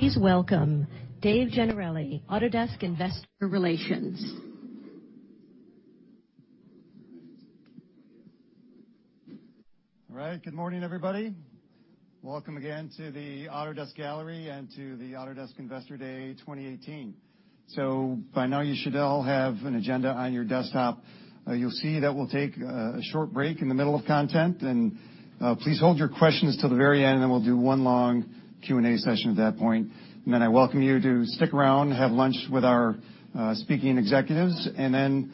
Please welcome Dave Gennarelli, Autodesk Investor Relations. All right. Good morning, everybody. Welcome again to the Autodesk Gallery and to the Autodesk Investor Day 2018. By now, you should all have an agenda on your desktop. You'll see that we'll take a short break in the middle of content. Please hold your questions till the very end, then we'll do one long Q&A session at that point. Then I welcome you to stick around, have lunch with our speaking executives, then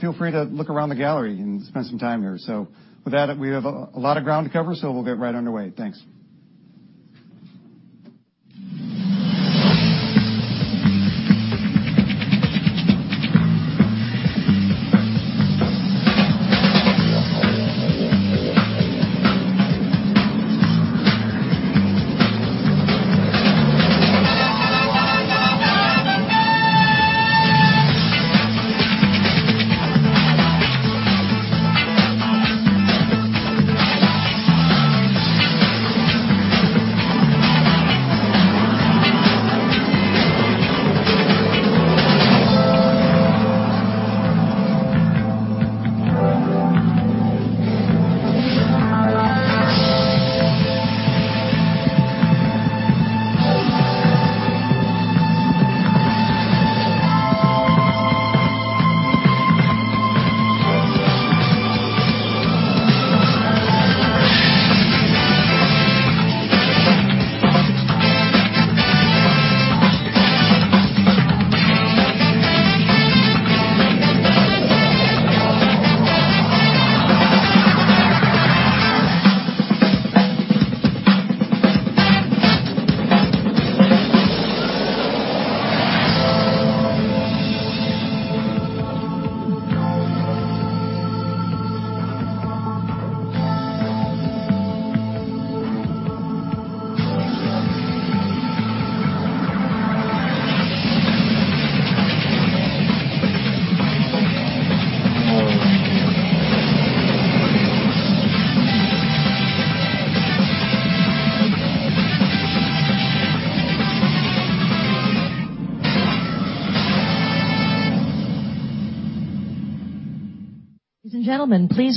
feel free to look around the gallery and spend some time here. With that, we have a lot of ground to cover, so we'll get right underway. Thanks.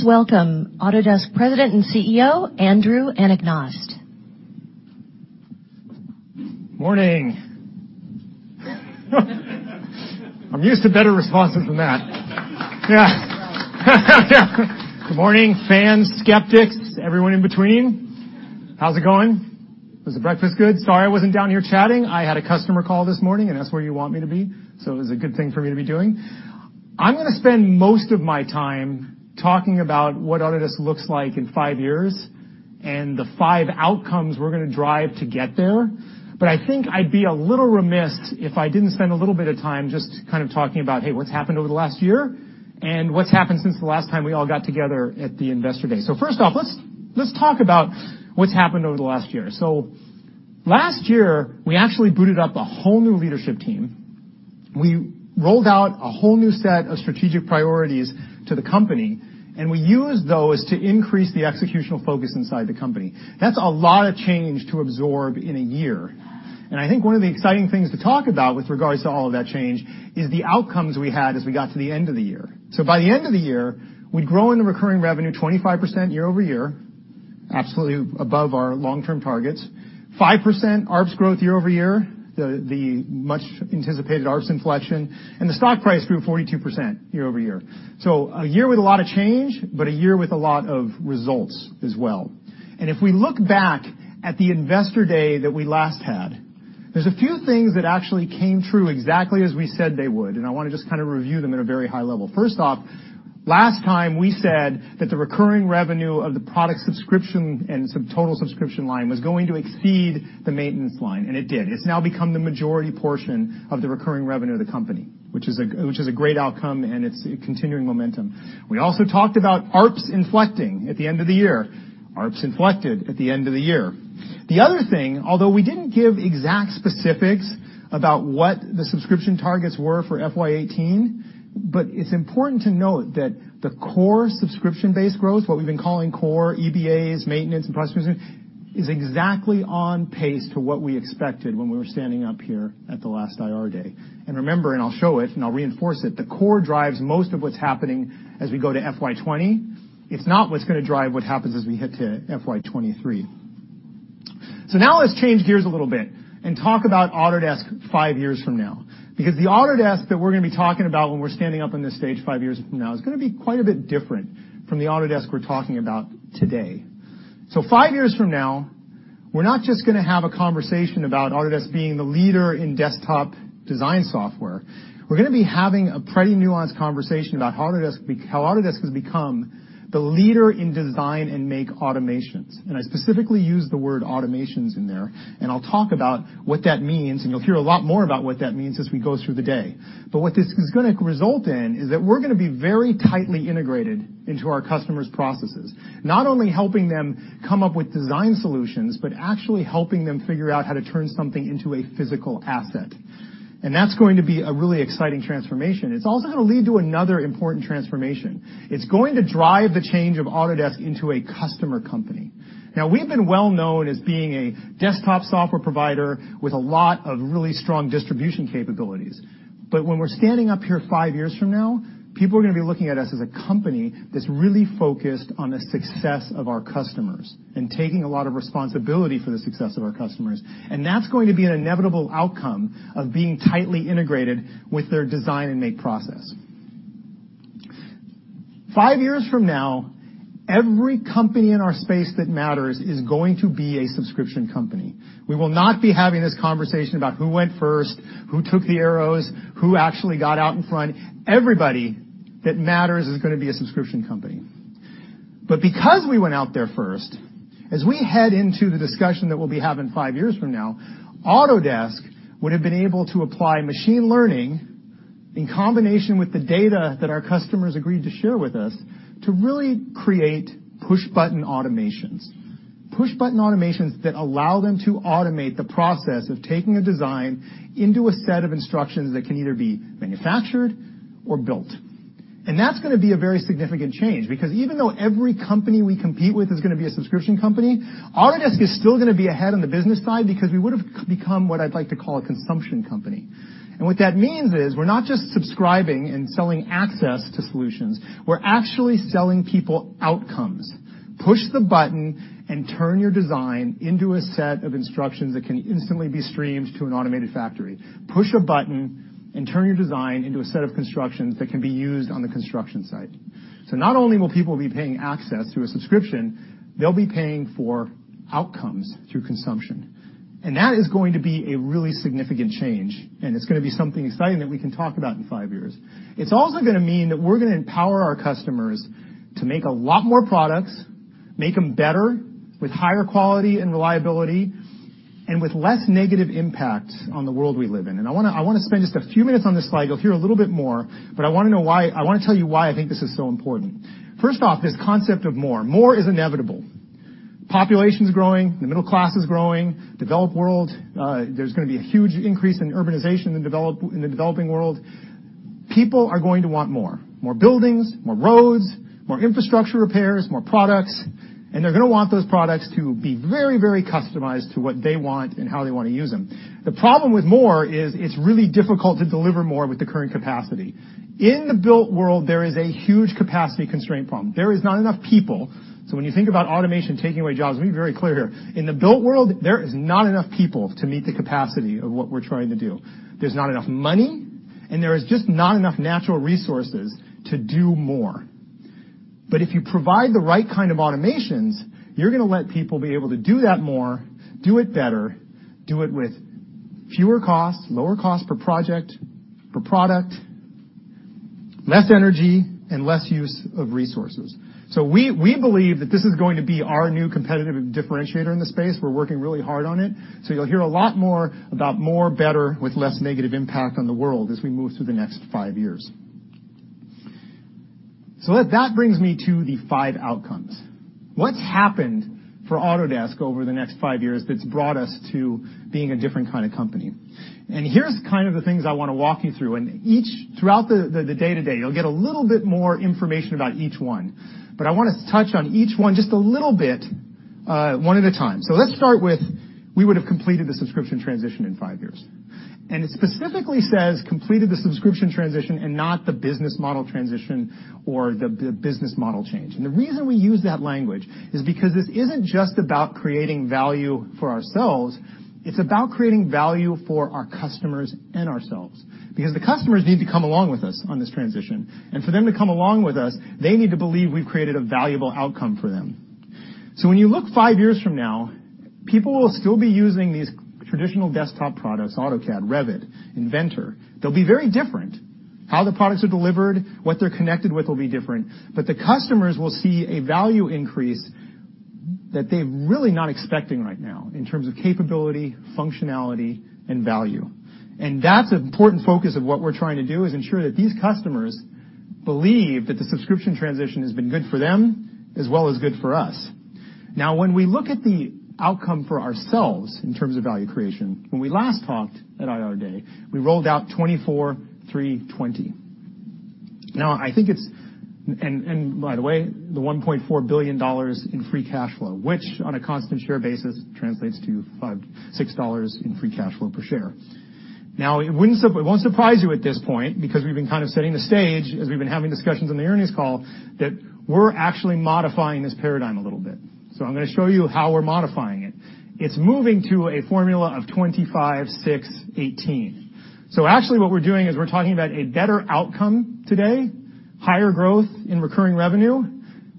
Ladies and gentlemen, please welcome Autodesk President and CEO, Andrew Anagnost. Morning. Good morning, fans, skeptics, everyone in between. How's it going? Was the breakfast good? Sorry I wasn't down here chatting. I had a customer call this morning, and that's where you want me to be, so it was a good thing for me to be doing. I'm gonna spend most of my time talking about what Autodesk looks like in five years and the five outcomes we're gonna drive to get there. I think I'd be a little remiss if I didn't spend a little bit of time just kind of talking about, hey, what's happened over the last year, and what's happened since the last time we all got together at the Investor Day. First off, let's talk about what's happened over the last year. Last year, we actually booted up a whole new leadership team. We rolled out a whole new set of strategic priorities to the company, we used those to increase the executional focus inside the company. That's a lot of change to absorb in a year. I think one of the exciting things to talk about with regards to all of that change is the outcomes we had as we got to the end of the year. By the end of the year, we'd grown the recurring revenue 25% year-over-year, absolutely above our long-term targets. 5% ARPS growth year-over-year, the much-anticipated ARPS inflection, the stock price grew 42% year-over-year. A year with a lot of change, but a year with a lot of results as well. If we look back at the Investor Day that we last had, there's a few things that actually came true exactly as we said they would, I want to just review them at a very high level. First off, last time we said that the recurring revenue of the product subscription and total subscription line was going to exceed the maintenance line, it did. It's now become the majority portion of the recurring revenue of the company, which is a great outcome, it's continuing momentum. We also talked about ARPS inflecting at the end of the year. ARPS inflected at the end of the year. The other thing, although we didn't give exact specifics about what the subscription targets were for FY 2018, but it's important to note that the core subscription-based growth, what we've been calling core EBAs, maintenance, and product subscription, is exactly on pace to what we expected when we were standing up here at the last IR Day. Remember, and I'll show it, and I'll reinforce it, the core drives most of what's happening as we go to FY 2020. It's not what's going to drive what happens as we head to FY 2023. Now let's change gears a little bit and talk about Autodesk five years from now. The Autodesk that we're going to be talking about when we're standing up on this stage five years from now is going to be quite a bit different from the Autodesk we're talking about today. Five years from now, we're not just gonna have a conversation about Autodesk being the leader in desktop design software. We're gonna be having a pretty nuanced conversation about how Autodesk has become the leader in design and make automations. I specifically use the word automations in there, and I'll talk about what that means, and you'll hear a lot more about what that means as we go through the day. What this is gonna result in is that we're gonna be very tightly integrated into our customers' processes. Not only helping them come up with design solutions, but actually helping them figure out how to turn something into a physical asset. That's going to be a really exciting transformation. It's also going to lead to another important transformation. It's going to drive the change of Autodesk into a customer company. Now, we've been well known as being a desktop software provider with a lot of really strong distribution capabilities. When we're standing up here five years from now, people are going to be looking at us as a company that's really focused on the success of our customers and taking a lot of responsibility for the success of our customers. That's going to be an inevitable outcome of being tightly integrated with their design and make process. Five years from now, every company in our space that matters is going to be a subscription company. We will not be having this conversation about who went first, who took the arrows, who actually got out in front. Everybody that matters is going to be a subscription company. Because we went out there first, as we head into the discussion that we'll be having five years from now, Autodesk would have been able to apply machine learning in combination with the data that our customers agreed to share with us to really create push-button automations. Push-button automations that allow them to automate the process of taking a design into a set of instructions that can either be manufactured or built. That's going to be a very significant change, because even though every company we compete with is going to be a subscription company, Autodesk is still going to be ahead on the business side because we would have become what I'd like to call a consumption company. What that means is we're not just subscribing and selling access to solutions. We're actually selling people outcomes. Push the button and turn your design into a set of instructions that can instantly be streamed to an automated factory. Push a button and turn your design into a set of constructions that can be used on the construction site. Not only will people be paying access through a subscription, they'll be paying for outcomes through consumption. That is going to be a really significant change, and it's going to be something exciting that we can talk about in five years. It's also going to mean that we're going to empower our customers to make a lot more products, make them better, with higher quality and reliability, and with less negative impact on the world we live in. I want to spend just a few minutes on this slide. You'll hear a little bit more, I want to tell you why I think this is so important. First off, this concept of more. More is inevitable. Population's growing, the middle class is growing, developed world, there's going to be a huge increase in urbanization in the developing world. People are going to want more. More buildings, more roads, more infrastructure repairs, more products. They're going to want those products to be very customized to what they want and how they want to use them. The problem with more is it's really difficult to deliver more with the current capacity. In the built world, there is a huge capacity constraint problem. There is not enough people. When you think about automation taking away jobs, let me be very clear here. In the built world, there is not enough people to meet the capacity of what we're trying to do. There's not enough money, there is just not enough natural resources to do more. If you provide the right kind of automations, you're going to let people be able to do that more, do it better, do it with fewer costs, lower cost per project, per product, less energy, and less use of resources. We believe that this is going to be our new competitive differentiator in the space. We're working really hard on it. You'll hear a lot more about more, better, with less negative impact on the world as we move through the next five years. That brings me to the five outcomes. What's happened for Autodesk over the next five years that's brought us to being a different kind of company? Here's the things I want to walk you through. Throughout the day today, you'll get a little bit more information about each one. I want to touch on each one just a little bit, one at a time. Let's start with, we would have completed the subscription transition in five years. It specifically says, completed the subscription transition and not the business model transition or the business model change. The reason we use that language is because this isn't just about creating value for ourselves. It's about creating value for our customers and ourselves. Because the customers need to come along with us on this transition. For them to come along with us, they need to believe we've created a valuable outcome for them. When you look five years from now, people will still be using these traditional desktop products, AutoCAD, Revit, Inventor. They'll be very different. How the products are delivered, what they're connected with will be different. The customers will see a value increase that they're really not expecting right now in terms of capability, functionality, and value. That's an important focus of what we're trying to do is ensure that these customers believe that the subscription transition has been good for them as well as good for us. When we look at the outcome for ourselves in terms of value creation, when we last talked at IR Day, we rolled out 24 320. And by the way, the $1.4 billion in free cash flow, which on a constant share basis translates to $6 in free cash flow per share. It won't surprise you at this point because we've been setting the stage as we've been having discussions on the earnings call that we're actually modifying this paradigm a little bit. I'm going to show you how we're modifying it. It's moving to a formula of 25 6 18. Actually, what we're doing is we're talking about a better outcome today, higher growth in recurring revenue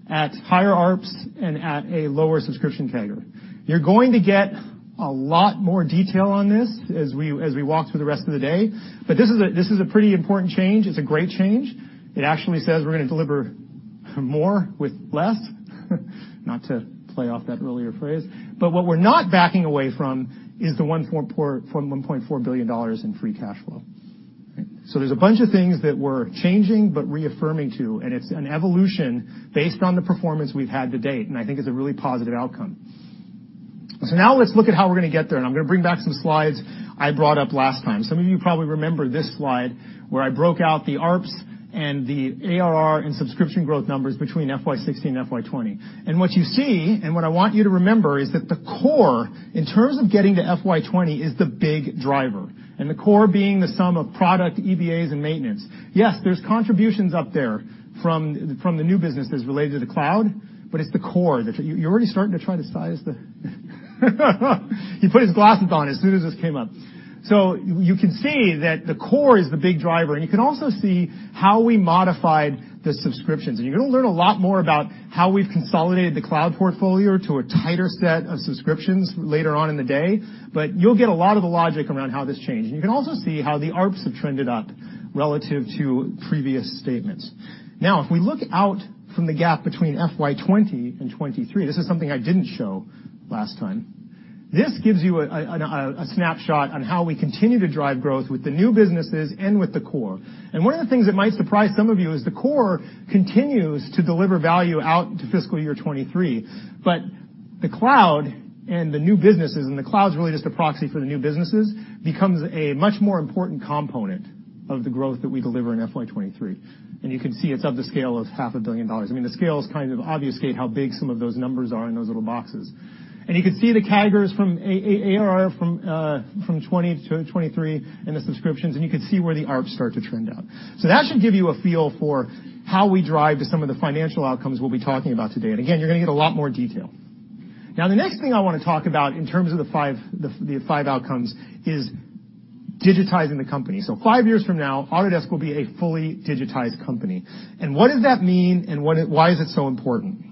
at higher ARPS and at a lower subscription CAGR. You're going to get a lot more detail on this as we walk through the rest of the day. This is a pretty important change. It's a great change. It actually says we're going to deliver more with less, not to play off that earlier phrase. What we're not backing away from is the $1.4 billion in free cash flow. There's a bunch of things that we're changing but reaffirming too, and it's an evolution based on the performance we've had to date, and I think it's a really positive outcome. Let's look at how we're going to get there, and I'm going to bring back some slides I brought up last time. Some of you probably remember this slide where I broke out the ARPS and the ARR and subscription growth numbers between FY 2016 and FY 2020. What you see, and what I want you to remember, is that the core, in terms of getting to FY 2020, is the big driver, and the core being the sum of product EBAs and maintenance. Yes, there's contributions up there from the new businesses related to the cloud. He put his glasses on as soon as this came up. You can see that the core is the big driver, and you can also see how we modified the subscriptions. You're going to learn a lot more about how we've consolidated the cloud portfolio to a tighter set of subscriptions later on in the day. You'll get a lot of the logic around how this changed. You can also see how the ARPS have trended up relative to previous statements. If we look out from the gap between FY 2020 and FY 2023, this is something I didn't show last time. This gives you a snapshot on how we continue to drive growth with the new businesses and with the core. One of the things that might surprise some of you is the core continues to deliver value out to fiscal year 2023. The cloud and the new businesses, and the cloud's really just a proxy for the new businesses, becomes a much more important component of the growth that we deliver in FY 2023. You can see it's of the scale of half a billion dollars. I mean, the scale is kind of obfuscate how big some of those numbers are in those little boxes. You can see the CAGRs from ARR from 2020 to 2023 and the subscriptions, and you can see where the ARPS start to trend up. That should give you a feel for how we drive to some of the financial outcomes we'll be talking about today. Again, you're going to get a lot more detail. The next thing I want to talk about in terms of the five outcomes is digitizing the company. Five years from now, Autodesk will be a fully digitized company. What does that mean and why is it so important?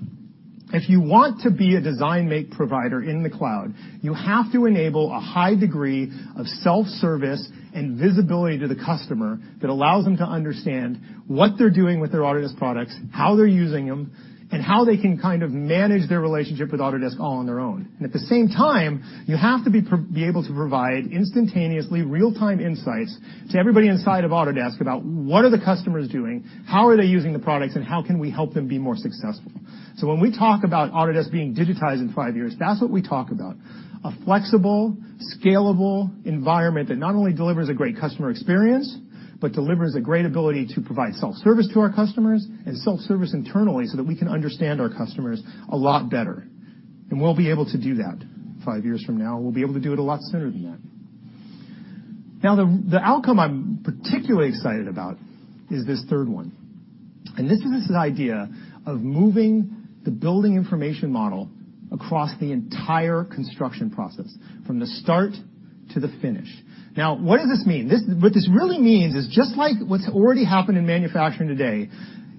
If you want to be a design make provider in the cloud, you have to enable a high degree of self-service and visibility to the customer that allows them to understand what they're doing with their Autodesk products, how they're using them, and how they can manage their relationship with Autodesk all on their own. At the same time, you have to be able to provide instantaneously real-time insights to everybody inside of Autodesk about what are the customers doing, how are they using the products, and how can we help them be more successful. When we talk about Autodesk being digitized in five years, that's what we talk about. A flexible, scalable environment that not only delivers a great customer experience, but delivers a great ability to provide self-service to our customers and self-service internally so that we can understand our customers a lot better. We'll be able to do that five years from now. We'll be able to do it a lot sooner than that. The outcome I'm particularly excited about is this third one. This is this idea of moving the building information model across the entire construction process from the start to the finish. What does this mean? What this really means is just like what's already happened in manufacturing today,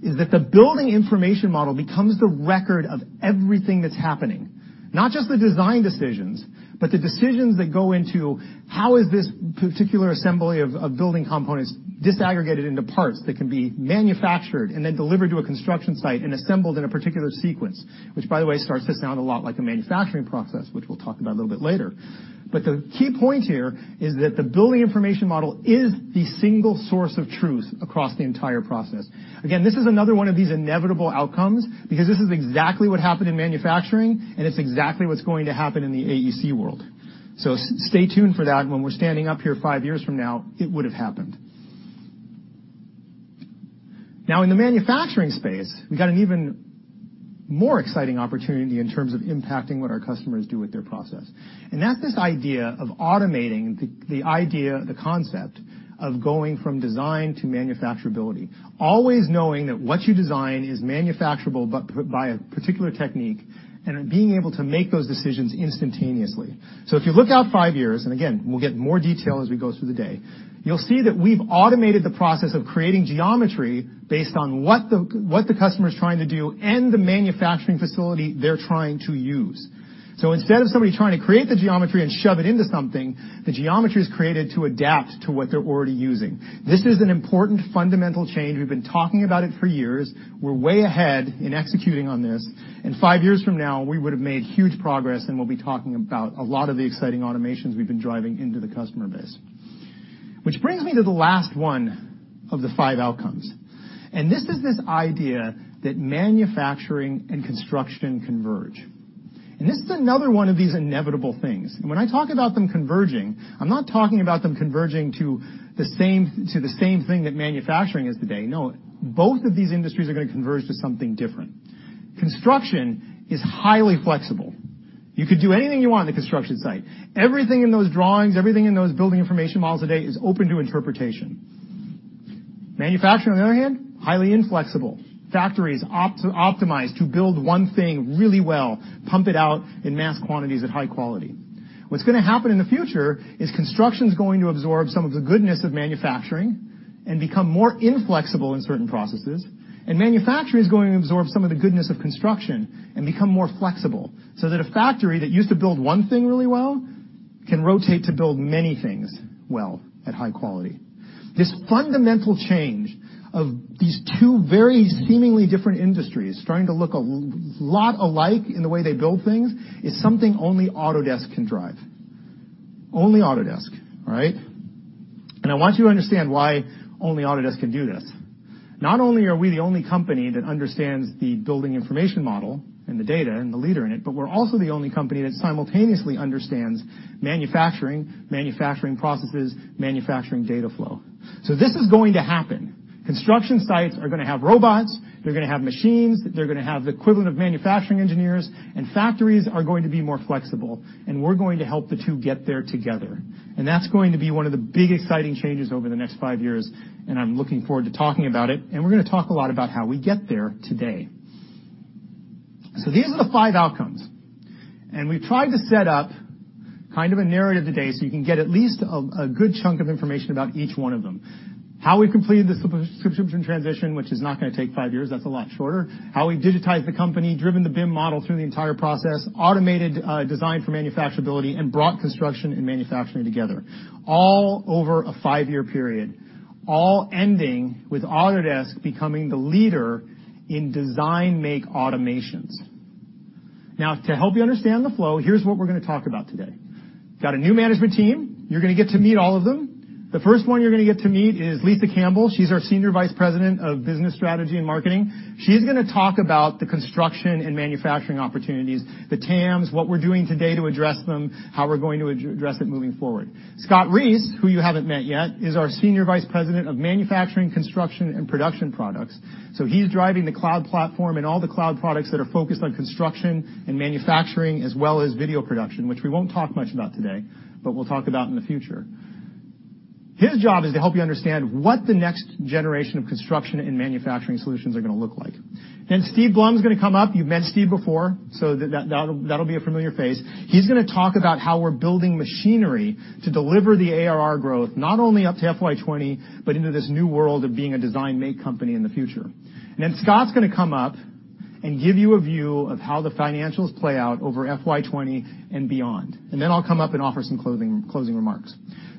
is that the building information model becomes the record of everything that's happening. Not just the design decisions, but the decisions that go into how is this particular assembly of building components disaggregated into parts that can be manufactured and then delivered to a construction site and assembled in a particular sequence, which, by the way, starts to sound a lot like a manufacturing process, which we'll talk about a little bit later. The key point here is that the building information model is the single source of truth across the entire process. Again, this is another one of these inevitable outcomes because this is exactly what happened in manufacturing, and it's exactly what's going to happen in the AEC world. Stay tuned for that. When we're standing up here five years from now, it would have happened. In the manufacturing space, we got an even more exciting opportunity in terms of impacting what our customers do with their process. That's this idea of automating the idea, the concept of going from design to manufacturability. Always knowing that what you design is manufacturable, but by a particular technique, and then being able to make those decisions instantaneously. If you look out five years, and again, we'll get more detail as we go through the day, you'll see that we've automated the process of creating geometry based on what the customer is trying to do and the manufacturing facility they're trying to use. Instead of somebody trying to create the geometry and shove it into something, the geometry is created to adapt to what they're already using. This is an important fundamental change. We've been talking about it for years. We're way ahead in executing on this. Five years from now, we would have made huge progress, and we'll be talking about a lot of the exciting automations we've been driving into the customer base. Which brings me to the last one of the five outcomes. This is this idea that manufacturing and construction converge. This is another one of these inevitable things. When I talk about them converging, I'm not talking about them converging to the same thing that manufacturing is today. No, both of these industries are going to converge to something different. Construction is highly flexible. You could do anything you want on the construction site. Everything in those drawings, everything in those building information models today is open to interpretation. Manufacturing, on the other hand, highly inflexible. Factories optimize to build one thing really well, pump it out in mass quantities at high quality. What's going to happen in the future is construction's going to absorb some of the goodness of manufacturing and become more inflexible in certain processes, and manufacturing is going to absorb some of the goodness of construction and become more flexible, so that a factory that used to build one thing really well can rotate to build many things well at high quality. This fundamental change of these two very seemingly different industries starting to look a lot alike in the way they build things is something only Autodesk can drive. Only Autodesk, all right? I want you to understand why only Autodesk can do this. Not only are we the only company that understands the building information model and the data and the leader in it, but we're also the only company that simultaneously understands manufacturing processes, manufacturing data flow. This is going to happen. Construction sites are going to have robots. They're going to have machines. They're going to have the equivalent of manufacturing engineers, and factories are going to be more flexible. We're going to help the two get there together. That's going to be one of the big exciting changes over the next five years, and I'm looking forward to talking about it. We're going to talk a lot about how we get there today. These are the five outcomes. We've tried to set up kind of a narrative today so you can get at least a good chunk of information about each one of them. How we completed the subscription transition, which is not going to take 5 years, that's a lot shorter. How we digitized the company, driven the BIM model through the entire process, automated design for manufacturability, and brought construction and manufacturing together. All over a 5-year period. All ending with Autodesk becoming the leader in design-make automations. To help you understand the flow, here's what we're going to talk about today. Got a new management team. You're going to get to meet all of them. The first one you're going to get to meet is Lisa Campbell. She's our Senior Vice President of Business Strategy and Marketing. She's going to talk about the construction and manufacturing opportunities, the TAMs, what we're doing today to address them, how we're going to address it moving forward. Scott Reese, who you haven't met yet, is our Senior Vice President of Manufacturing, Construction and Production Products. He's driving the cloud platform and all the cloud products that are focused on construction and manufacturing, as well as video production, which we won't talk much about today, but we'll talk about in the future. His job is to help you understand what the next generation of construction and manufacturing solutions are going to look like. Steve Blum's going to come up. You've met Steve before, so that'll be a familiar face. He's going to talk about how we're building machinery to deliver the ARR growth, not only up to FY 2020, but into this new world of being a design-make company in the future. Scott's going to come up and give you a view of how the financials play out over FY 2020 and beyond. I'll come up and offer some closing remarks.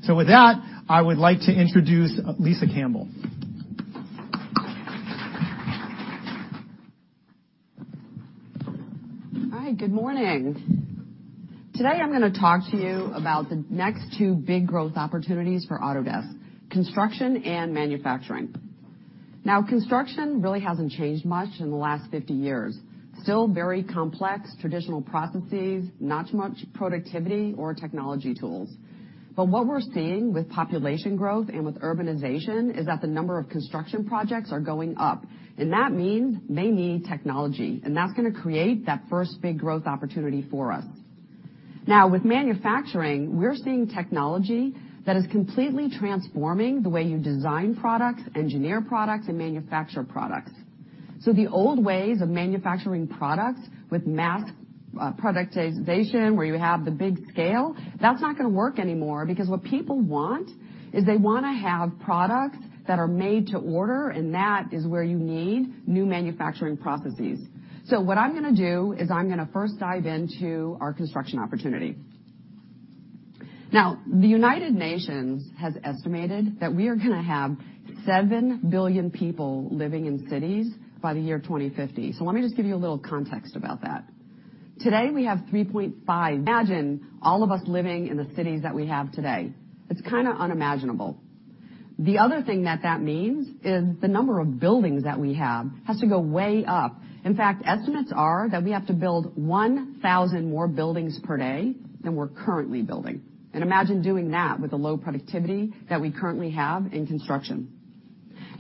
With that, I would like to introduce Lisa Campbell. Hi, good morning. Today, I'm going to talk to you about the next two big growth opportunities for Autodesk, construction and manufacturing. Construction really hasn't changed much in the last 50 years. Still very complex, traditional processes, not much productivity or technology tools. What we're seeing with population growth and with urbanization is that the number of construction projects are going up. That means they need technology, and that's going to create that first big growth opportunity for us. With manufacturing, we're seeing technology that is completely transforming the way you design products, engineer products, and manufacture products. The old ways of manufacturing products with mass productization, where you have the big scale, that's not going to work anymore because what people want is they want to have products that are made to order, and that is where you need new manufacturing processes. What I'm going to do is I'm going to first dive into our construction opportunity. The United Nations has estimated that we are going to have 7 billion people living in cities by the year 2050. Let me just give you a little context about that. Today, we have 3.5 billion. Imagine all of us living in the cities that we have today. It's kind of unimaginable. The other thing that that means is the number of buildings that we have has to go way up. In fact, estimates are that we have to build 1,000 more buildings per day than we're currently building. Imagine doing that with the low productivity that we currently have in construction.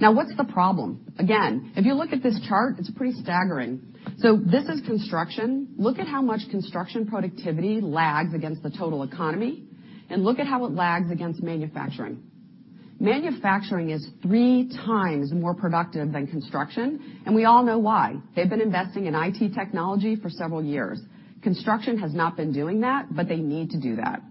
What's the problem? Again, if you look at this chart, it's pretty staggering. This is construction. Look at how much construction productivity lags against the total economy, look at how it lags against manufacturing. Manufacturing is three times more productive than construction, we all know why. They've been investing in IT technology for several years. Construction has not been doing that, but they need to do that.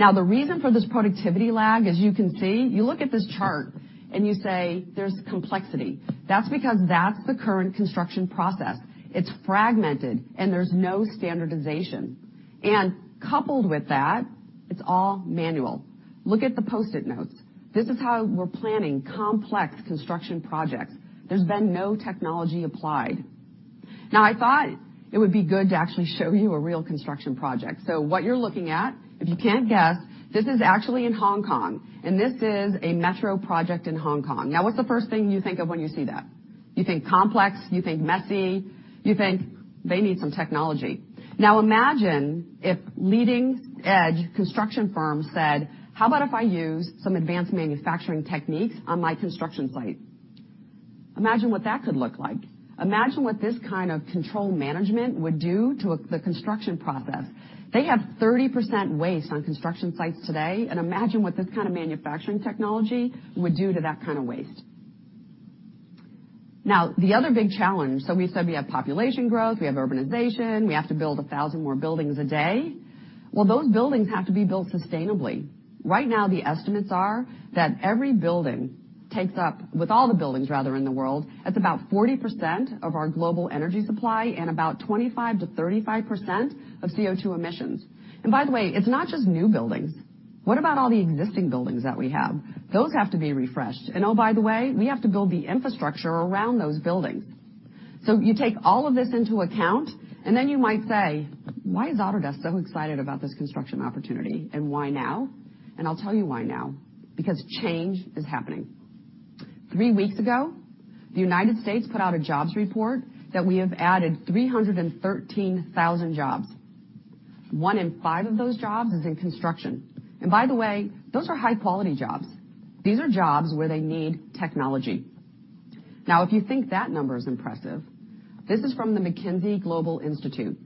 The reason for this productivity lag, as you can see, you look at this chart and you say, "There's complexity." That's because that's the current construction process. It's fragmented, there's no standardization. Coupled with that, it's all manual. Look at the Post-it notes. This is how we're planning complex construction projects. There's been no technology applied. I thought it would be good to actually show you a real construction project. What you're looking at, if you can't guess, this is actually in Hong Kong, this is a metro project in Hong Kong. What's the first thing you think of when you see that? You think complex, you think messy, you think they need some technology. Imagine if leading-edge construction firms said, "How about if I use some advanced manufacturing techniques on my construction site?" Imagine what that could look like. Imagine what this kind of control management would do to the construction process. They have 30% waste on construction sites today, imagine what this kind of manufacturing technology would do to that kind of waste. The other big challenge. We said we have population growth, we have urbanization, we have to build 1,000 more buildings a day. Well, those buildings have to be built sustainably. Right now, the estimates are that every building takes up, with all the buildings, rather, in the world, it's about 40% of our global energy supply and about 25%-35% of CO2 emissions. By the way, it's not just new buildings. What about all the existing buildings that we have? Those have to be refreshed. Oh, by the way, we have to build the infrastructure around those buildings. You take all of this into account, you might say, "Why is Autodesk so excited about this construction opportunity, and why now?" I'll tell you why now. Because change is happening. Three weeks ago, the U.S. put out a jobs report that we have added 313,000 jobs. One in five of those jobs is in construction. By the way, those are high-quality jobs. These are jobs where they need technology. If you think that number is impressive, this is from the McKinsey Global Institute.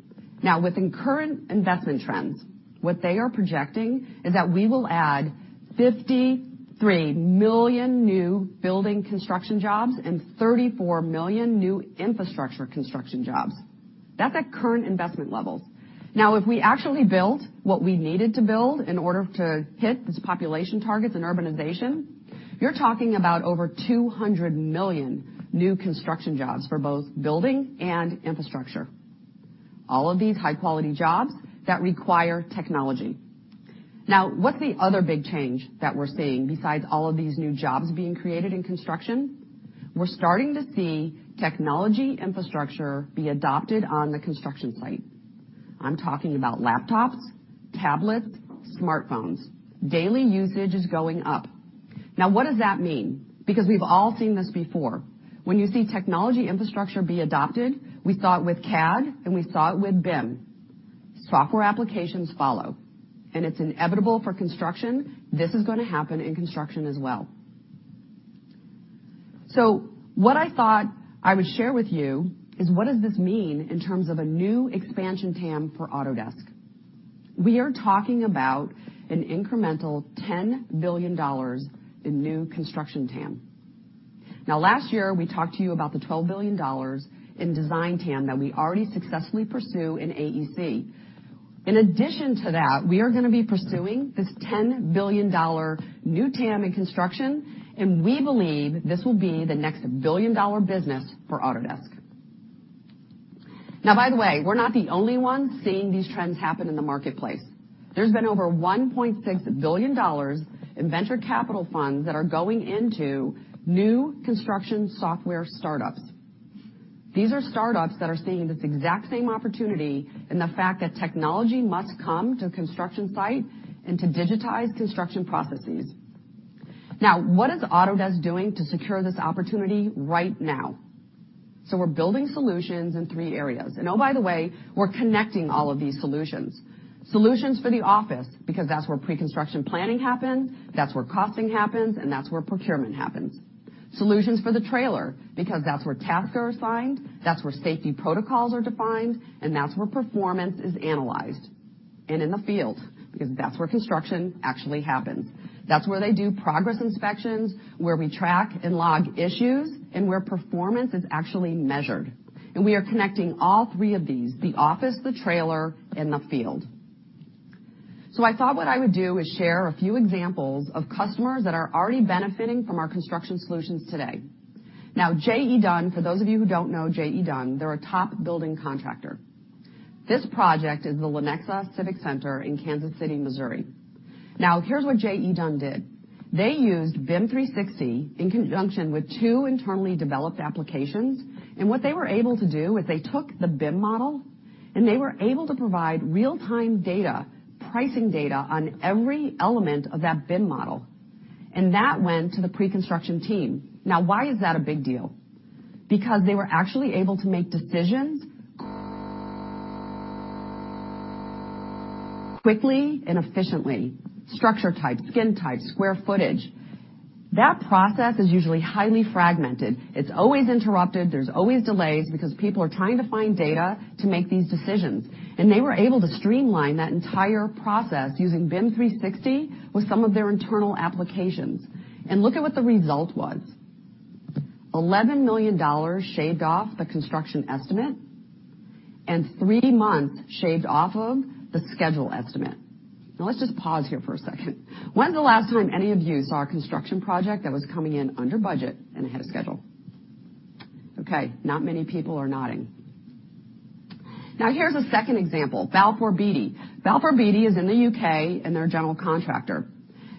With the current investment trends, what they are projecting is that we will add 53 million new building construction jobs and 34 million new infrastructure construction jobs. That's at current investment levels. If we actually built what we needed to build in order to hit these population targets in urbanization, you're talking about over 200 million new construction jobs for both building and infrastructure. All of these high-quality jobs that require technology. What's the other big change that we're seeing besides all of these new jobs being created in construction? We're starting to see technology infrastructure be adopted on the construction site. I'm talking about laptops, tablets, smartphones. Daily usage is going up. What does that mean? Because we've all seen this before. When you see technology infrastructure be adopted, we saw it with CAD, and we saw it with BIM. Software applications follow. It's inevitable for construction. This is going to happen in construction as well. What I thought I would share with you is what does this mean in terms of a new expansion TAM for Autodesk. We are talking about an incremental $10 billion in new construction TAM. Last year, we talked to you about the $12 billion in design TAM that we already successfully pursue in AEC. In addition to that, we are going to be pursuing this $10 billion new TAM in construction, and we believe this will be the next billion-dollar business for Autodesk. By the way, we're not the only ones seeing these trends happen in the marketplace. There's been over $1.6 billion in venture capital funds that are going into new construction software startups. These are startups that are seeing this exact same opportunity and the fact that technology must come to construction site and to digitize construction processes. What is Autodesk doing to secure this opportunity right now? We're building solutions in three areas. Oh, by the way, we're connecting all of these solutions. Solutions for the office because that's where pre-construction planning happens, that's where costing happens, and that's where procurement happens. Solutions for the trailer because that's where tasks are assigned, that's where safety protocols are defined, and that's where performance is analyzed. In the field because that's where construction actually happens. That's where they do progress inspections, where we track and log issues, and where performance is actually measured. We are connecting all three of these, the office, the trailer, and the field. I thought what I would do is share a few examples of customers that are already benefiting from our construction solutions today. JE Dunn, for those of you who don't know JE Dunn, they're a top building contractor. This project is the Lenexa Civic Center in Kansas City, Missouri. Here's what JE Dunn did. They used BIM 360 in conjunction with two internally developed applications. What they were able to do is they took the BIM model, and they were able to provide real-time data, pricing data on every element of that BIM model. That went to the pre-construction team. Why is that a big deal? Because they were actually able to make decisions quickly and efficiently. Structure type, skin type, square footage. That process is usually highly fragmented. It's always interrupted. There's always delays because people are trying to find data to make these decisions. They were able to streamline that entire process using BIM 360 with some of their internal applications. Look at what the result was. $11 million shaved off the construction estimate and three months shaved off of the schedule estimate. Let's just pause here for a second. When's the last time any of you saw a construction project that was coming in under budget and ahead of schedule? Okay, not many people are nodding. Here's a second example. Balfour Beatty. Balfour Beatty is in the U.K., and they're a general contractor.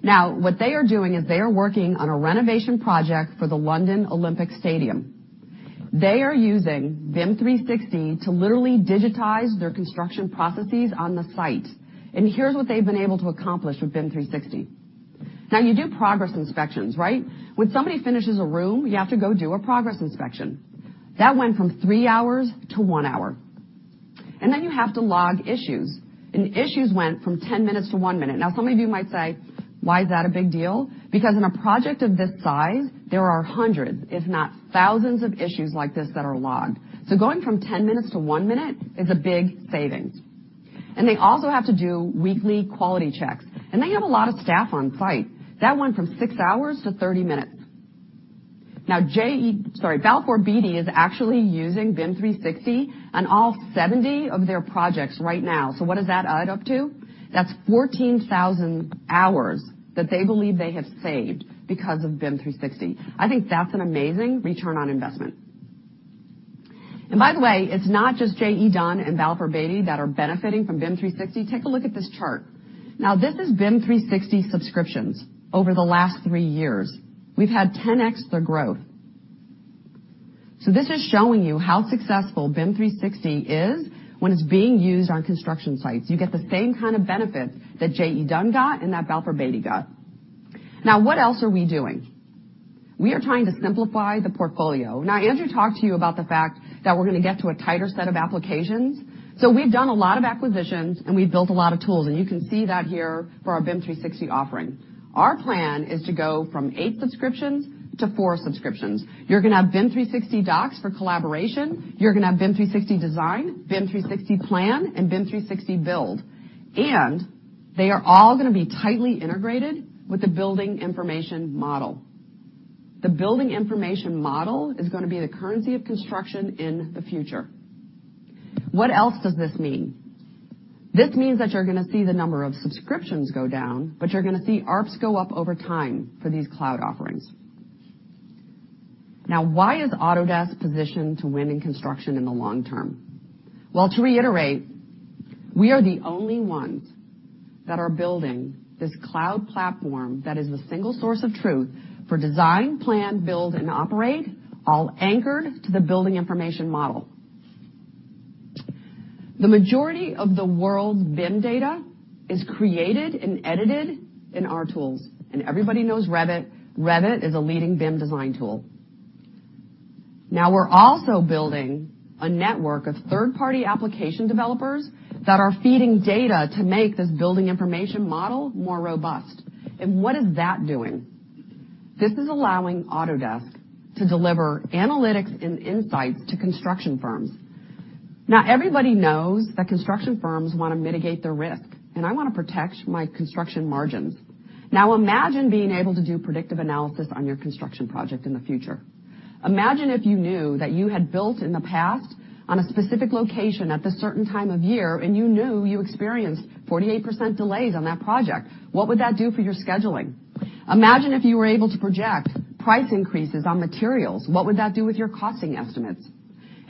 What they are doing is they are working on a renovation project for the London Olympic Stadium. They are using BIM 360 to literally digitize their construction processes on the site. Here's what they've been able to accomplish with BIM 360. You do progress inspections, right? When somebody finishes a room, you have to go do a progress inspection. That went from three hours to one hour. Then you have to log issues. Issues went from 10 minutes to one minute. Some of you might say, why is that a big deal? Because in a project of this size, there are hundreds, if not thousands, of issues like this that are logged. Going from 10 minutes to one minute is a big saving. They also have to do weekly quality checks. They have a lot of staff on site. That went from six hours to 30 minutes. Balfour Beatty is actually using BIM 360 on all 70 of their projects right now. What does that add up to? That's 14,000 hours that they believe they have saved because of BIM 360. I think that's an amazing return on investment. By the way, it's not just JE Dunn and Balfour Beatty that are benefiting from BIM 360. Take a look at this chart. This is BIM 360 subscriptions over the last three years. We've had 10x the growth. This is showing you how successful BIM 360 is when it's being used on construction sites. You get the same kind of benefits that JE Dunn got and that Balfour Beatty got. What else are we doing? We are trying to simplify the portfolio. Andrew talked to you about the fact that we're going to get to a tighter set of applications. We've done a lot of acquisitions, and we've built a lot of tools, and you can see that here for our BIM 360 offering. Our plan is to go from eight subscriptions to four subscriptions. You're going to have BIM 360 Docs for collaboration. You're going to have BIM 360 Design, BIM 360 Plan, and BIM 360 Build. They are all going to be tightly integrated with the building information model. The building information model is going to be the currency of construction in the future. What else does this mean? This means that you're going to see the number of subscriptions go down, but you're going to see ARPS go up over time for these cloud offerings. Why is Autodesk positioned to win in construction in the long term? Well, to reiterate, we are the only ones that are building this cloud platform that is the single source of truth for design, plan, build, and operate, all anchored to the building information model. The majority of the world's BIM data is created and edited in our tools, and everybody knows Revit. Revit is a leading BIM design tool. We're also building a network of third-party application developers that are feeding data to make this building information model more robust. What is that doing? This is allowing Autodesk to deliver analytics and insights to construction firms. Everybody knows that construction firms want to mitigate their risk, and I want to protect my construction margins. Imagine being able to do predictive analysis on your construction project in the future. Imagine if you knew that you had built in the past on a specific location at this certain time of year, and you knew you experienced 48% delays on that project. What would that do for your scheduling? Imagine if you were able to project price increases on materials. What would that do with your costing estimates?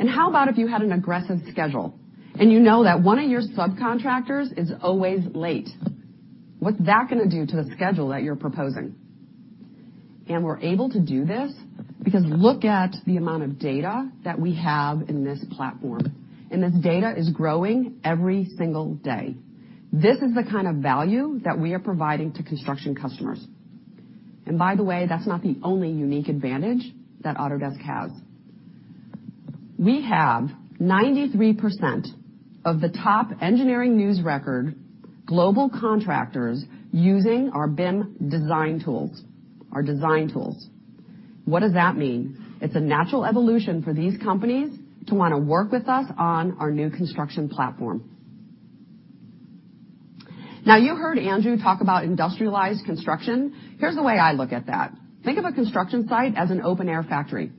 How about if you had an aggressive schedule and you know that one of your subcontractors is always late. What's that going to do to the schedule that you're proposing? We're able to do this because look at the amount of data that we have in this platform. This data is growing every single day. This is the kind of value that we are providing to construction customers. By the way, that's not the only unique advantage that Autodesk has. We have 93% of the top Engineering News-Record global contractors using our BIM design tools. What does that mean? It's a natural evolution for these companies to want to work with us on our new construction platform. You heard Andrew talk about industrialized construction. Here's the way I look at that. Think of a construction site as an open-air factory,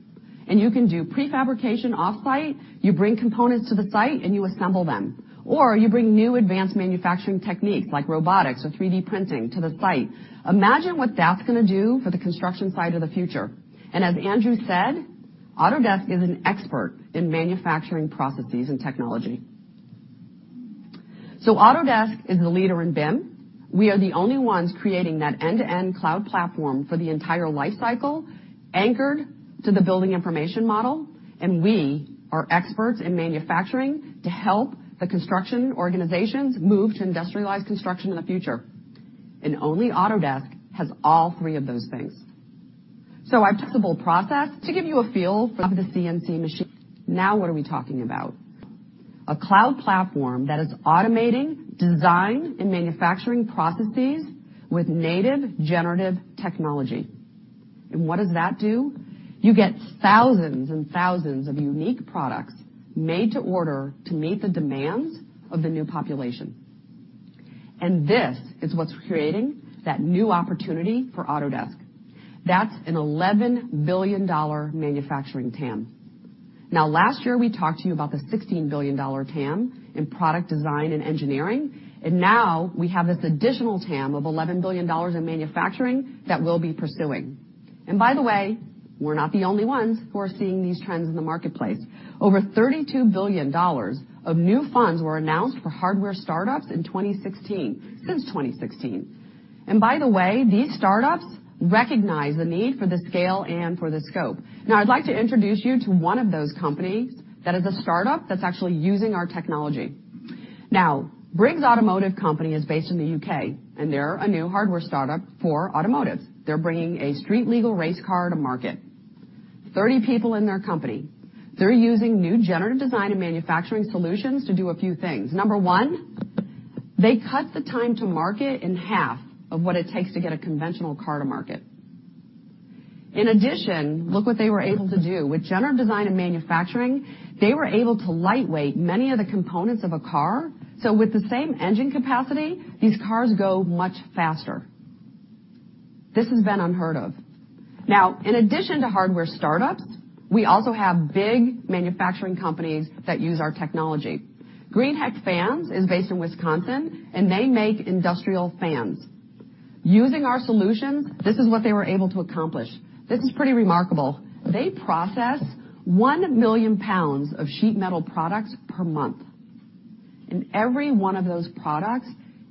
and you can do prefabrication off-site. You bring components to the site, and you assemble them. You bring new advanced manufacturing techniques like robotics or 3D printing to the site. Imagine what that's going to do for the construction site of the future. As Andrew said, Autodesk is an expert in manufacturing processes and technology. Autodesk is the leader in BIM. We are the only ones creating that end-to-end cloud platform for the entire life cycle anchored to the building information model, and we are experts in manufacturing to help the construction organizations move to industrialized construction in the future. Only Autodesk has all three of those things. Our possible process to give you a feel for the CNC machine. What are we talking about? A cloud platform that is automating design and manufacturing processes with native generative technology. What does that do? You get thousands and thousands of unique products made to order to meet the demands of the new population. This is what's creating that new opportunity for Autodesk. That's an $11 billion manufacturing TAM. Last year, we talked to you about the $16 billion TAM in product design and engineering, and now we have this additional TAM of $11 billion in manufacturing that we'll be pursuing. By the way, we're not the only ones who are seeing these trends in the marketplace. Over $32 billion of new funds were announced for hardware startups in 2016. Since 2016. By the way, these startups recognize the need for the scale and for the scope. I'd like to introduce you to one of those companies that is a startup that's actually using our technology. Briggs Automotive Company is based in the U.K., and they're a new hardware startup for automotive. They're bringing a street-legal race car to market. 30 people in their company. They're using new generative design and manufacturing solutions to do a few things. Number one, they cut the time to market in half of what it takes to get a conventional car to market. In addition, look what they were able to do. With generative design and manufacturing, they were able to lightweight many of the components of a car. With the same engine capacity, these cars go much faster. This has been unheard of. In addition to hardware startups, we also have big manufacturing companies that use our technology. Greenheck Fans is based in Wisconsin, and they make industrial fans. Using our solution, this is what they were able to accomplish. This is pretty remarkable. They process 1 million pounds of sheet metal products per month, and every one of those products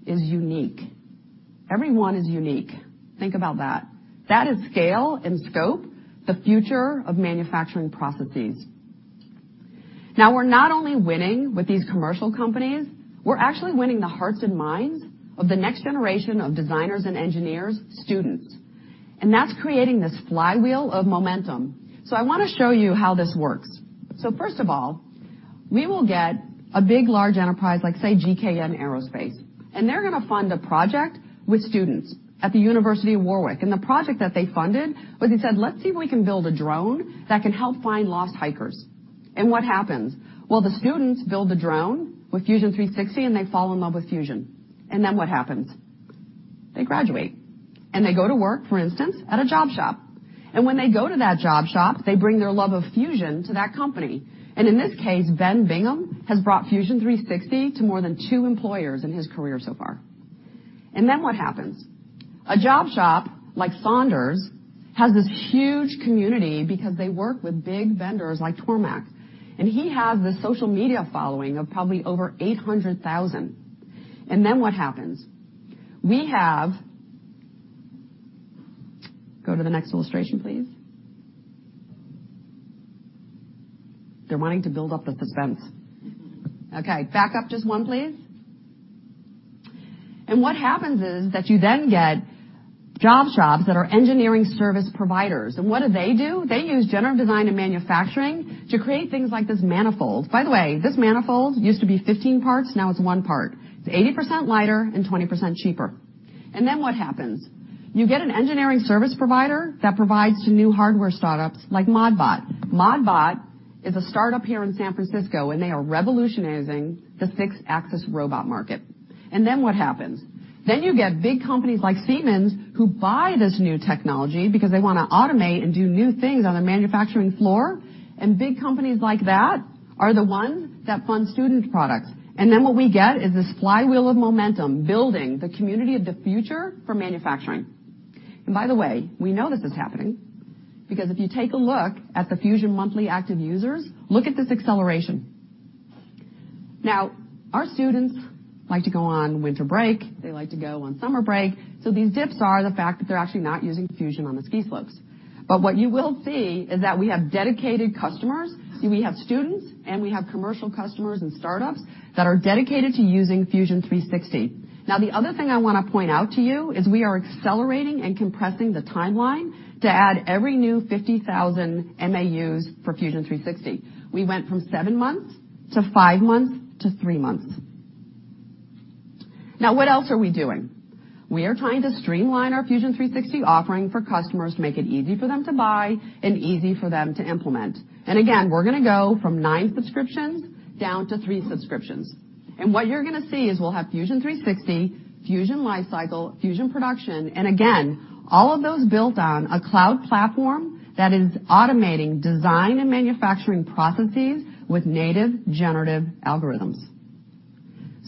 is unique. Every one is unique. Think about that. That is scale and scope, the future of manufacturing processes. We're not only winning with these commercial companies, we're actually winning the hearts and minds of the next generation of designers and engineers, students. That's creating this flywheel of momentum. I want to show you how this works. First of all, we will get a big, large enterprise like, say, GKN Aerospace, and they're going to fund a project with students at the University of Warwick. The project that they funded was they said, "Let's see if we can build a drone that can help find lost hikers." What happens? The students build the drone with Fusion 360, and they fall in love with Fusion. Then what happens? They graduate, and they go to work, for instance, at a job shop. When they go to that job shop, they bring their love of Fusion to that company. In this case, Ben Bingham has brought Fusion 360 to more than two employers in his career so far. Then what happens? A job shop like Saunders has this huge community because they work with big vendors like Tormach, and he has this social media following of probably over 800,000. Then what happens? Go to the next illustration, please. They're wanting to build up the suspense. Okay, back up just one, please. What happens is that you then get job shops that are engineering service providers. What do they do? They use generative design and manufacturing to create things like this manifold. By the way, this manifold used to be 15 parts. Now it's one part. It's 80% lighter and 20% cheaper. Then what happens? You get an engineering service provider that provides to new hardware startups like Modbot. Modbot is a startup here in San Francisco, and they are revolutionizing the sixth axis robot market. What happens? You get big companies like Siemens who buy this new technology because they want to automate and do new things on the manufacturing floor. Big companies like that are the ones that fund student products. What we get is this flywheel of momentum, building the community of the future for manufacturing. By the way, we know this is happening because if you take a look at the Fusion monthly active users, look at this acceleration. Our students like to go on winter break. They like to go on summer break. These dips are the fact that they're actually not using Fusion on the ski slopes. What you will see is that we have dedicated customers. See, we have students and we have commercial customers and startups that are dedicated to using Fusion 360. The other thing I want to point out to you is we are accelerating and compressing the timeline to add every new 50,000 MAUs for Fusion 360. We went from seven months to five months to three months. What else are we doing? We are trying to streamline our Fusion 360 offering for customers to make it easy for them to buy and easy for them to implement. Again, we're going to go from nine subscriptions down to three subscriptions. What you're going to see is we'll have Fusion 360, Fusion Lifecycle, Fusion Production, again, all of those built on a cloud platform that is automating design and manufacturing processes with native generative algorithms.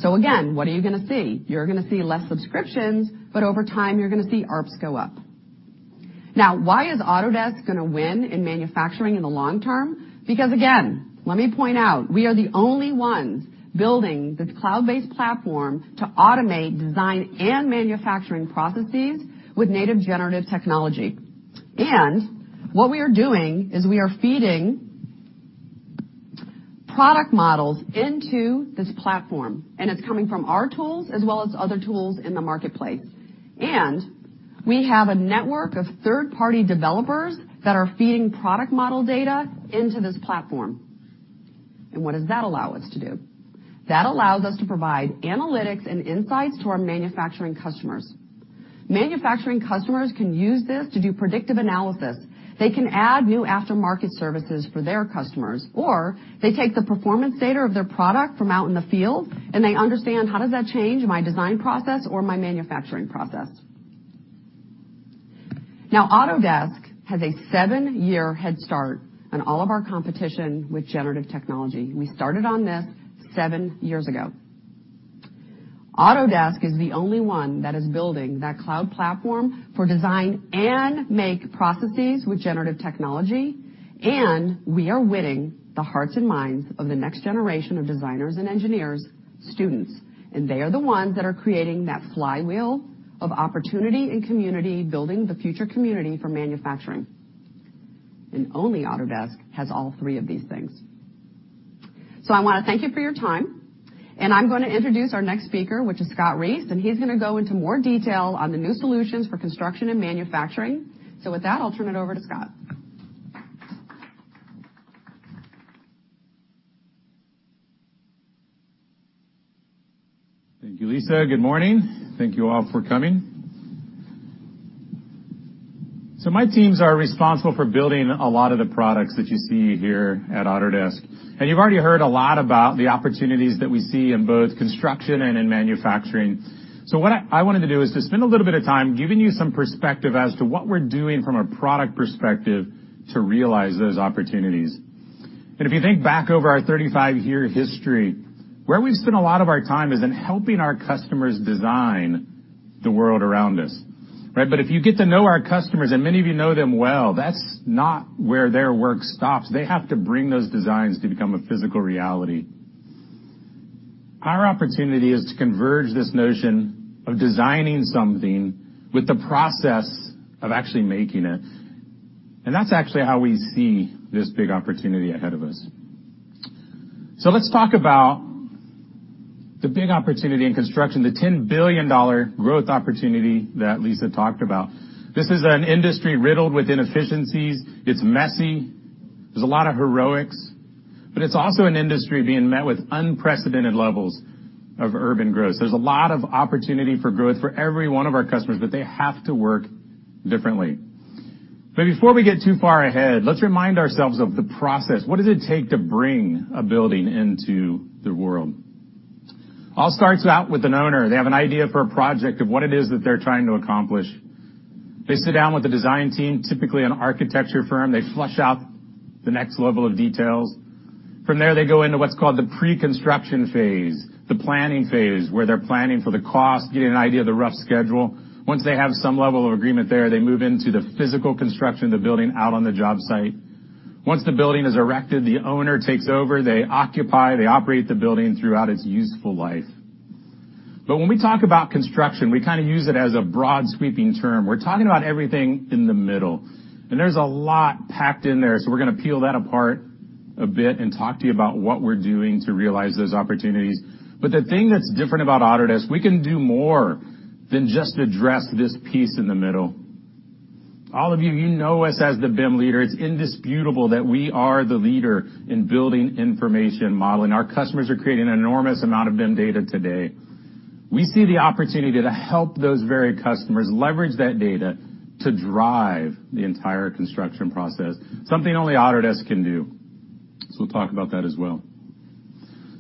Again, what are you going to see? You're going to see less subscriptions, but over time, you're going to see ARPS go up. Why is Autodesk going to win in manufacturing in the long term? Because again, let me point out, we are the only ones building this cloud-based platform to automate design and manufacturing processes with native generative technology. What we are doing is we are feeding product models into this platform, and it's coming from our tools as well as other tools in the marketplace. We have a network of third-party developers that are feeding product model data into this platform. What does that allow us to do? That allows us to provide analytics and insights to our manufacturing customers. Manufacturing customers can use this to do predictive analysis. They can add new aftermarket services for their customers, or they take the performance data of their product from out in the field, and they understand, how does that change my design process or my manufacturing process? Autodesk has a seven-year head start on all of our competition with generative technology. We started on this seven years ago. Autodesk is the only one that is building that cloud platform for design and make processes with generative technology. We are winning the hearts and minds of the next generation of designers and engineers, students. They are the ones that are creating that flywheel of opportunity and community, building the future community for manufacturing. Only Autodesk has all three of these things. I want to thank you for your time, I'm going to introduce our next speaker, which is Scott Reese, he's going to go into more detail on the new solutions for construction and manufacturing. With that, I'll turn it over to Scott. Thank you, Lisa. Good morning. Thank you all for coming. My teams are responsible for building a lot of the products that you see here at Autodesk. You've already heard a lot about the opportunities that we see in both construction and in manufacturing. What I wanted to do is to spend a little bit of time giving you some perspective as to what we're doing from a product perspective to realize those opportunities. If you think back over our 35-year history, where we've spent a lot of our time is in helping our customers design the world around us. If you get to know our customers, and many of you know them well, that's not where their work stops. They have to bring those designs to become a physical reality. Our opportunity is to converge this notion of designing something with the process of actually making it. That's actually how we see this big opportunity ahead of us. Let's talk about the big opportunity in construction, the $10 billion growth opportunity that Lisa talked about. This is an industry riddled with inefficiencies. It's messy. There's a lot of heroics. It's also an industry being met with unprecedented levels of urban growth. There's a lot of opportunity for growth for every one of our customers, they have to work differently. Before we get too far ahead, let's remind ourselves of the process. What does it take to bring a building into the world? All starts out with an owner. They have an idea for a project of what it is that they're trying to accomplish. They sit down with a design team, typically an architecture firm. They flesh out the next level of details. From there, they go into what's called the pre-construction phase, the planning phase, where they're planning for the cost, getting an idea of the rough schedule. Once they have some level of agreement there, they move into the physical construction of the building out on the job site. Once the building is erected, the owner takes over. They occupy, they operate the building throughout its useful life. When we talk about construction, we use it as a broad, sweeping term. We're talking about everything in the middle. There's a lot packed in there, we're going to peel that apart a bit and talk to you about what we're doing to realize those opportunities. The thing that's different about Autodesk, we can do more than just address this piece in the middle. All of you know us as the BIM leader. It's indisputable that we are the leader in building information modeling. Our customers are creating an enormous amount of BIM data today. We see the opportunity to help those very customers leverage that data to drive the entire construction process, something only Autodesk can do. We'll talk about that as well.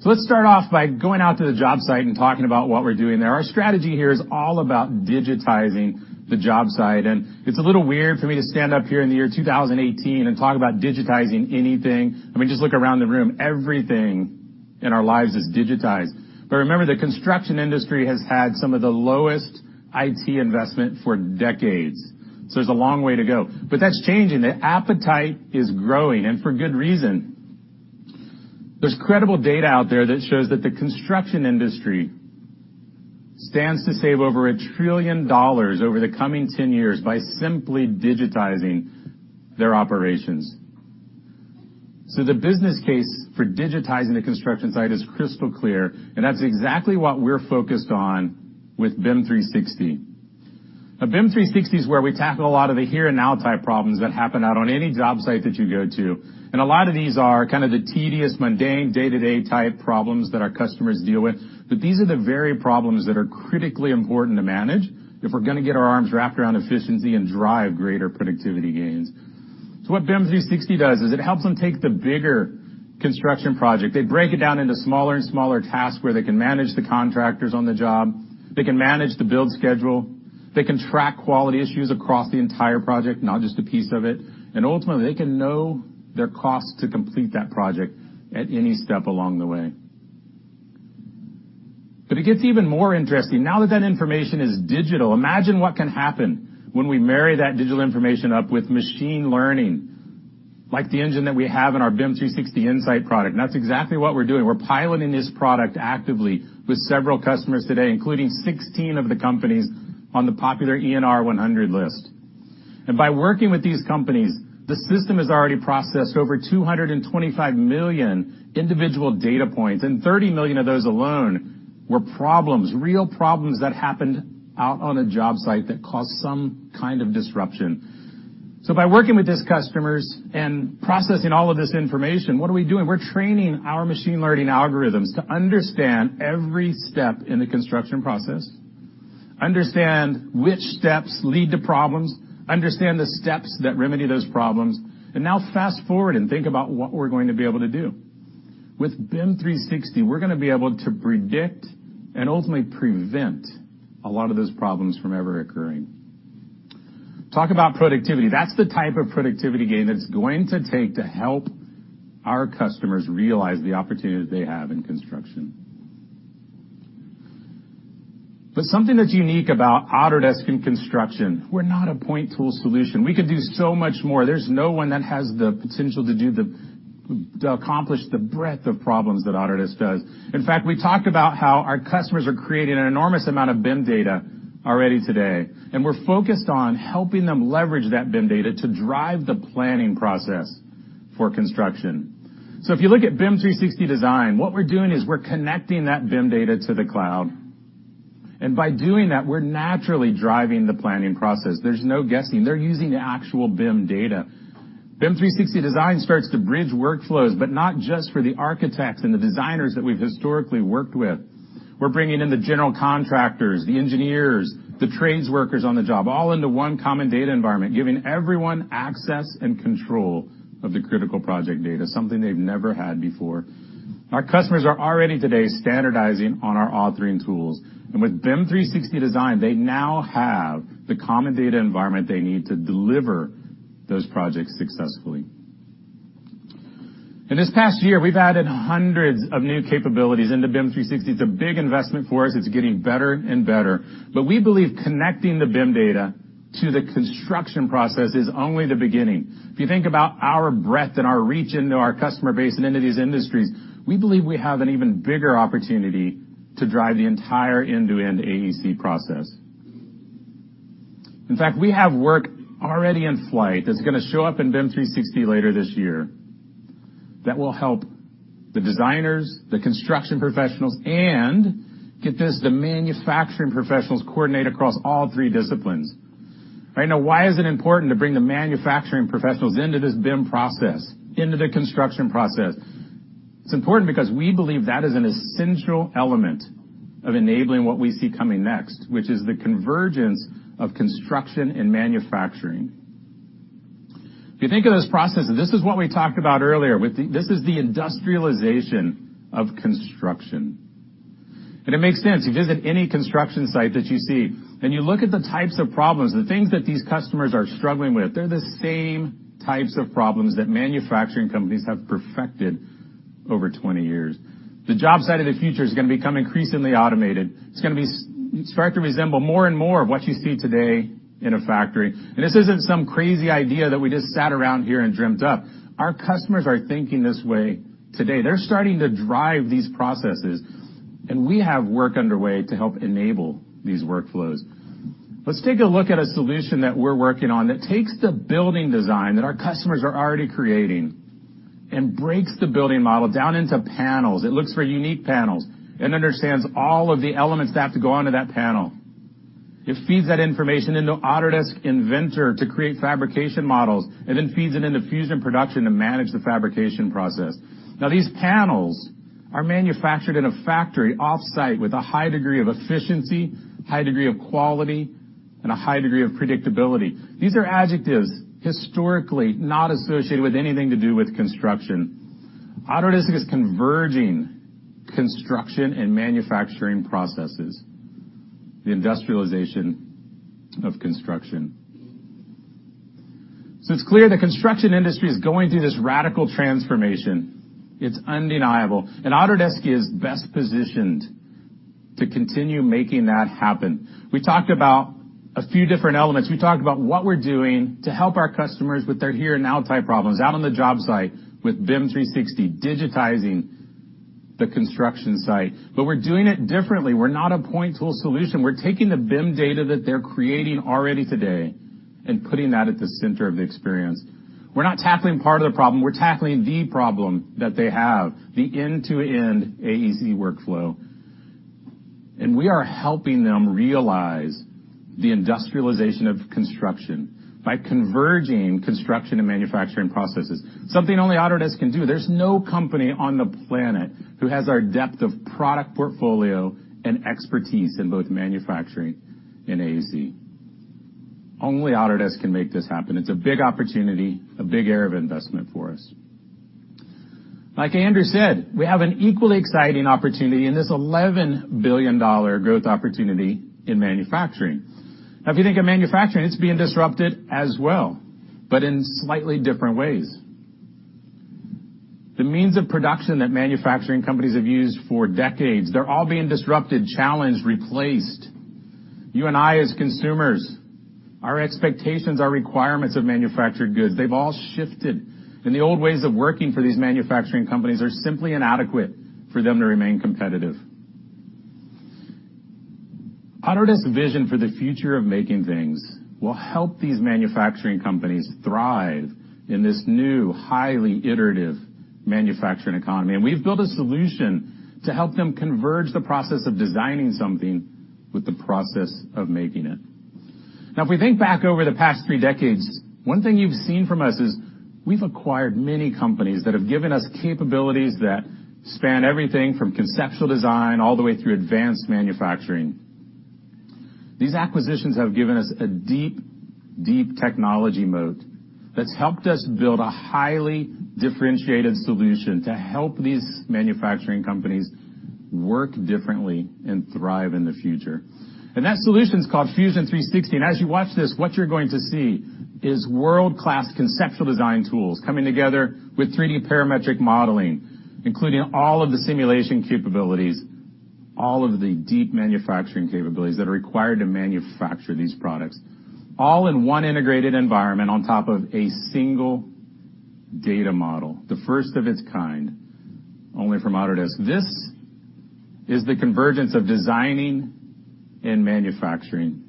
Let's start off by going out to the job site and talking about what we're doing there. Our strategy here is all about digitizing the job site. It's a little weird for me to stand up here in the year 2018 and talk about digitizing anything. I mean, just look around the room. Everything in our lives is digitized. Remember, the construction industry has had some of the lowest IT investment for decades. There's a long way to go. That's changing. The appetite is growing, and for good reason. There's credible data out there that shows that the construction industry stands to save over $1 trillion over the coming 10 years by simply digitizing their operations. The business case for digitizing the construction site is crystal clear, and that's exactly what we're focused on with BIM 360. BIM 360 is where we tackle a lot of the here-and-now type problems that happen out on any job site that you go to. A lot of these are the tedious, mundane, day-to-day type problems that our customers deal with. These are the very problems that are critically important to manage if we're going to get our arms wrapped around efficiency and drive greater productivity gains. What BIM 360 does is it helps them take the bigger construction project. They break it down into smaller and smaller tasks where they can manage the contractors on the job. They can manage the build schedule. They can track quality issues across the entire project, not just a piece of it. Ultimately, they can know their cost to complete that project at any step along the way. It gets even more interesting. That information is digital, imagine what can happen when we marry that digital information up with machine learning, like the engine that we have in our BIM 360 Insight product. That's exactly what we're doing. We're piloting this product actively with several customers today, including 16 of the companies on the popular ENR 100 list. By working with these companies, the system has already processed over 225 million individual data points, and 30 million of those alone were problems, real problems that happened out on a job site that caused some kind of disruption. By working with these customers and processing all of this information, what are we doing? We're training our machine learning algorithms to understand every step in the construction process, understand which steps lead to problems, understand the steps that remedy those problems, now fast-forward and think about what we're going to be able to do. With BIM 360, we're going to be able to predict and ultimately prevent a lot of those problems from ever occurring. Talk about productivity. That's the type of productivity gain that it's going to take to help our customers realize the opportunities they have in construction. Something that's unique about Autodesk in construction, we're not a point tool solution. We could do so much more. There's no one that has the potential to accomplish the breadth of problems that Autodesk does. In fact, we talked about how our customers are creating an enormous amount of BIM data already today, and we're focused on helping them leverage that BIM data to drive the planning process for construction. If you look at BIM 360 Design, what we're doing is we're connecting that BIM data to the cloud. By doing that, we're naturally driving the planning process. There's no guessing. They're using the actual BIM data. BIM 360 Design starts to bridge workflows, but not just for the architects and the designers that we've historically worked with. We're bringing in the general contractors, the engineers, the trades workers on the job, all into one common data environment, giving everyone access and control of the critical project data, something they've never had before. Our customers are already today standardizing on our authoring tools. With BIM 360 Design, they now have the common data environment they need to deliver those projects successfully. In this past year, we've added hundreds of new capabilities into BIM 360. It's a big investment for us. It's getting better and better. We believe connecting the BIM data to the construction process is only the beginning. If you think about our breadth and our reach into our customer base and into these industries, we believe we have an even bigger opportunity to drive the entire end-to-end AEC process. In fact, we have work already in flight that's going to show up in BIM 360 later this year that will help the designers, the construction professionals, and get this, the manufacturing professionals coordinate across all three disciplines. Why is it important to bring the manufacturing professionals into this BIM process, into the construction process? It's important because we believe that is an essential element of enabling what we see coming next, which is the convergence of construction and manufacturing. If you think of those processes, this is what we talked about earlier. This is the industrialization of construction. It makes sense. You visit any construction site that you see, and you look at the types of problems, the things that these customers are struggling with. They're the same types of problems that manufacturing companies have perfected over 20 years. The job site of the future is going to become increasingly automated. It's going to start to resemble more and more of what you see today in a factory. This isn't some crazy idea that we just sat around here and dreamt up. Our customers are thinking this way today. They're starting to drive these processes, and we have work underway to help enable these workflows. Let's take a look at a solution that we're working on that takes the building design that our customers are already creating and breaks the building model down into panels. It looks for unique panels and understands all of the elements that have to go onto that panel. It feeds that information into Autodesk Inventor to create fabrication models and then feeds it into Fusion Production to manage the fabrication process. These panels are manufactured in a factory off-site with a high degree of efficiency, high degree of quality, and a high degree of predictability. These are adjectives historically not associated with anything to do with construction. Autodesk is converging construction and manufacturing processes, the industrialization of construction. It's clear the construction industry is going through this radical transformation. It's undeniable. Autodesk is best positioned to continue making that happen. We talked about a few different elements. We talked about what we're doing to help our customers with their here-and-now type problems out on the job site with BIM 360, digitizing the construction site. We're doing it differently. We're not a point tool solution. We're taking the BIM data that they're creating already today and putting that at the center of the experience. We're not tackling part of the problem, we're tackling the problem that they have, the end-to-end AEC workflow. We are helping them realize the industrialization of construction by converging construction and manufacturing processes, something only Autodesk can do. There's no company on the planet who has our depth of product portfolio and expertise in both manufacturing and AEC. Only Autodesk can make this happen. It's a big opportunity, a big area of investment for us. Like Andrew said, we have an equally exciting opportunity in this $11 billion growth opportunity in manufacturing. If you think of manufacturing, it's being disrupted as well, but in slightly different ways. The means of production that manufacturing companies have used for decades, they're all being disrupted, challenged, replaced. You and I as consumers, our expectations, our requirements of manufactured goods, they've all shifted, the old ways of working for these manufacturing companies are simply inadequate for them to remain competitive. Autodesk's vision for the future of making things will help these manufacturing companies thrive in this new, highly iterative manufacturing economy. We've built a solution to help them converge the process of designing something with the process of making it. If we think back over the past 3 decades, one thing you've seen from us is we've acquired many companies that have given us capabilities that span everything from conceptual design all the way through advanced manufacturing. These acquisitions have given us a deep, deep technology moat that's helped us build a highly differentiated solution to help these manufacturing companies work differently and thrive in the future. That solution is called Fusion 360. As you watch this, what you're going to see is world-class conceptual design tools coming together with 3D parametric modeling, including all of the simulation capabilities, all of the deep manufacturing capabilities that are required to manufacture these products, all in one integrated environment on top of a single data model. The first of its kind, only from Autodesk. This is the convergence of designing and manufacturing.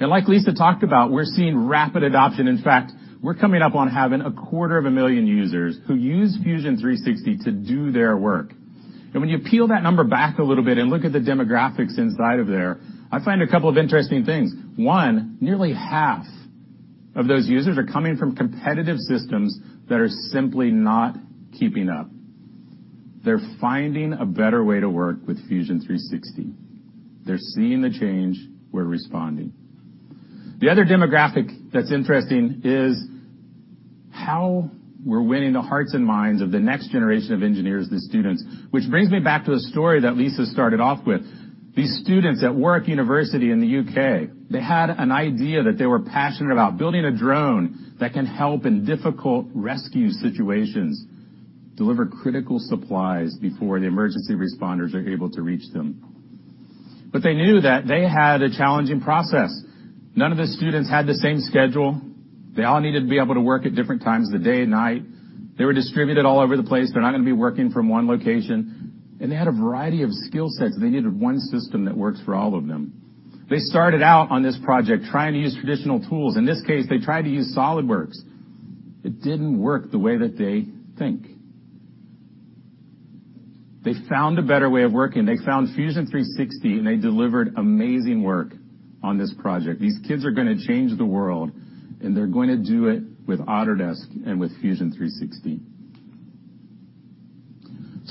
Like Lisa talked about, we're seeing rapid adoption. In fact, we're coming up on having a quarter of a million users who use Fusion 360 to do their work. When you peel that number back a little bit and look at the demographics inside of there, I find a couple of interesting things. One, nearly half of those users are coming from competitive systems that are simply not keeping up. They're finding a better way to work with Fusion 360. They're seeing the change, we're responding. The other demographic that's interesting is how we're winning the hearts and minds of the next generation of engineers, the students. Which brings me back to the story that Lisa started off with. These students at Warwick University in the U.K., they had an idea that they were passionate about. Building a drone that can help in difficult rescue situations, deliver critical supplies before the emergency responders are able to reach them. They knew that they had a challenging process. None of the students had the same schedule. They all needed to be able to work at different times of the day and night. They were distributed all over the place. They're not going to be working from one location. They had a variety of skill sets. They needed one system that works for all of them. They started out on this project trying to use traditional tools. In this case, they tried to use SOLIDWORKS. It didn't work the way that they think. They found a better way of working. They found Fusion 360, and they delivered amazing work on this project. These kids are going to change the world, and they're going to do it with Autodesk and with Fusion 360.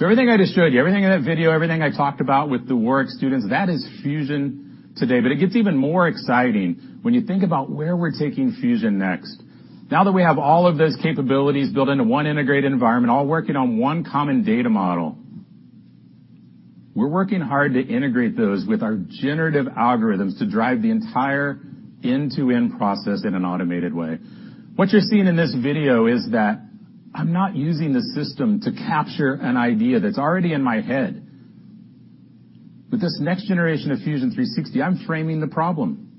Everything I just showed you, everything in that video, everything I talked about with the Warwick students, that is Fusion today. It gets even more exciting when you think about where we're taking Fusion next. Now that we have all of those capabilities built into one integrated environment, all working on one common data model, we're working hard to integrate those with our generative algorithms to drive the entire end-to-end process in an automated way. What you're seeing in this video is that I'm not using the system to capture an idea that's already in my head. With this next generation of Fusion 360, I'm framing the problem.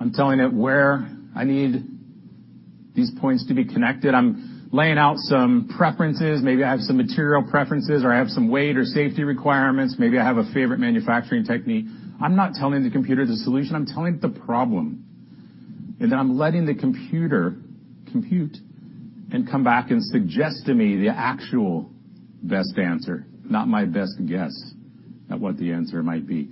I'm telling it where I need these points to be connected. I'm laying out some preferences. Maybe I have some material preferences, or I have some weight or safety requirements. Maybe I have a favorite manufacturing technique. I'm not telling the computer the solution. I'm telling it the problem. Then I'm letting the computer compute and come back and suggest to me the actual best answer, not my best guess at what the answer might be.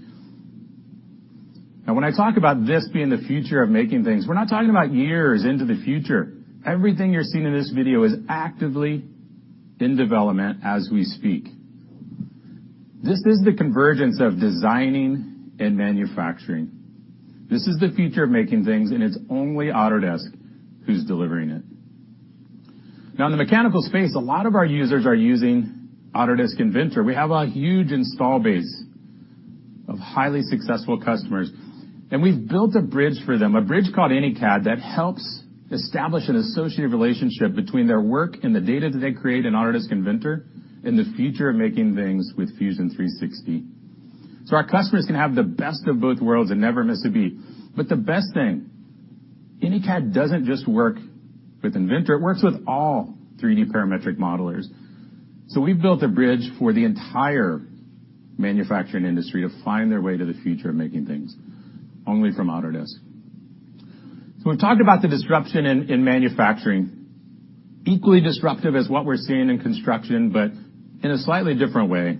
When I talk about this being the future of making things, we're not talking about years into the future. Everything you're seeing in this video is actively in development as we speak. This is the convergence of designing and manufacturing. This is the future of making things, and it's only Autodesk who's delivering it. In the mechanical space, a lot of our users are using Autodesk Inventor. We have a huge install base of highly successful customers, and we've built a bridge for them, a bridge called AnyCAD that helps establish an associative relationship between their work and the data that they create in Autodesk Inventor in the future of making things with Fusion 360. Our customers can have the best of both worlds and never miss a beat. The best thing, AnyCAD doesn't just work with Inventor, it works with all 3D parametric modelers. We've built a bridge for the entire manufacturing industry to find their way to the future of making things only from Autodesk. We've talked about the disruption in manufacturing. Equally disruptive as what we're seeing in construction, but in a slightly different way.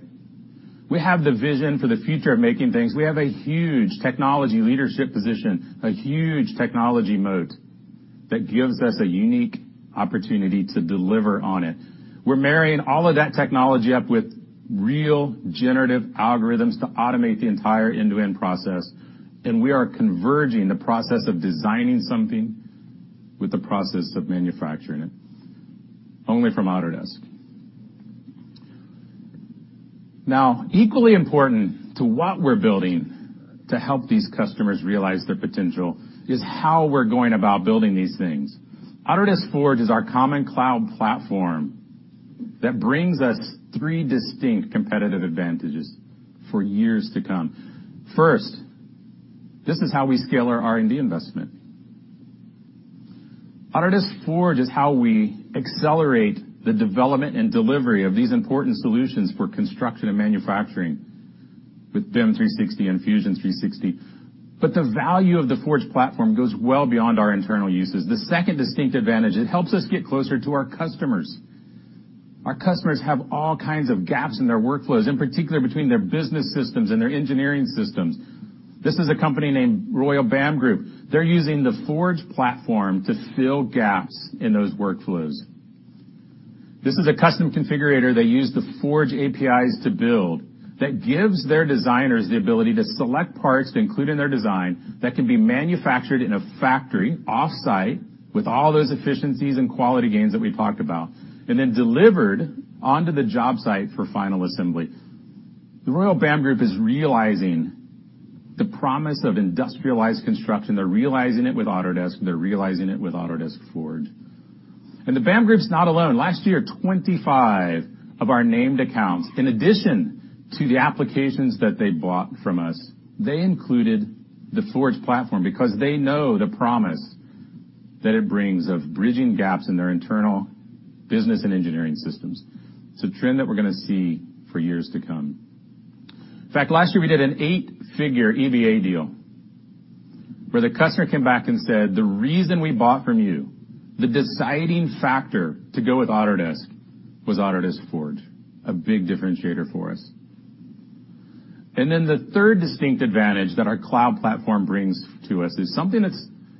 We have the vision for the future of making things. We have a huge technology leadership position, a huge technology moat that gives us a unique opportunity to deliver on it. We're marrying all of that technology up with real generative algorithms to automate the entire end-to-end process, and we are converging the process of designing something with the process of manufacturing it. Only from Autodesk. Equally important to what we're building to help these customers realize their potential is how we're going about building these things. Autodesk Forge is our common cloud platform that brings us 3 distinct competitive advantages for years to come. First, this is how we scale our R&D investment. Autodesk Forge is how we accelerate the development and delivery of these important solutions for construction and manufacturing with BIM 360 and Fusion 360. The value of the Forge platform goes well beyond our internal uses. The 2nd distinct advantage, it helps us get closer to our customers. Our customers have all kinds of gaps in their workflows, in particular between their business systems and their engineering systems. This is a company named Royal BAM Group. They're using the Forge platform to fill gaps in those workflows. This is a custom configurator they use the Forge APIs to build that gives their designers the ability to select parts to include in their design that can be manufactured in a factory off-site with all those efficiencies and quality gains that we talked about, and then delivered onto the job site for final assembly. The Royal BAM Group is realizing the promise of industrialized construction. They're realizing it with Autodesk. They're realizing it with Autodesk Forge. The BAM Group's not alone. Last year, 25 of our named accounts, in addition to the applications that they bought from us, they included the Forge platform because they know the promise that it brings of bridging gaps in their internal business and engineering systems. It's a trend that we're going to see for years to come. In fact, last year, we did an 8-figure EBA deal where the customer came back and said, "The reason we bought from you, the deciding factor to go with Autodesk was Autodesk Forge. A big differentiator for us." The 3rd distinct advantage that our cloud platform brings to us is something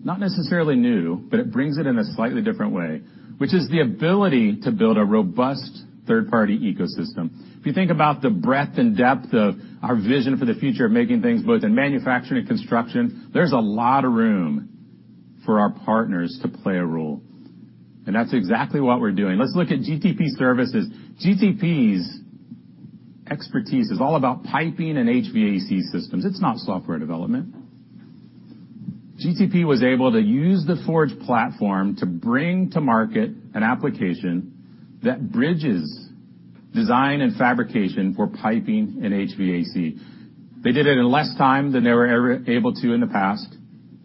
not necessarily new, but it brings it in a slightly different way, which is the ability to build a robust third-party ecosystem. If you think about the breadth and depth of our vision for the future of making things, both in manufacturing and construction, there's a lot of room for our partners to play a role, and that's exactly what we're doing. Let's look at GTP Services. GTP's expertise is all about piping and HVAC systems. It's not software development. GTP was able to use the Forge platform to bring to market an application that bridges design and fabrication for piping and HVAC. They did it in less time than they were ever able to in the past,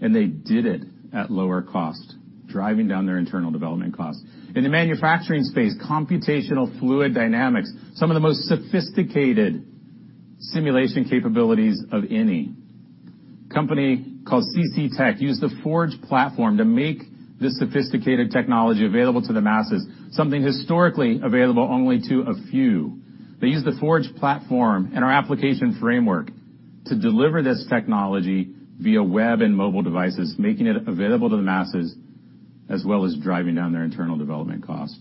and they did it at lower cost, driving down their internal development costs. In the manufacturing space, computational fluid dynamics, some of the most sophisticated simulation capabilities of any. A company called CCTech used the Forge platform to make this sophisticated technology available to the masses, something historically available only to a few. They used the Forge platform and our application framework to deliver this technology via web and mobile devices, making it available to the masses, as well as driving down their internal development costs.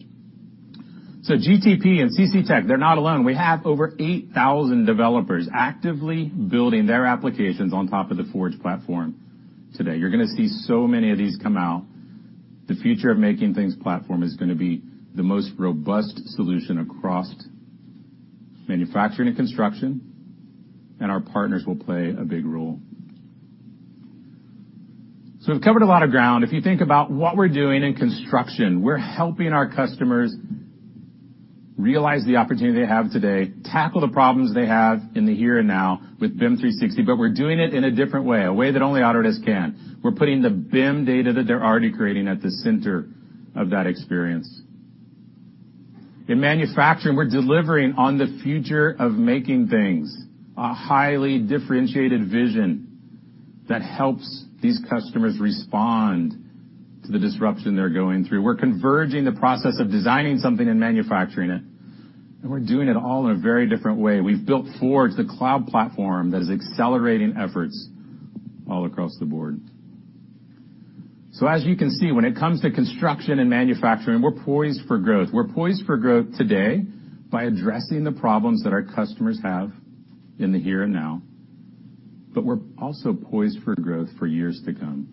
GTP and CCTech, they're not alone. We have over 8,000 developers actively building their applications on top of the Forge platform today. You're going to see so many of these come out. The Future of Making Things platform is going to be the most robust solution across manufacturing and construction, and our partners will play a big role. We've covered a lot of ground. If you think about what we're doing in construction, we're helping our customers realize the opportunity they have today, tackle the problems they have in the here and now with BIM 360, but we're doing it in a different way, a way that only Autodesk can. We're putting the BIM data that they're already creating at the center of that experience. In manufacturing, we're delivering on the Future of Making Things, a highly differentiated vision that helps these customers respond to the disruption they're going through. We're converging the process of designing something and manufacturing it, and we're doing it all in a very different way. We've built Forge, the cloud platform that is accelerating efforts all across the board. As you can see, when it comes to construction and manufacturing, we're poised for growth. We're poised for growth today by addressing the problems that our customers have in the here and now, but we're also poised for growth for years to come.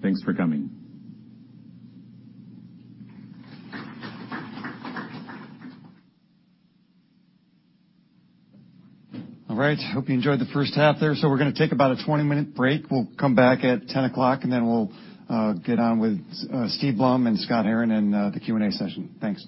Thanks for coming. All right. Hope you enjoyed the first half there. We're going to take about a 20-minute break. We'll come back at 10 o'clock, and then we'll get on with Steve Blum and Scott Herren in the Q&A session. Thanks.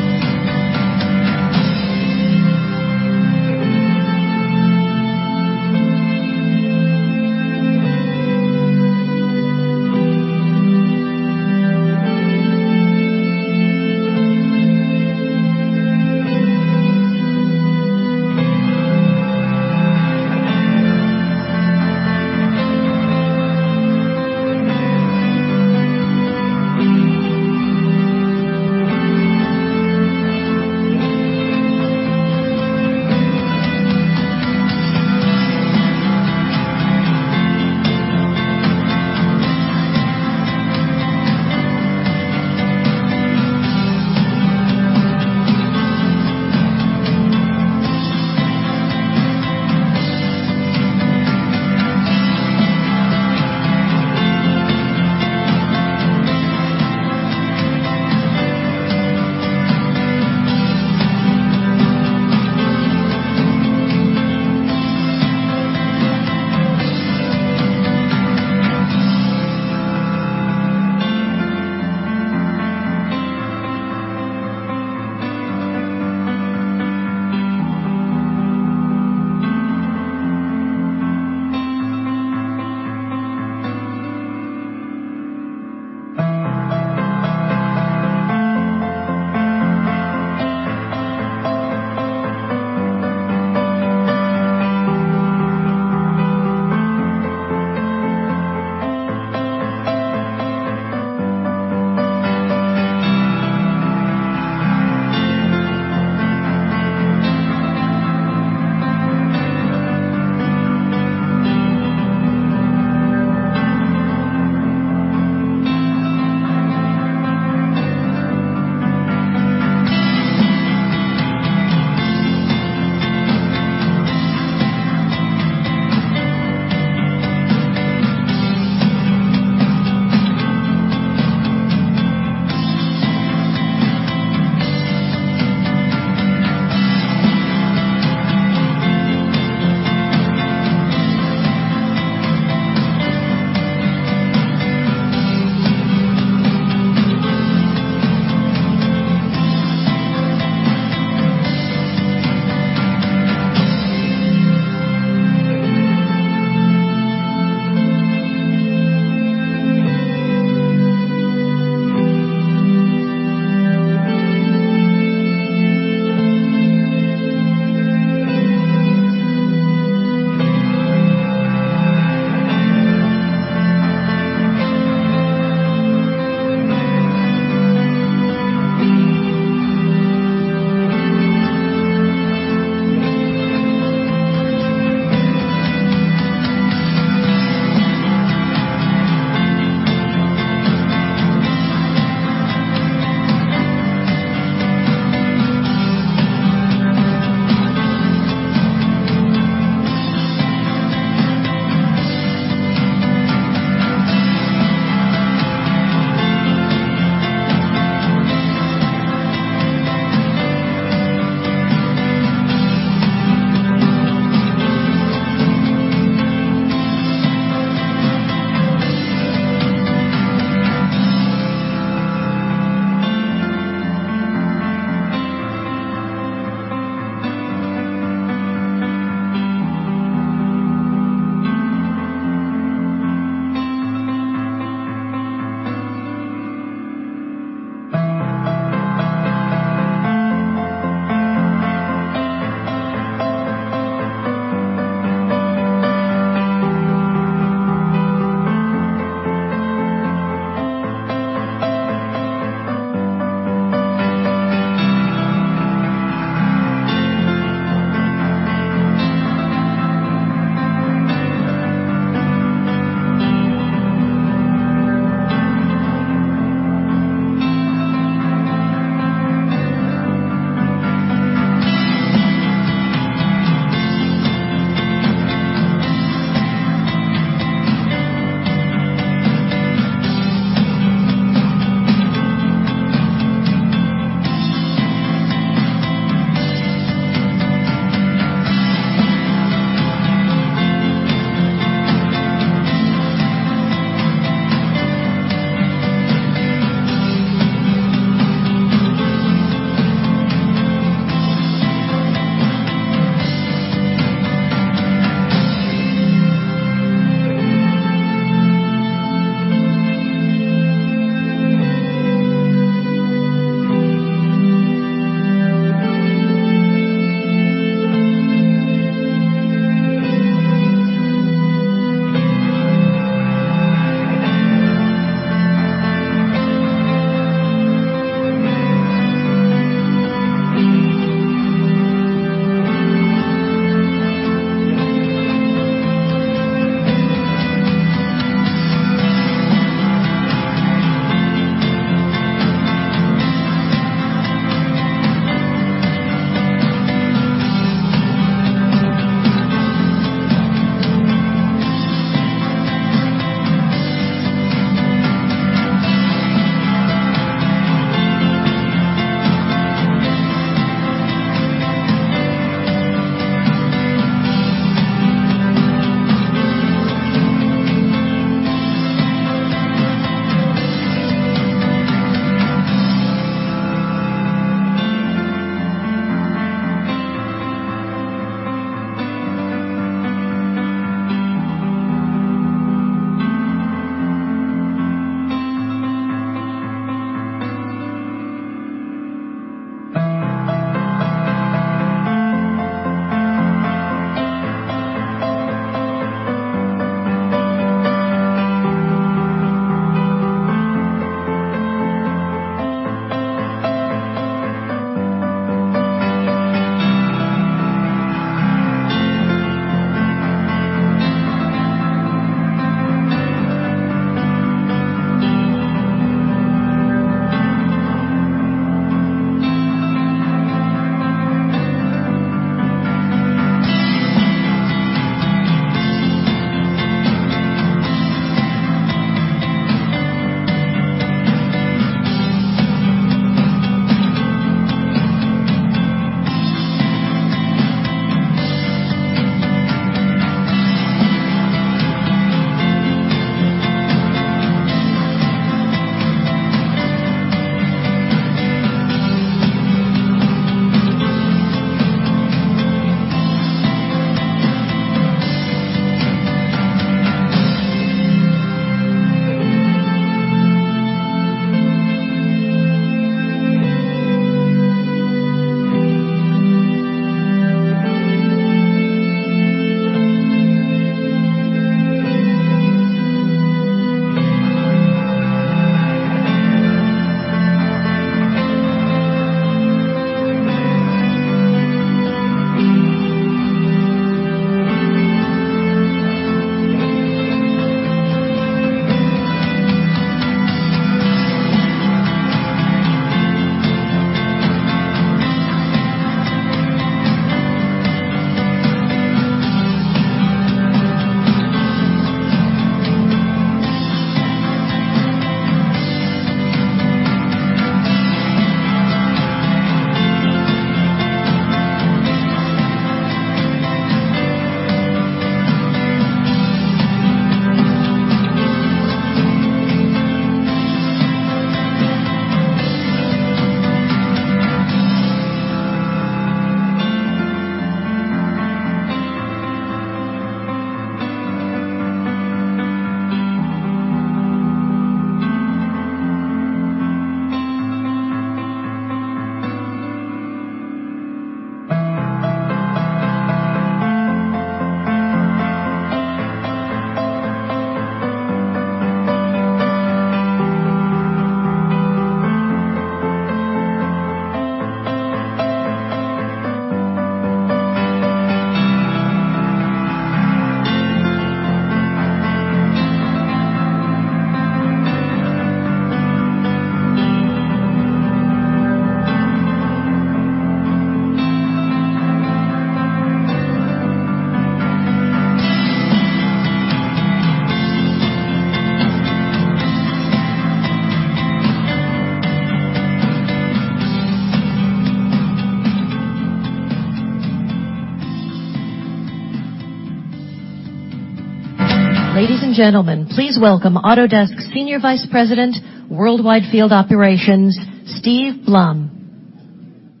Ladies and gentlemen, please welcome Autodesk Senior Vice President, Worldwide Field Operations, Steve Blum.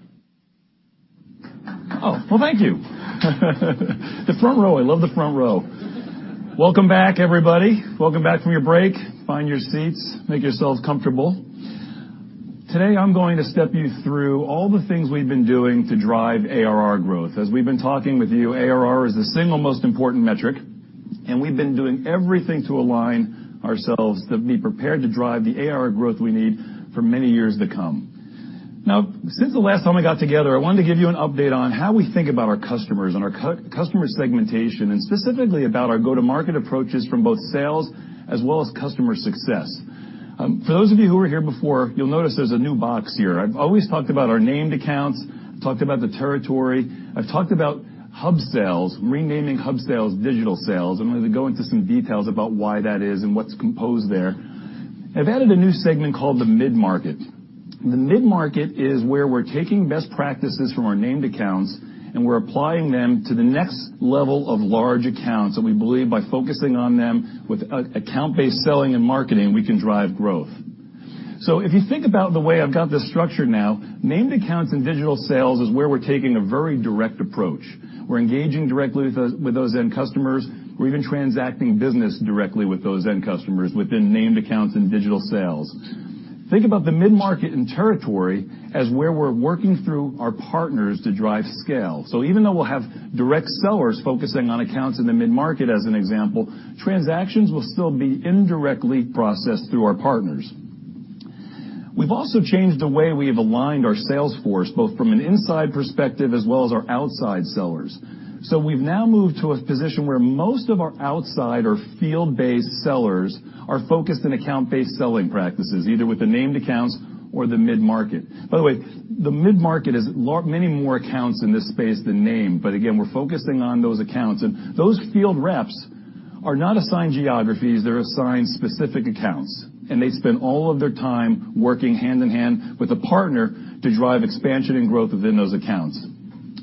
Well, thank you. The front row. I love the front row. Welcome back, everybody. Welcome back from your break. Find your seats. Make yourselves comfortable. Today, I'm going to step you through all the things we've been doing to drive ARR growth. As we've been talking with you, ARR is the single most important metric, and we've been doing everything to align ourselves to be prepared to drive the ARR growth we need for many years to come. Since the last time we got together, I wanted to give you an update on how we think about our customers and our customer segmentation, and specifically about our go-to-market approaches from both sales as well as customer success. For those of you who were here before, you'll notice there's a new box here. I've always talked about our named accounts, talked about the territory. I've talked about hub sales, renaming hub sales digital sales. I'm going to go into some details about why that is and what's composed there. I've added a new segment called the mid-market. The mid-market is where we're taking best practices from our named accounts, and we're applying them to the next level of large accounts. We believe, by focusing on them with account-based selling and marketing, we can drive growth. If you think about the way I've got this structured now, named accounts and digital sales is where we're taking a very direct approach. We're engaging directly with those end customers. We're even transacting business directly with those end customers within named accounts and digital sales. Think about the mid-market and territory as where we're working through our partners to drive scale. Even though we'll have direct sellers focusing on accounts in the mid-market, as an example, transactions will still be indirectly processed through our partners. We've also changed the way we have aligned our sales force, both from an inside perspective as well as our outside sellers. We've now moved to a position where most of our outside or field-based sellers are focused on account-based selling practices, either with the named accounts or the mid-market. By the way, the mid-market is many more accounts in this space than named, but again, we're focusing on those accounts. Those field reps are not assigned geographies. They're assigned specific accounts, and they spend all of their time working hand-in-hand with a partner to drive expansion and growth within those accounts.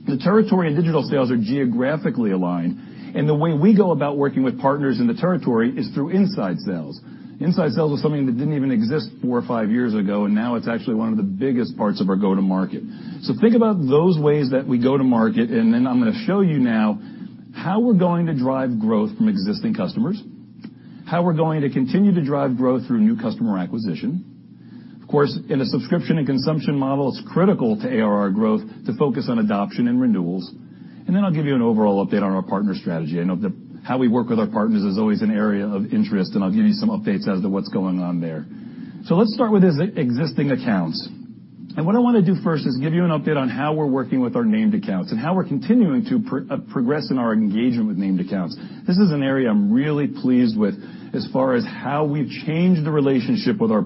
The territory and digital sales are geographically aligned. The way we go about working with partners in the territory is through inside sales. Inside sales was something that didn't even exist 4 or 5 years ago, and now it's actually one of the biggest parts of our go-to-market. Think about those ways that we go to market. I'm going to show you now how we're going to drive growth from existing customers, how we're going to continue to drive growth through new customer acquisition. Of course, in a subscription and consumption model, it's critical to ARR growth to focus on adoption and renewals. I'll give you an overall update on our partner strategy. I know how we work with our partners is always an area of interest, and I'll give you some updates as to what's going on there. Let's start with existing accounts. What I want to do first is give you an update on how we're working with our named accounts and how we're continuing to progress in our engagement with named accounts. This is an area I'm really pleased with as far as how we've changed the relationship with our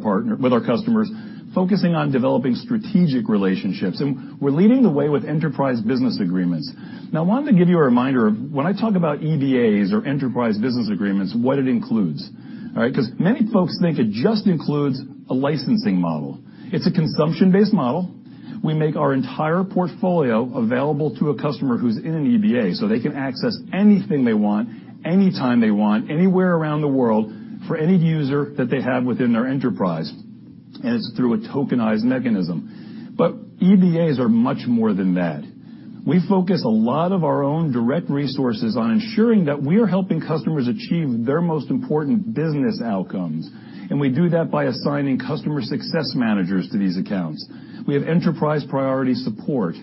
customers, focusing on developing strategic relationships. We're leading the way with Enterprise Business Agreements. I wanted to give you a reminder of when I talk about EBAs or Enterprise Business Agreements, what it includes. All right? Because many folks think it just includes a licensing model. It's a consumption-based model. We make our entire portfolio available to a customer who's in an EBA, so they can access anything they want, anytime they want, anywhere around the world for any user that they have within their enterprise, and it's through a tokenized mechanism. EBAs are much more than that. We focus a lot of our own direct resources on ensuring that we are helping customers achieve their most important business outcomes, and we do that by assigning customer success managers to these accounts. We have enterprise priority support.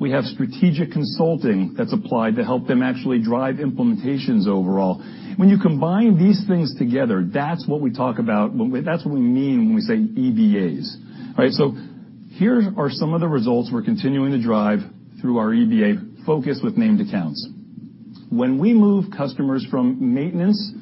We have strategic consulting that's applied to help them actually drive implementations overall. When you combine these things together, that's what we mean when we say EBAs. All right, here are some of the results we're continuing to drive through our EBA focus with named accounts. When we move customers from maintenance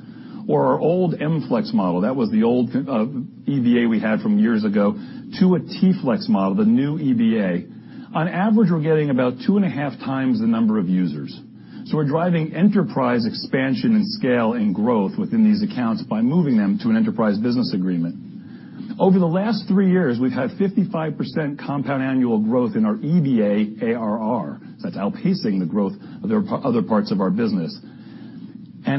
or our old MFlex model, that was the old EBA we had from years ago, to a Token Flex model, the new EBA, on average, we're getting about 2.5 times the number of users. We're driving enterprise expansion and scale and growth within these accounts by moving them to an Enterprise Business Agreement. Over the last 3 years, we've had 55% compound annual growth in our EBA ARR. That's outpacing the growth of other parts of our business.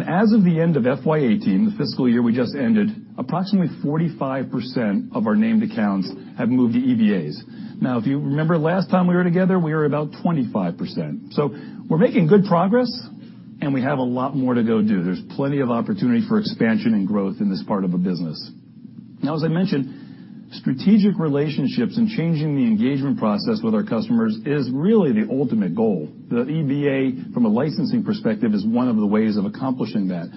As of the end of FY 2018, the fiscal year we just ended, approximately 45% of our named accounts have moved to EBAs. If you remember last time we were together, we were about 25%. We're making good progress and we have a lot more to go do. There's plenty of opportunity for expansion and growth in this part of the business. As I mentioned, strategic relationships and changing the engagement process with our customers is really the ultimate goal. The EBA, from a licensing perspective, is one of the ways of accomplishing that.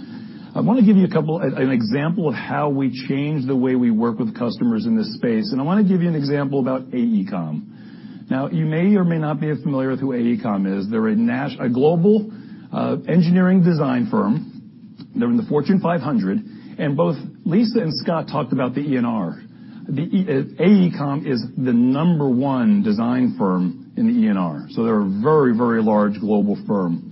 I want to give you an example of how we change the way we work with customers in this space. I want to give you an example about AECOM. You may or may not be familiar with who AECOM is. They're a global engineering design firm. They're in the Fortune 500. Both Lisa and Scott talked about the ENR. AECOM is the number one design firm in the ENR. They're a very, very large global firm.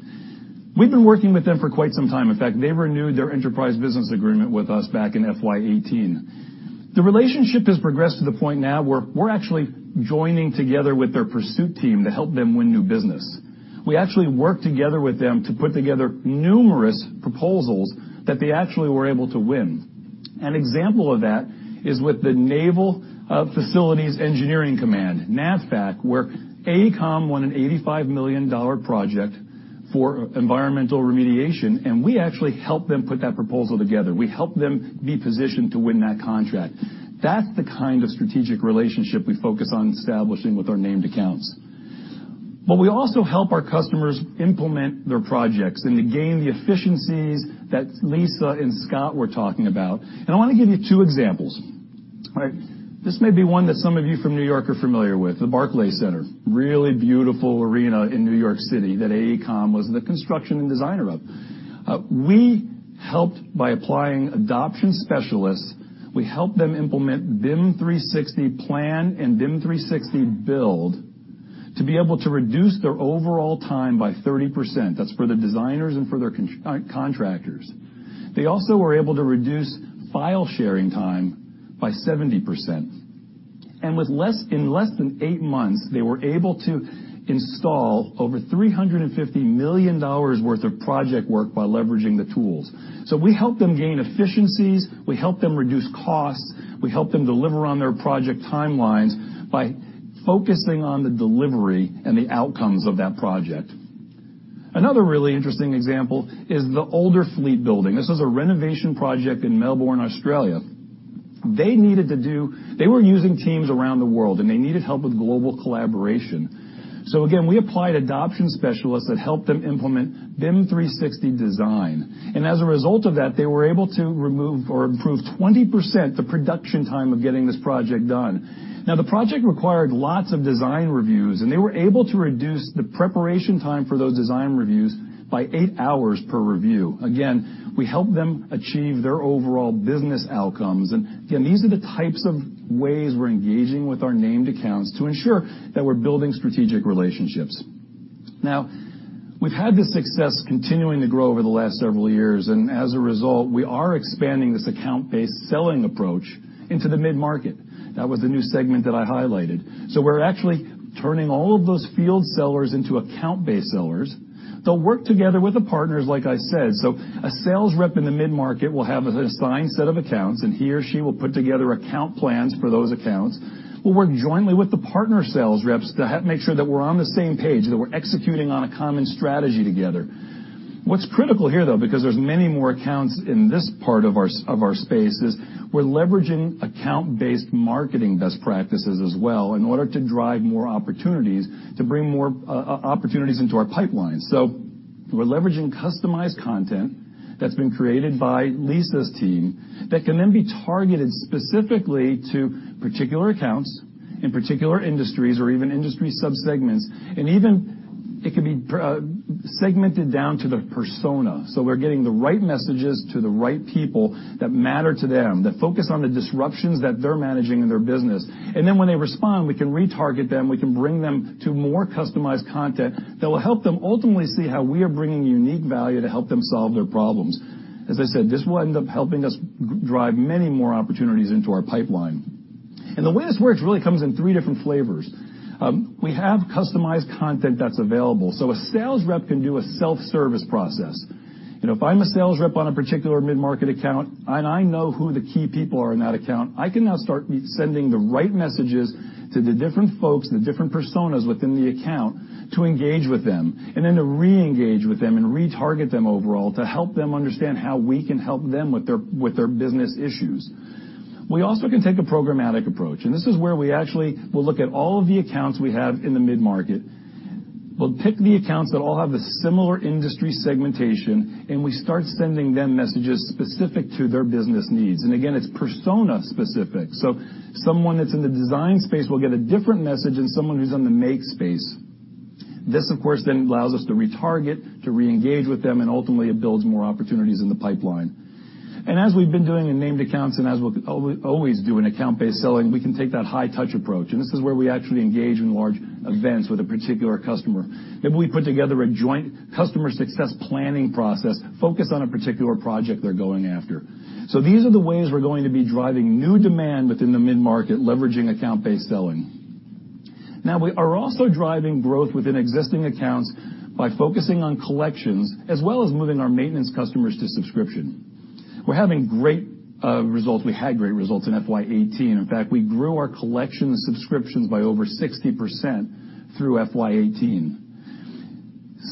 We've been working with them for quite some time. In fact, they renewed their Enterprise Business Agreement with us back in FY 2018. The relationship has progressed to the point now where we're actually joining together with their pursuit team to help them win new business. We actually work together with them to put together numerous proposals that they actually were able to win. An example of that is with the Naval Facilities Engineering Command, NAVFAC, where AECOM won an $85 million project for environmental remediation. We actually helped them put that proposal together. We helped them be positioned to win that contract. That's the kind of strategic relationship we focus on establishing with our named accounts. We also help our customers implement their projects and to gain the efficiencies that Lisa and Scott were talking about. I want to give you two examples. This may be one that some of you from New York are familiar with, the Barclays Center, really beautiful arena in New York City that AECOM was the construction and designer of. We helped by applying adoption specialists. We helped them implement BIM 360 Plan and BIM 360 Build to be able to reduce their overall time by 30%. That's for the designers and for their contractors. They also were able to reduce file sharing time by 70%. In less than eight months, they were able to install over $350 million worth of project work by leveraging the tools. We help them gain efficiencies, we help them reduce costs, we help them deliver on their project timelines by focusing on the delivery and the outcomes of that project. Another really interesting example is the Olderfleet Building. This is a renovation project in Melbourne, Australia. They were using Team around the world. They needed help with global collaboration. Again, we applied adoption specialists that helped them implement BIM 360 Design. As a result of that, they were able to remove or improve 20% the production time of getting this project done. The project required lots of design reviews. They were able to reduce the preparation time for those design reviews by eight hours per review. Again, we help them achieve their overall business outcomes. Again, these are the types of ways we're engaging with our named accounts to ensure that we're building strategic relationships. We've had this success continuing to grow over the last several years. As a result, we are expanding this account-based selling approach into the mid-market. That was the new segment that I highlighted. We're actually turning all of those field sellers into account-based sellers. They'll work together with the partners, like I said. A sales rep in the mid-market will have an assigned set of accounts. He or she will put together account plans for those accounts. We'll work jointly with the partner sales reps to make sure that we're on the same page, that we're executing on a common strategy together. What's critical here, though, because there's many more accounts in this part of our space, is we're leveraging account-based marketing best practices as well in order to drive more opportunities to bring more opportunities into our pipeline. We're leveraging customized content that's been created by Lisa's team that can then be targeted specifically to particular accounts in particular industries or even industry subsegments, and even it can be segmented down to the persona. We're getting the right messages to the right people that matter to them, that focus on the disruptions that they're managing in their business. When they respond, we can retarget them, we can bring them to more customized content that will help them ultimately see how we are bringing unique value to help them solve their problems. As I said, this will end up helping us drive many more opportunities into our pipeline. The way this works really comes in three different flavors. We have customized content that's available. A sales rep can do a self-service process. If I'm a sales rep on a particular mid-market account and I know who the key people are in that account, I can now start sending the right messages to the different folks, the different personas within the account to engage with them, and then to reengage with them and retarget them overall to help them understand how we can help them with their business issues. We also can take a programmatic approach, this is where we actually will look at all of the accounts we have in the mid-market. We'll pick the accounts that all have a similar industry segmentation, we start sending them messages specific to their business needs. Again, it's persona specific. Someone that's in the design space will get a different message than someone who's in the make space. This, of course, then allows us to retarget, to re-engage with them, ultimately it builds more opportunities in the pipeline. As we've been doing in named accounts, as we'll always do in account-based selling, we can take that high-touch approach. This is where we actually engage in large events with a particular customer. Maybe we put together a joint customer success planning process focused on a particular project they're going after. These are the ways we're going to be driving new demand within the mid-market, leveraging account-based selling. Now we are also driving growth within existing accounts by focusing on collections, as well as moving our maintenance customers to subscription. We're having great results. We had great results in FY 2018. In fact, we grew our collection subscriptions by over 60% through FY 2018.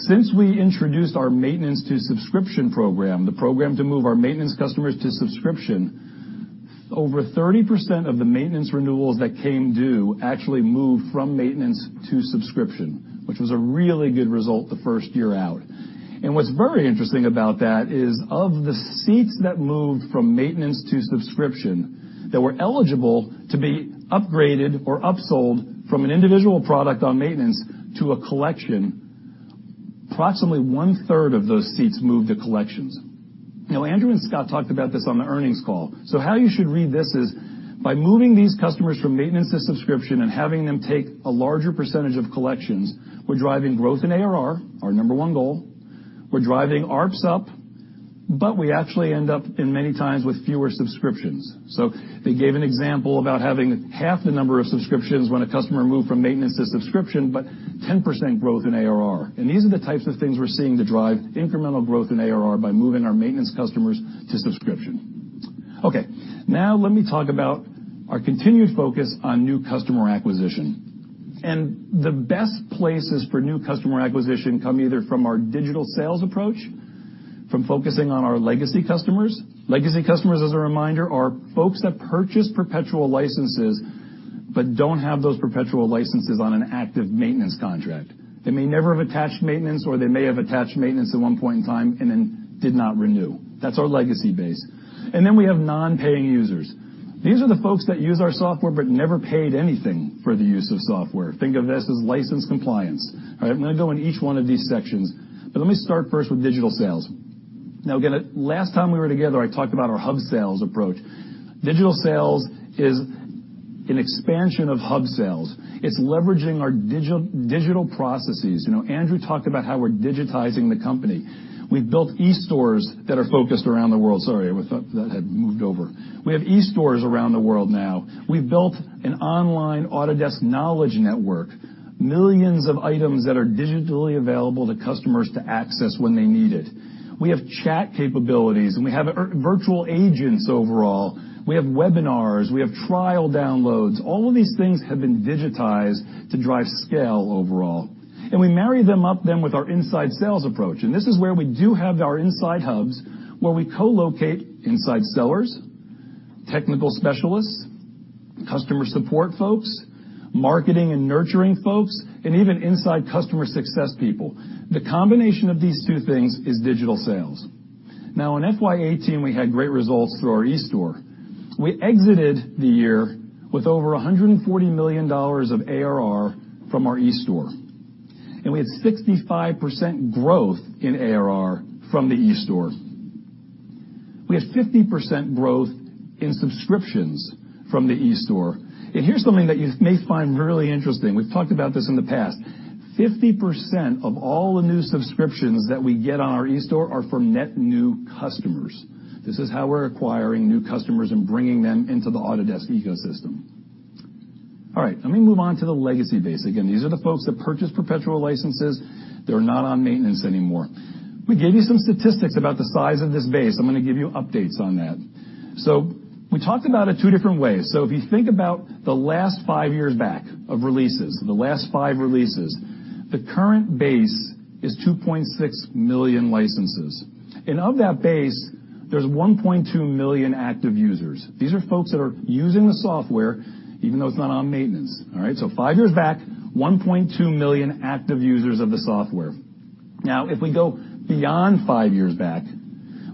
Since we introduced our maintenance to subscription program, the program to move our maintenance customers to subscription, over 30% of the maintenance renewals that came due actually moved from maintenance to subscription, which was a really good result the first year out. What's very interesting about that is of the seats that moved from maintenance to subscription that were eligible to be upgraded or upsold from an individual product on maintenance to a collection, approximately one-third of those seats moved to collections. Andrew and Scott talked about this on the earnings call. How you should read this is, by moving these customers from maintenance to subscription and having them take a larger percentage of collections, we're driving growth in ARR, our number one goal. We're driving ARPS up, we actually end up in many times with fewer subscriptions. They gave an example about having half the number of subscriptions when a customer moved from maintenance to subscription, 10% growth in ARR. These are the types of things we're seeing to drive incremental growth in ARR by moving our maintenance customers to subscription. Let me talk about our continued focus on new customer acquisition. The best places for new customer acquisition come either from our digital sales approach, from focusing on our legacy customers. Legacy customers, as a reminder, are folks that purchase perpetual licenses but don't have those perpetual licenses on an active maintenance contract. They may never have attached maintenance, or they may have attached maintenance at one point in time and then did not renew. That's our legacy base. Then we have non-paying users. These are the folks that use our software but never paid anything for the use of software. Think of this as license compliance. I'm going to go in each one of these sections, let me start first with digital sales. Last time we were together, I talked about our hub sales approach. Digital sales is an expansion of hub sales. It's leveraging our digital processes. Andrew talked about how we're digitizing the company. We've built e-stores that are focused around the world. Sorry, I thought that had moved over. We have e-stores around the world now. We've built an online Autodesk Knowledge Network, millions of items that are digitally available to customers to access when they need it. We have chat capabilities, we have virtual agents overall. We have webinars. We have trial downloads. All of these things have been digitized to drive scale overall. We marry them up then with our inside sales approach. This is where we do have our inside hubs where we co-locate inside sellers, technical specialists, customer support folks, marketing and nurturing folks, and even inside customer success people. The combination of these two things is digital sales. In FY 2018, we had great results through our e-store. We exited the year with over $140 million of ARR from our e-store. We had 65% growth in ARR from the e-store. We had 50% growth in subscriptions from the e-store. Here's something that you may find really interesting. We've talked about this in the past. 50% of all the new subscriptions that we get on our e-store are from net new customers. This is how we're acquiring new customers and bringing them into the Autodesk ecosystem. Let me move on to the legacy base. These are the folks that purchase perpetual licenses. They're not on maintenance anymore. We gave you some statistics about the size of this base. I'm going to give you updates on that. We talked about it two different ways. If you think about the last five years back of releases, the last five releases, the current base is 2.6 million licenses. Of that base, there's 1.2 million active users. These are folks that are using the software, even though it's not on maintenance. Five years back, 1.2 million active users of the software. If we go beyond five years back,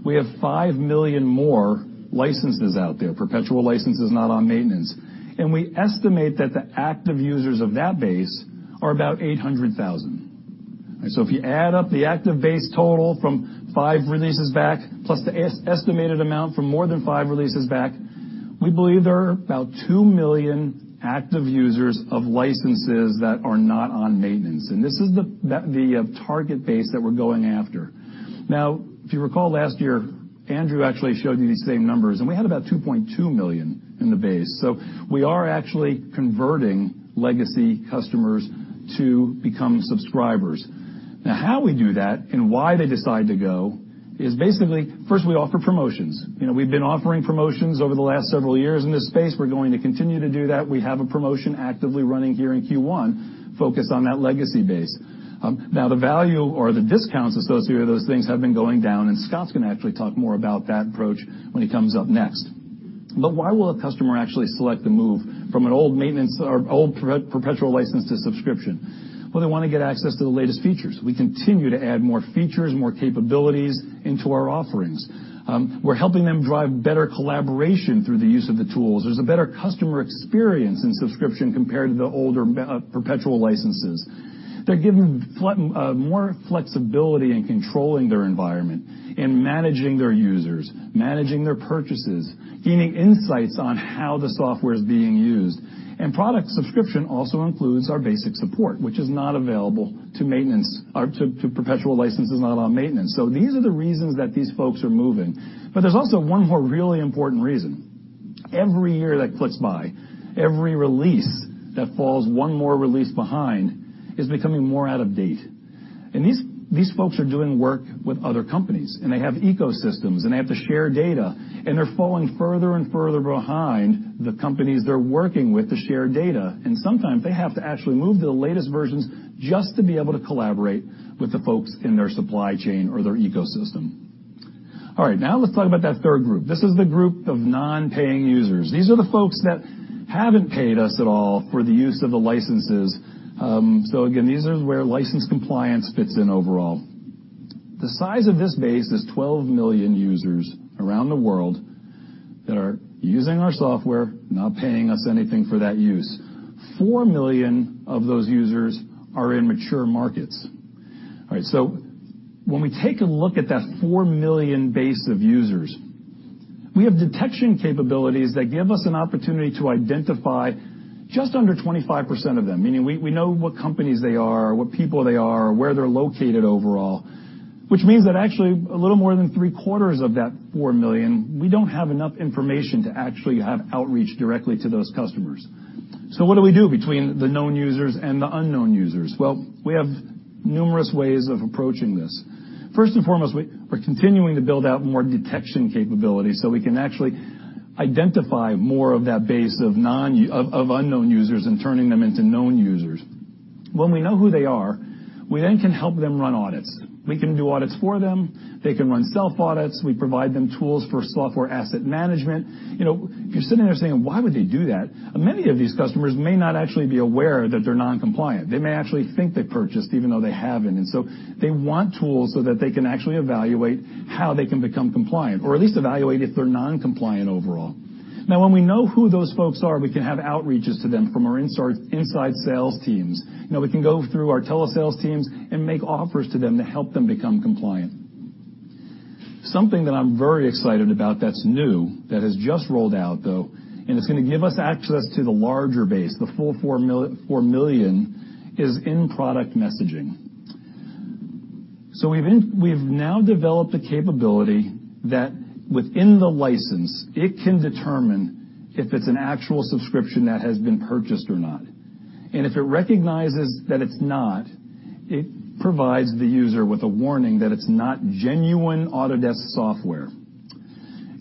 we have 5 million more licenses out there, perpetual licenses not on maintenance. We estimate that the active users of that base are about 800,000. If you add up the active base total from five releases back, plus the estimated amount from more than five releases back, we believe there are about 2 million active users of licenses that are not on maintenance. This is the target base that we're going after. If you recall last year, Andrew actually showed you these same numbers, and we had about 2.2 million in the base. We are actually converting legacy customers to become subscribers. How we do that and why they decide to go is basically, first, we offer promotions. We've been offering promotions over the last several years in this space. We're going to continue to do that. We have a promotion actively running here in Q1 focused on that legacy base. The value or the discounts associated with those things have been going down, and Scott's going to actually talk more about that approach when he comes up next. Why will a customer actually select to move from an old maintenance or old perpetual license to subscription? They want to get access to the latest features. We continue to add more features, more capabilities into our offerings. We're helping them drive better collaboration through the use of the tools. There's a better customer experience in subscription compared to the older perpetual licenses. They're given more flexibility in controlling their environment and managing their users, managing their purchases, gaining insights on how the software is being used. Product subscription also includes our basic support, which is not available to maintenance or to perpetual licenses, not on maintenance. These are the reasons that these folks are moving. There's also one more really important reason. Every year that clicks by, every release that falls one more release behind is becoming more out of date. These folks are doing work with other companies, and they have ecosystems, and they have to share data, and they're falling further and further behind the companies they're working with to share data. Sometimes they have to actually move to the latest versions just to be able to collaborate with the folks in their supply chain or their ecosystem. All right. Let's talk about that third group. This is the group of non-paying users. These are the folks that haven't paid us at all for the use of the licenses. Again, this is where license compliance fits in overall. The size of this base is 12 million users around the world that are using our software, not paying us anything for that use. 4 million of those users are in mature markets. When we take a look at that 4 million base of users, we have detection capabilities that give us an opportunity to identify just under 25% of them, meaning we know what companies they are, what people they are, where they're located overall. Which means that actually a little more than three-quarters of that 4 million, we don't have enough information to actually have outreach directly to those customers. What do we do between the known users and the unknown users? We have numerous ways of approaching this. First and foremost, we're continuing to build out more detection capabilities so we can actually identify more of that base of unknown users and turning them into known users. When we know who they are, we then can help them run audits. We can do audits for them. They can run self-audits. We provide them tools for software asset management. If you're sitting there saying, "Why would they do that?" Many of these customers may not actually be aware that they're non-compliant. They may actually think they purchased even though they haven't. They want tools so that they can actually evaluate how they can become compliant, or at least evaluate if they're non-compliant overall. When we know who those folks are, we can have outreaches to them from our inside sales teams. We can go through our telesales teams and make offers to them to help them become compliant. Something that I'm very excited about that's new, that has just rolled out, though, and it's going to give us access to the larger base, the full 4 million, is in-product messaging. We've now developed a capability that within the license, it can determine if it's an actual subscription that has been purchased or not. If it recognizes that it's not, it provides the user with a warning that it's not genuine Autodesk software.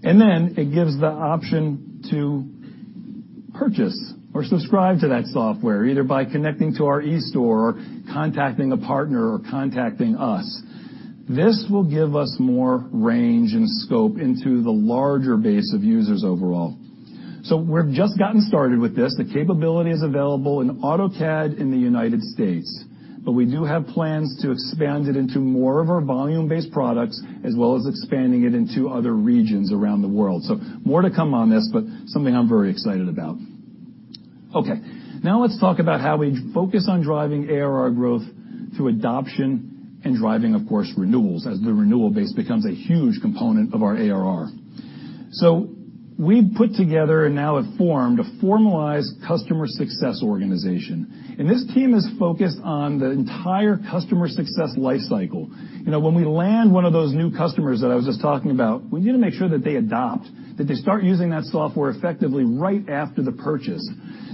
It gives the option to purchase or subscribe to that software, either by connecting to our e-store or contacting a partner or contacting us. This will give us more range and scope into the larger base of users overall. We've just gotten started with this. The capability is available in AutoCAD in the U.S., but we do have plans to expand it into more of our volume-based products, as well as expanding it into other regions around the world. More to come on this, but something I'm very excited about. Let's talk about how we focus on driving ARR growth through adoption and driving, of course, renewals as the renewal base becomes a huge component of our ARR. We put together and now have formed a formalized customer success organization, and this team is focused on the entire customer success lifecycle. When we land one of those new customers that I was just talking about, we need to make sure that they adopt, that they start using that software effectively right after the purchase.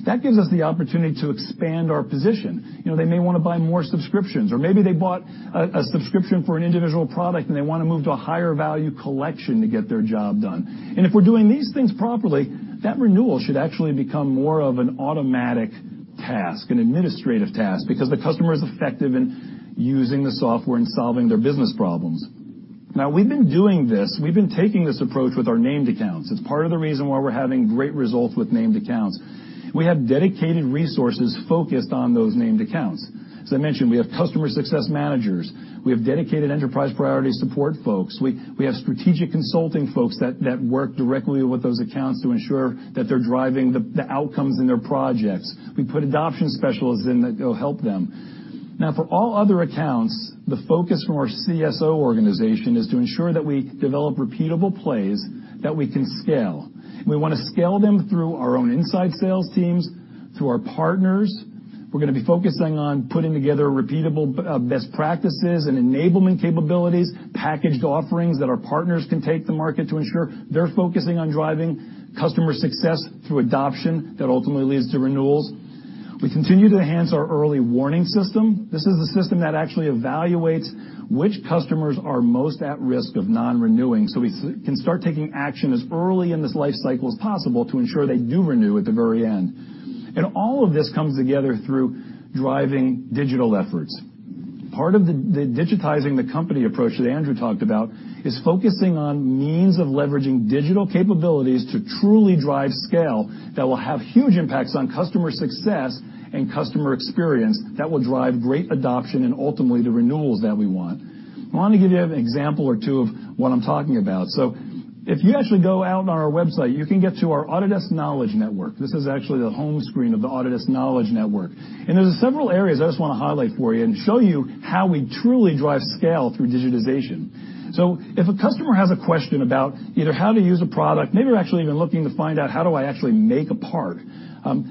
That gives us the opportunity to expand our position. They may want to buy more subscriptions, or maybe they bought a subscription for an individual product and they want to move to a higher value collection to get their job done. If we're doing these things properly, that renewal should actually become more of an automatic task, an administrative task, because the customer is effective in using the software and solving their business problems. We've been doing this, we've been taking this approach with our named accounts. It's part of the reason why we're having great results with named accounts. We have dedicated resources focused on those named accounts. As I mentioned, we have customer success managers. We have dedicated enterprise priority support folks. We have strategic consulting folks that work directly with those accounts to ensure that they're driving the outcomes in their projects. We put adoption specialists in that go help them. Now, for all other accounts, the focus from our CSO organization is to ensure that we develop repeatable plays that we can scale. We want to scale them through our own inside sales teams, through our partners. We're going to be focusing on putting together repeatable best practices and enablement capabilities, packaged offerings that our partners can take to market to ensure they're focusing on driving customer success through adoption that ultimately leads to renewals. We continue to enhance our early warning system. This is a system that actually evaluates which customers are most at risk of non-renewing, so we can start taking action as early in this lifecycle as possible to ensure they do renew at the very end. All of this comes together through driving digital efforts. Part of the digitizing the company approach that Andrew talked about is focusing on means of leveraging digital capabilities to truly drive scale that will have huge impacts on customer success and customer experience that will drive great adoption and ultimately the renewals that we want. I want to give you an example or two of what I'm talking about. If you actually go out on our website, you can get to our Autodesk Knowledge Network. This is actually the home screen of the Autodesk Knowledge Network. There's several areas I just want to highlight for you and show you how we truly drive scale through digitization. If a customer has a question about either how to use a product, maybe they're actually even looking to find out how do I actually make a part.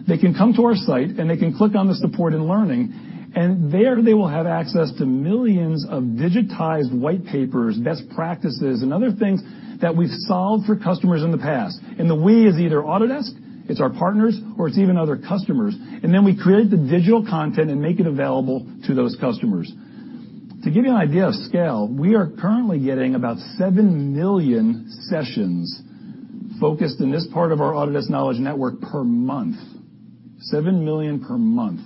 They can come to our site, and they can click on the support and learning, and there they will have access to millions of digitized white papers, best practices, and other things that we've solved for customers in the past. The we is either Autodesk, it's our partners, or it's even other customers. We create the digital content and make it available to those customers. To give you an idea of scale, we are currently getting about 7 million sessions focused in this part of our Autodesk Knowledge Network per month. 7 million per month.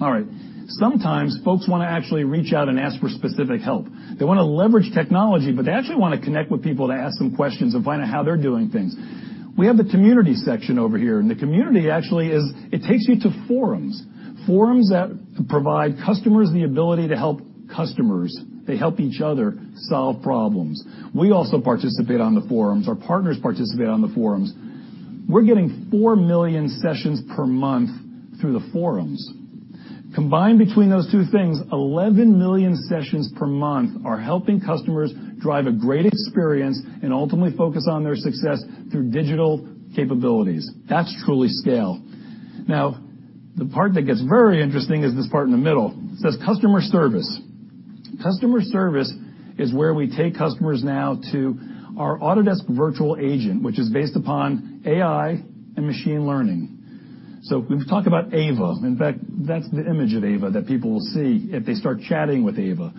All right. Sometimes folks want to actually reach out and ask for specific help. They want to leverage technology, but they actually want to connect with people to ask some questions and find out how they're doing things. We have the community section over here, and the community actually takes you to forums. Forums that provide customers the ability to help customers. They help each other solve problems. We also participate on the forums. Our partners participate on the forums. We're getting 4 million sessions per month through the forums. Combined between those two things, 11 million sessions per month are helping customers drive a great experience and ultimately focus on their success through digital capabilities. That's truly scale. Now, the part that gets very interesting is this part in the middle. It says customer service. Customer service is where we take customers now to our Autodesk Virtual Agent, which is based upon AI and machine learning. We've talked about AVA. In fact, that's the image of AVA that people will see if they start chatting with AVA.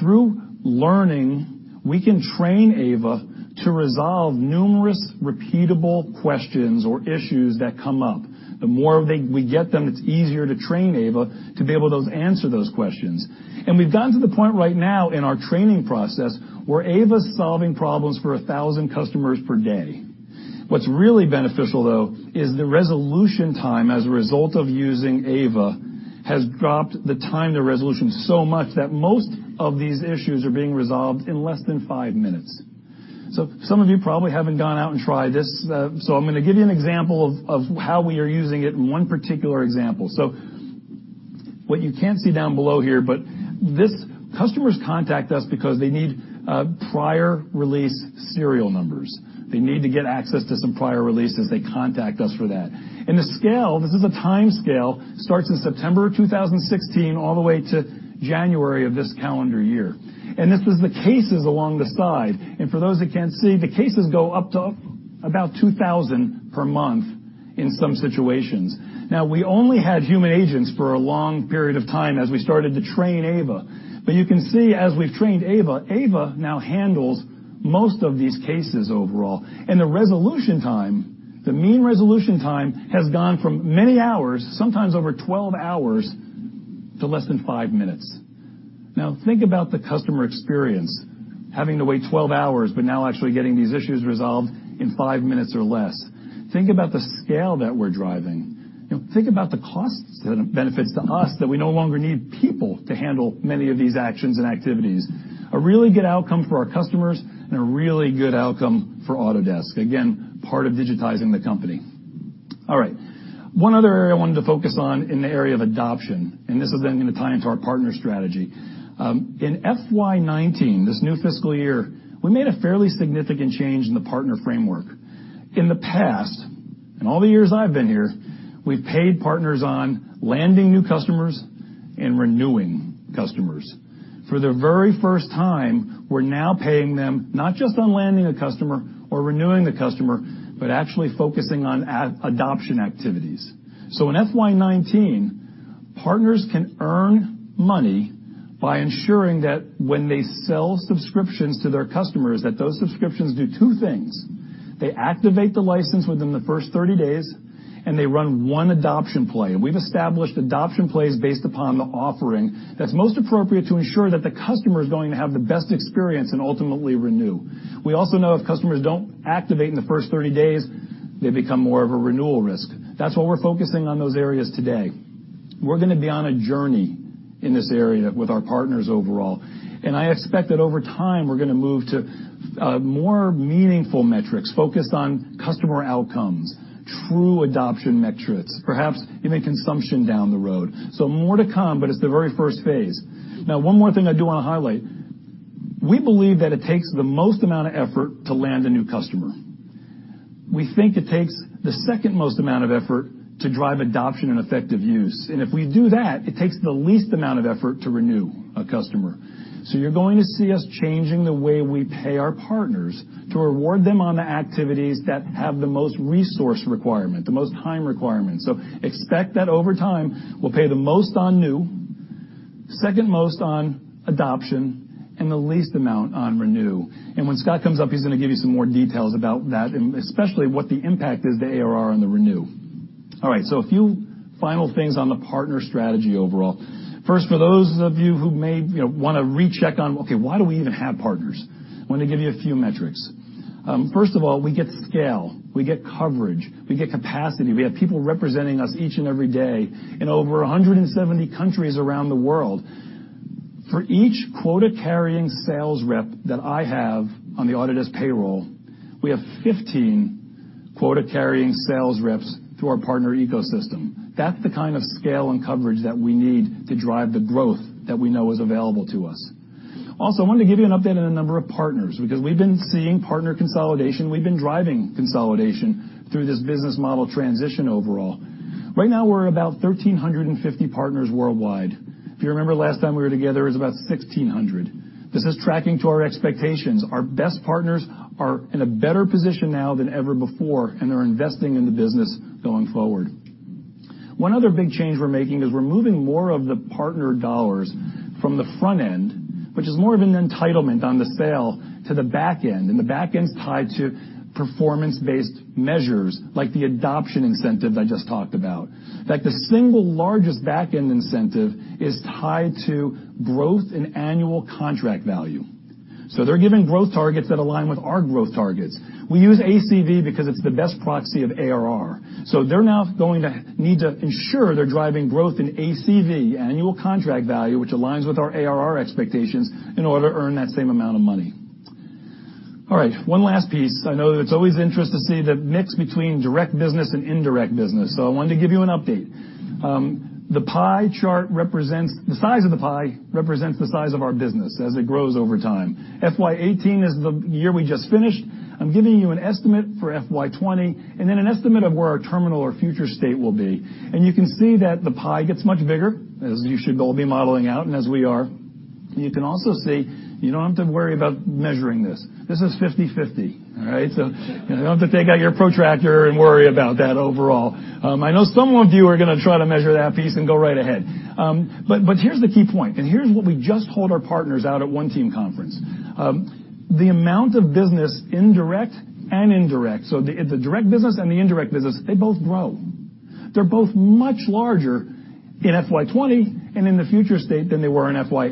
Through learning, we can train AVA to resolve numerous repeatable questions or issues that come up. The more we get them, it's easier to train AVA to be able to answer those questions. We've gotten to the point right now in our training process where AVA's solving problems for 1,000 customers per day. What's really beneficial, though, is the resolution time as a result of using AVA has dropped the time to resolution so much that most of these issues are being resolved in less than 5 minutes. Some of you probably haven't gone out and tried this, I'm going to give you an example of how we are using it in one particular example. What you can't see down below here, but customers contact us because they need prior release serial numbers. They need to get access to some prior releases. They contact us for that. The scale, this is a time scale, starts in September 2016 all the way to January of this calendar year. This is the cases along the side. For those that can't see, the cases go up to about 2,000 per month in some situations. We only had human agents for a long period of time as we started to train AVA. You can see as we've trained AVA now handles most of these cases overall. The resolution time, the mean resolution time has gone from many hours, sometimes over 12 hours, to less than 5 minutes. Think about the customer experience, having to wait 12 hours, but now actually getting these issues resolved in 5 minutes or less. Think about the scale that we're driving. Think about the cost benefits to us that we no longer need people to handle many of these actions and activities. A really good outcome for our customers, and a really good outcome for Autodesk. Again, part of digitizing the company. All right. One other area I wanted to focus on in the area of adoption, this is going to tie into our partner strategy. In FY 2019, this new fiscal year, we made a fairly significant change in the partner framework. In the past, in all the years I've been here, we've paid partners on landing new customers and renewing customers. For the very first time, we're now paying them not just on landing a customer or renewing the customer, but actually focusing on adoption activities. In FY 2019, partners can earn money by ensuring that when they sell subscriptions to their customers, that those subscriptions do 2 things. They activate the license within the first 30 days, and they run 1 adoption play. We've established adoption plays based upon the offering that's most appropriate to ensure that the customer is going to have the best experience and ultimately renew. We also know if customers don't activate in the first 30 days, they become more of a renewal risk. That's why we're focusing on those areas today. We're going to be on a journey in this area with our partners overall. I expect that over time, we're going to move to more meaningful metrics focused on customer outcomes, true adoption metrics, perhaps even consumption down the road. More to come, but it's the very first phase. One more thing I do want to highlight. We believe that it takes the most amount of effort to land a new customer. We think it takes the second most amount of effort to drive adoption and effective use. If we do that, it takes the least amount of effort to renew a customer. You're going to see us changing the way we pay our partners to reward them on the activities that have the most resource requirement, the most time requirement. Expect that over time, we'll pay the most on new, second most on adoption, and the least amount on renew. When Scott comes up, he's going to give you some more details about that, and especially what the impact is to ARR on the renew. All right. A few final things on the partner strategy overall. First, for those of you who may want to recheck on, okay, why do we even have partners? I want to give you a few metrics. First of all, we get scale. We get coverage. We get capacity. We have people representing us each and every day in over 170 countries around the world. For each quota-carrying sales rep that I have on the Autodesk payroll, we have 15 quota-carrying sales reps through our partner ecosystem. That's the kind of scale and coverage that we need to drive the growth that we know is available to us. I wanted to give you an update on a number of partners, because we've been seeing partner consolidation, we've been driving consolidation through this business model transition overall. Right now, we're about 1,350 partners worldwide. If you remember, last time we were together, it was about 1,600. This is tracking to our expectations. Our best partners are in a better position now than ever before, and they're investing in the business going forward. One other big change we're making is we're moving more of the partner dollars from the front end, which is more of an entitlement on the sale, to the back end, the back end's tied to performance-based measures like the adoption incentive I just talked about. In fact, the single largest back end incentive is tied to growth in annual contract value. They're giving growth targets that align with our growth targets. We use ACV because it's the best proxy of ARR. They're now going to need to ensure they're driving growth in ACV, annual contract value, which aligns with our ARR expectations, in order to earn that same amount of money. All right, one last piece. I know that it's always interesting to see the mix between direct business and indirect business, so I wanted to give you an update. The size of the pie represents the size of our business as it grows over time. FY 2018 is the year we just finished. I'm giving you an estimate for FY 2020, and then an estimate of where our terminal or future state will be. You can see that the pie gets much bigger, as you should all be modeling out and as we are. You can also see you don't have to worry about measuring this. This is 50/50. All right. You don't have to take out your protractor and worry about that overall. I know some of you are going to try to measure that piece, and go right ahead. Here's the key point, and here's what we just told our partners out at One Team Conference. The amount of business, indirect and direct, so the direct business and the indirect business, they both grow. They're both much larger in FY 2020 and in the future state than they were in FY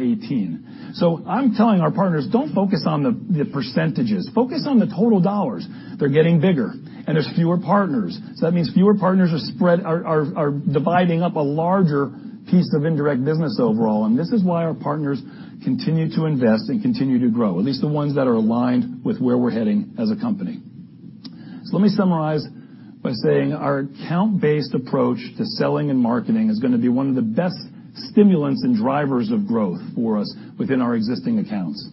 2018. I'm telling our partners, "Don't focus on the percentages. Focus on the total dollars." They're getting bigger and there's fewer partners. That means fewer partners are dividing up a larger piece of indirect business overall, and this is why our partners continue to invest and continue to grow, at least the ones that are aligned with where we're heading as a company. Let me summarize by saying our account-based approach to selling and marketing is going to be one of the best stimulants and drivers of growth for us within our existing accounts.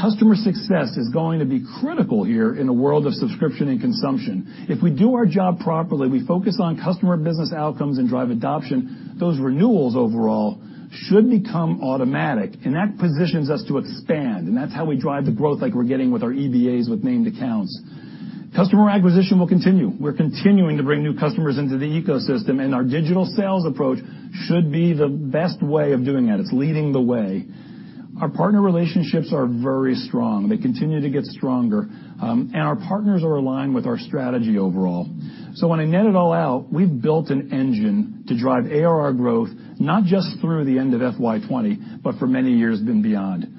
Customer success is going to be critical here in the world of subscription and consumption. If we do our job properly, we focus on customer business outcomes and drive adoption, those renewals overall should become automatic, and that positions us to expand, and that's how we drive the growth like we're getting with our EBAs with named accounts. Customer acquisition will continue. We're continuing to bring new customers into the ecosystem, and our digital sales approach should be the best way of doing that. It's leading the way. Our partner relationships are very strong. They continue to get stronger, and our partners are aligned with our strategy overall. When I net it all out, we've built an engine to drive ARR growth, not just through the end of FY 2020, but for many years and beyond.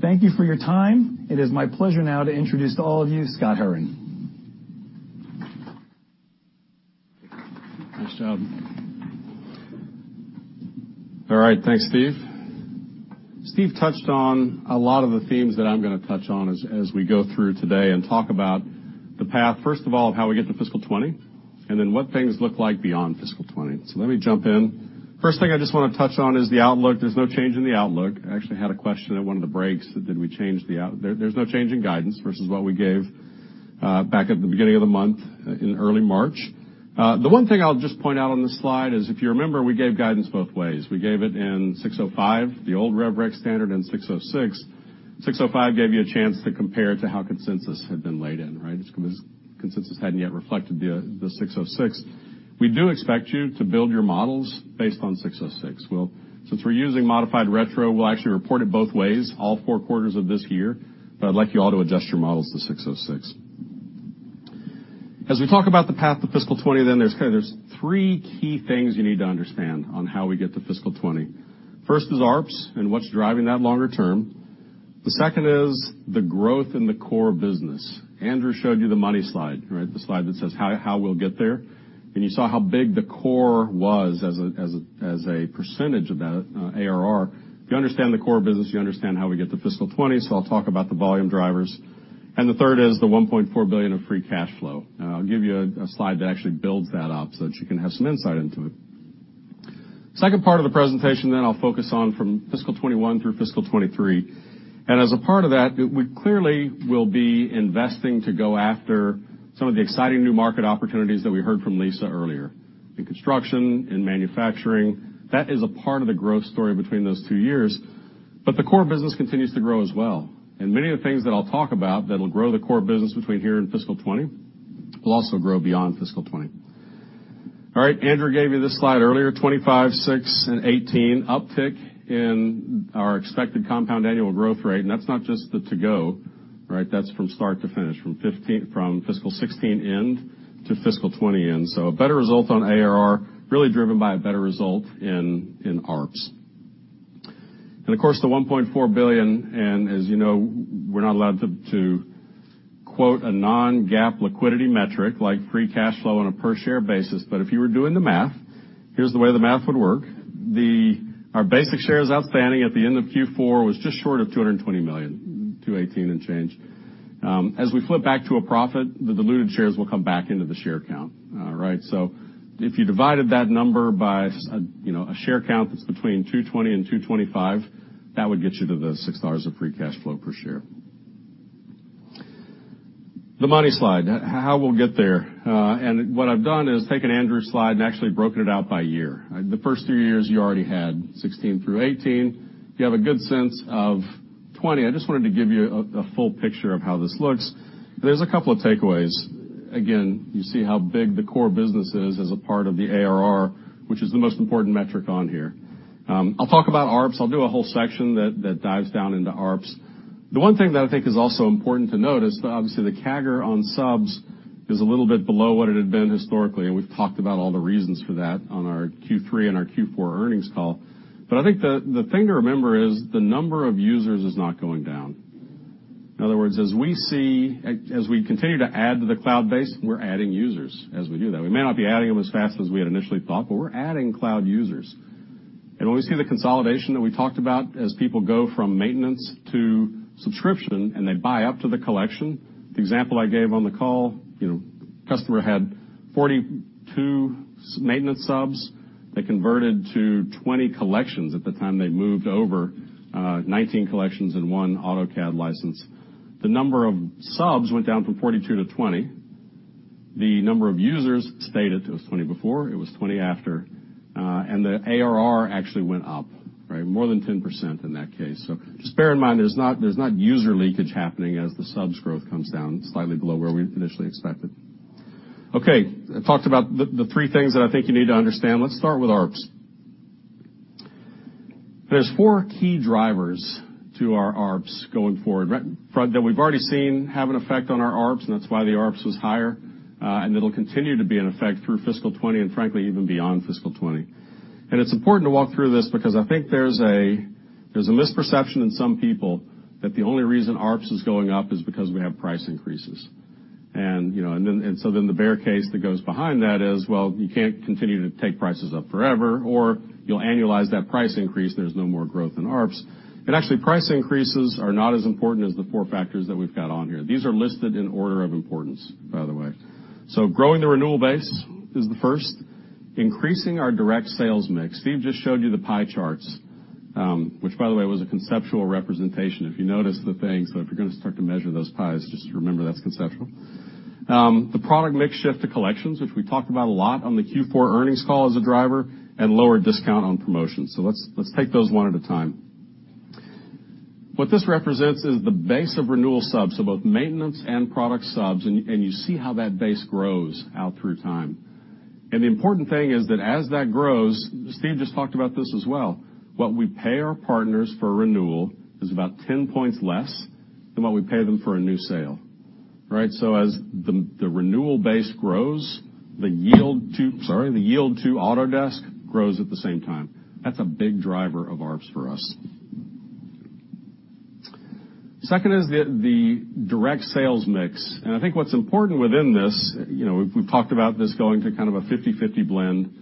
Thank you for your time. It is my pleasure now to introduce to all of you, Scott Herren. Nice job. All right. Thanks, Steve. Steve touched on a lot of the themes that I'm going to touch on as we go through today and talk about the path, first of all, of how we get to fiscal 2020, and then what things look like beyond fiscal 2020. Let me jump in. First thing I just want to touch on is the outlook. There's no change in the outlook. I actually had a question at one of the breaks, did we change There's no change in guidance versus what we gave back at the beginning of the month in early March. The one thing I'll just point out on this slide is, if you remember, we gave guidance both ways. We gave it in 605, the old rev rec standard, and 606. 605 gave you a chance to compare it to how consensus had been laid in, right? Consensus hadn't yet reflected the 606. We do expect you to build your models based on 606. Since we're using modified retro, we'll actually report it both ways all four quarters of this year, but I'd like you all to adjust your models to 606. As we talk about the path to fiscal 2020, there's three key things you need to understand on how we get to fiscal 2020. First is ARPS and what's driving that longer term. The second is the growth in the core business. Andrew showed you the money slide, right? The slide that says how we'll get there. You saw how big the core was as a percentage of that ARR. If you understand the core business, you understand how we get to fiscal 2020, so I'll talk about the volume drivers. The third is the $1.4 billion of free cash flow. I'll give you a slide that actually builds that out so that you can have some insight into it. Second part of the presentation, I'll focus on from fiscal 2021 through fiscal 2023. As a part of that, we clearly will be investing to go after some of the exciting new market opportunities that we heard from Lisa earlier. In construction, in manufacturing. That is a part of the growth story between those two years. The core business continues to grow as well. Many of the things that I'll talk about that'll grow the core business between here and fiscal 2020 will also grow beyond fiscal 2020. All right, Andrew gave you this slide earlier, 25, six, and 18. Uptick in our expected compound annual growth rate, that's not just the to-go, right? That's from start to finish, from fiscal 2016 end to fiscal 2020 end. A better result on ARR, really driven by a better result in ARPS. Of course, the $1.4 billion, as you know, we're not allowed to quote a non-GAAP liquidity metric, like free cash flow on a per share basis. If you were doing the math, here's the way the math would work. Our basic shares outstanding at the end of Q4 was just short of 220 million, 218 and change. As we flip back to a profit, the diluted shares will come back into the share count. If you divided that number by a share count that's between 220 and 225, that would get you to the $6 of free cash flow per share. The money slide, how we'll get there. What I've done is taken Andrew's slide and actually broken it out by year. The first three years you already had 2016 through 2018. You have a good sense of 2020. I just wanted to give you a full picture of how this looks. There's a couple of takeaways. Again, you see how big the core business is as a part of the ARR, which is the most important metric on here. I'll talk about ARPS, I'll do a whole section that dives down into ARPS. The one thing that I think is also important to note is that obviously, the CAGR on subs is a little bit below what it had been historically, and we've talked about all the reasons for that on our Q3 and our Q4 earnings call. I think the thing to remember is the number of users is not going down. In other words, as we continue to add to the cloud base, we're adding users as we do that. We may not be adding them as fast as we had initially thought, but we're adding cloud users. When we see the consolidation that we talked about as people go from maintenance to subscription and they buy up to the collection, the example I gave on the call, a customer had 42 maintenance subs. They converted to 20 collections at the time they moved over, 19 collections and one AutoCAD license. The number of subs went down from 42 to 20. The number of users stayed at, it was 20 before, it was 20 after. The ARR actually went up. More than 10% in that case. Just bear in mind, there's not user leakage happening as the subs growth comes down slightly below where we initially expected. Okay, I talked about the three things that I think you need to understand. Let's start with ARPS. There's four key drivers to our ARPS going forward that we've already seen have an effect on our ARPS, and that's why the ARPS was higher. It'll continue to be in effect through fiscal 2020, and frankly, even beyond fiscal 2020. It's important to walk through this because I think there's a misperception in some people that the only reason ARPS is going up is because we have price increases. The bear case that goes behind that is, well, you can't continue to take prices up forever, or you'll annualize that price increase and there's no more growth in ARPS. Actually, price increases are not as important as the four factors that we've got on here. These are listed in order of importance, by the way. Growing the renewal base is the first. Increasing our direct sales mix. Steve just showed you the pie charts. Which, by the way, was a conceptual representation. If you notice the things, if you're going to start to measure those pies, just remember that's conceptual. The product mix shift to collections, which we talked about a lot on the Q4 earnings call as a driver, and lower discount on promotions. Let's take those one at a time. What this represents is the base of renewal subs, so both maintenance and product subs, and you see how that base grows out through time. The important thing is that as that grows, Steve just talked about this as well, what we pay our partners for a renewal is about 10 points less than what we pay them for a new sale. As the renewal base grows, the yield to Autodesk grows at the same time. That's a big driver of ARPS for us. Second is the direct sales mix. I think what's important within this, we've talked about this going to kind of a 50/50 blend.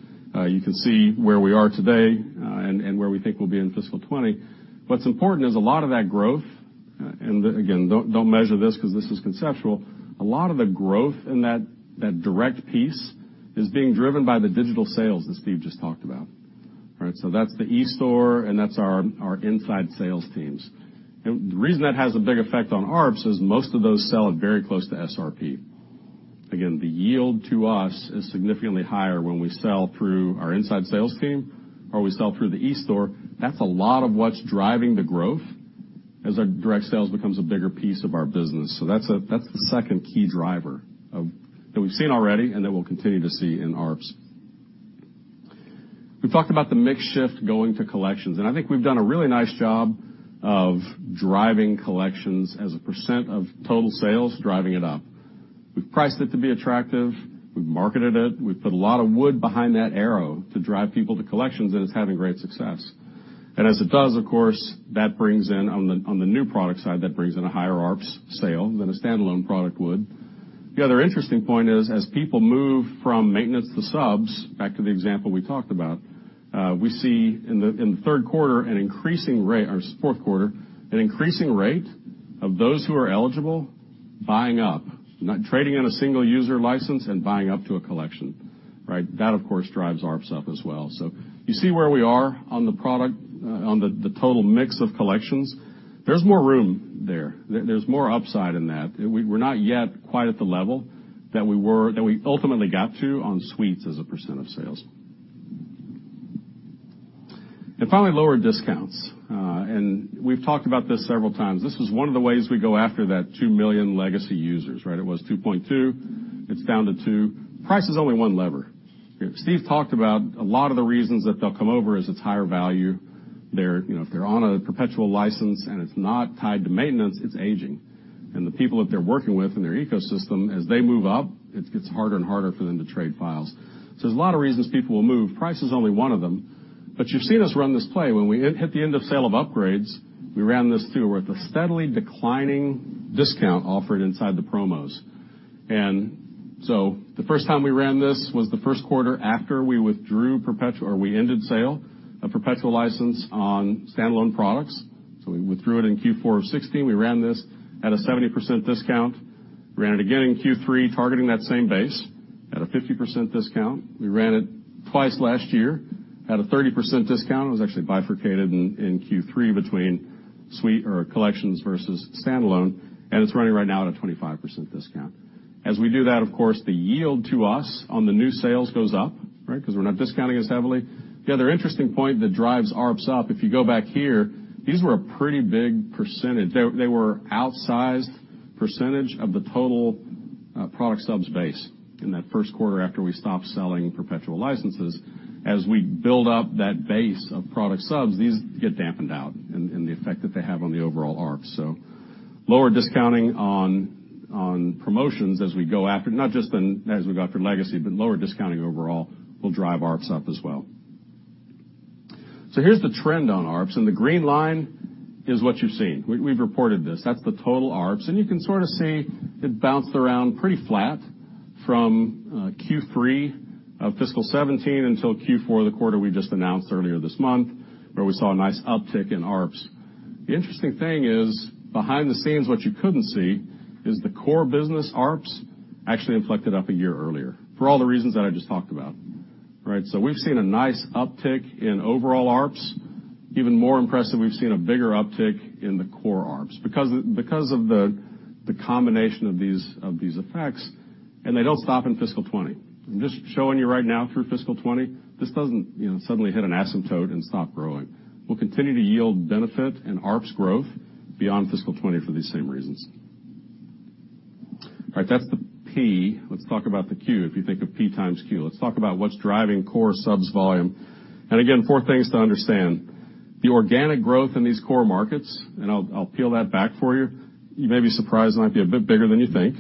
You can see where we are today and where we think we'll be in fiscal 2020. What's important is a lot of that growth, and again, don't measure this because this is conceptual, a lot of the growth in that direct piece is being driven by the digital sales that Steve just talked about. That's the eStore, and that's our inside sales teams. The reason that has a big effect on ARPS is most of those sell at very close to SRP. Again, the yield to us is significantly higher when we sell through our inside sales team or we sell through the eStore. That's a lot of what's driving the growth as our direct sales becomes a bigger piece of our business. That's the second key driver that we've seen already and that we'll continue to see in ARPS. We've talked about the mix shift going to collections, and I think we've done a really nice job of driving collections as a % of total sales, driving it up. We've priced it to be attractive. We've marketed it. We've put a lot of wood behind that arrow to drive people to collections, and it's having great success. As it does, of course, on the new product side, that brings in a higher ARPS sale than a standalone product would. The other interesting point is, as people move from maintenance to subs, back to the example we talked about, we see in the fourth quarter, an increasing rate of those who are eligible buying up, trading in a single user license and buying up to a collection. That, of course, drives ARPS up as well. You see where we are on the total mix of collections. There's more room there. There's more upside in that. We're not yet quite at the level that we ultimately got to on suites as a % of sales. Finally, lower discounts. We've talked about this several times. This is one of the ways we go after that 2 million legacy users. It was 2.2, it's down to 2. Price is only one lever. Steve talked about a lot of the reasons that they'll come over is it's higher value. If they're on a perpetual license and it's not tied to maintenance, it's aging. The people that they're working with in their ecosystem, as they move up, it gets harder and harder for them to trade files. There's a lot of reasons people will move. Price is only one of them. You've seen us run this play. When we hit the end of sale of upgrades, we ran this too, with a steadily declining discount offered inside the promos. The first time we ran this was the first quarter after we ended sale of perpetual license on standalone products. We withdrew it in Q4 of 2016. We ran this at a 70% discount. We ran it again in Q3, targeting that same base at a 50% discount. We ran it twice last year at a 30% discount. It was actually bifurcated in Q3 between collections versus standalone, and it's running right now at a 25% discount. As we do that, of course, the yield to us on the new sales goes up, right? Because we're not discounting as heavily. The other interesting point that drives ARPS up, if you go back here, these were a pretty big %. They were outsized percentage of the total product subs base in that first quarter after we stopped selling perpetual licenses. As we build up that base of product subs, these get dampened out in the effect that they have on the overall ARPS. Lower discounting on promotions as we go after, not just as we go after legacy, but lower discounting overall will drive ARPS up as well. Here's the trend on ARPS, and the green line is what you've seen. We've reported this. That's the total ARPS, and you sort of see it bounced around pretty flat from Q3 of fiscal 2017 until Q4, the quarter we just announced earlier this month, where we saw a nice uptick in ARPS. The interesting thing is, behind the scenes, what you couldn't see is the core business ARPS actually inflected up a year earlier for all the reasons that I just talked about, right? We've seen a nice uptick in overall ARPS. Even more impressive, we've seen a bigger uptick in the core ARPS because of the combination of these effects, and they don't stop in fiscal 2020. I'm just showing you right now through fiscal 2020, this doesn't suddenly hit an asymptote and stop growing. We'll continue to yield benefit and ARPS growth beyond fiscal 2020 for these same reasons. All right, that's the P. Let's talk about the Q. If you think of P times Q. Let's talk about what's driving core subs volume. Again, four things to understand. The organic growth in these core markets, and I'll peel that back for you. You may be surprised, it might be a bit bigger than you think.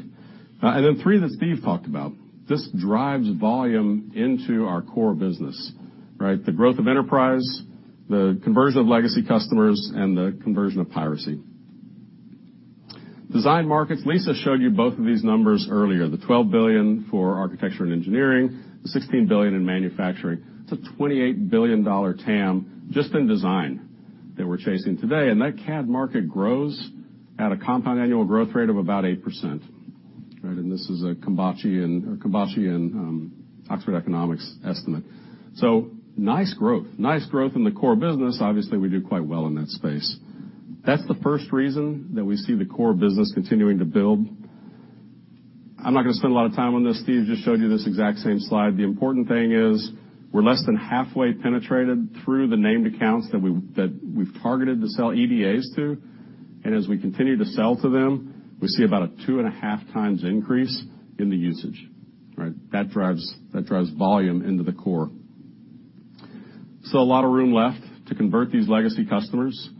Then three that Steve talked about. This drives volume into our core business, right? The growth of enterprise, the conversion of legacy customers, and the conversion of piracy. Design markets. Lisa showed you both of these numbers earlier, the $12 billion for architecture and engineering, the $16 billion in manufacturing. It's a $28 billion TAM just in design that we're chasing today. That CAD market grows at a compound annual growth rate of about 8%, right? This is a Cambashi and Oxford Economics estimate. Nice growth. Nice growth in the core business. Obviously, we do quite well in that space. That's the first reason that we see the core business continuing to build. I'm not going to spend a lot of time on this. Steve just showed you this exact same slide. The important thing is we're less than halfway penetrated through the named accounts that we've targeted to sell EBAs to. As we continue to sell to them, we see about a two and a half times increase in the usage, right? That drives volume into the core. A lot of room left to convert these legacy customers.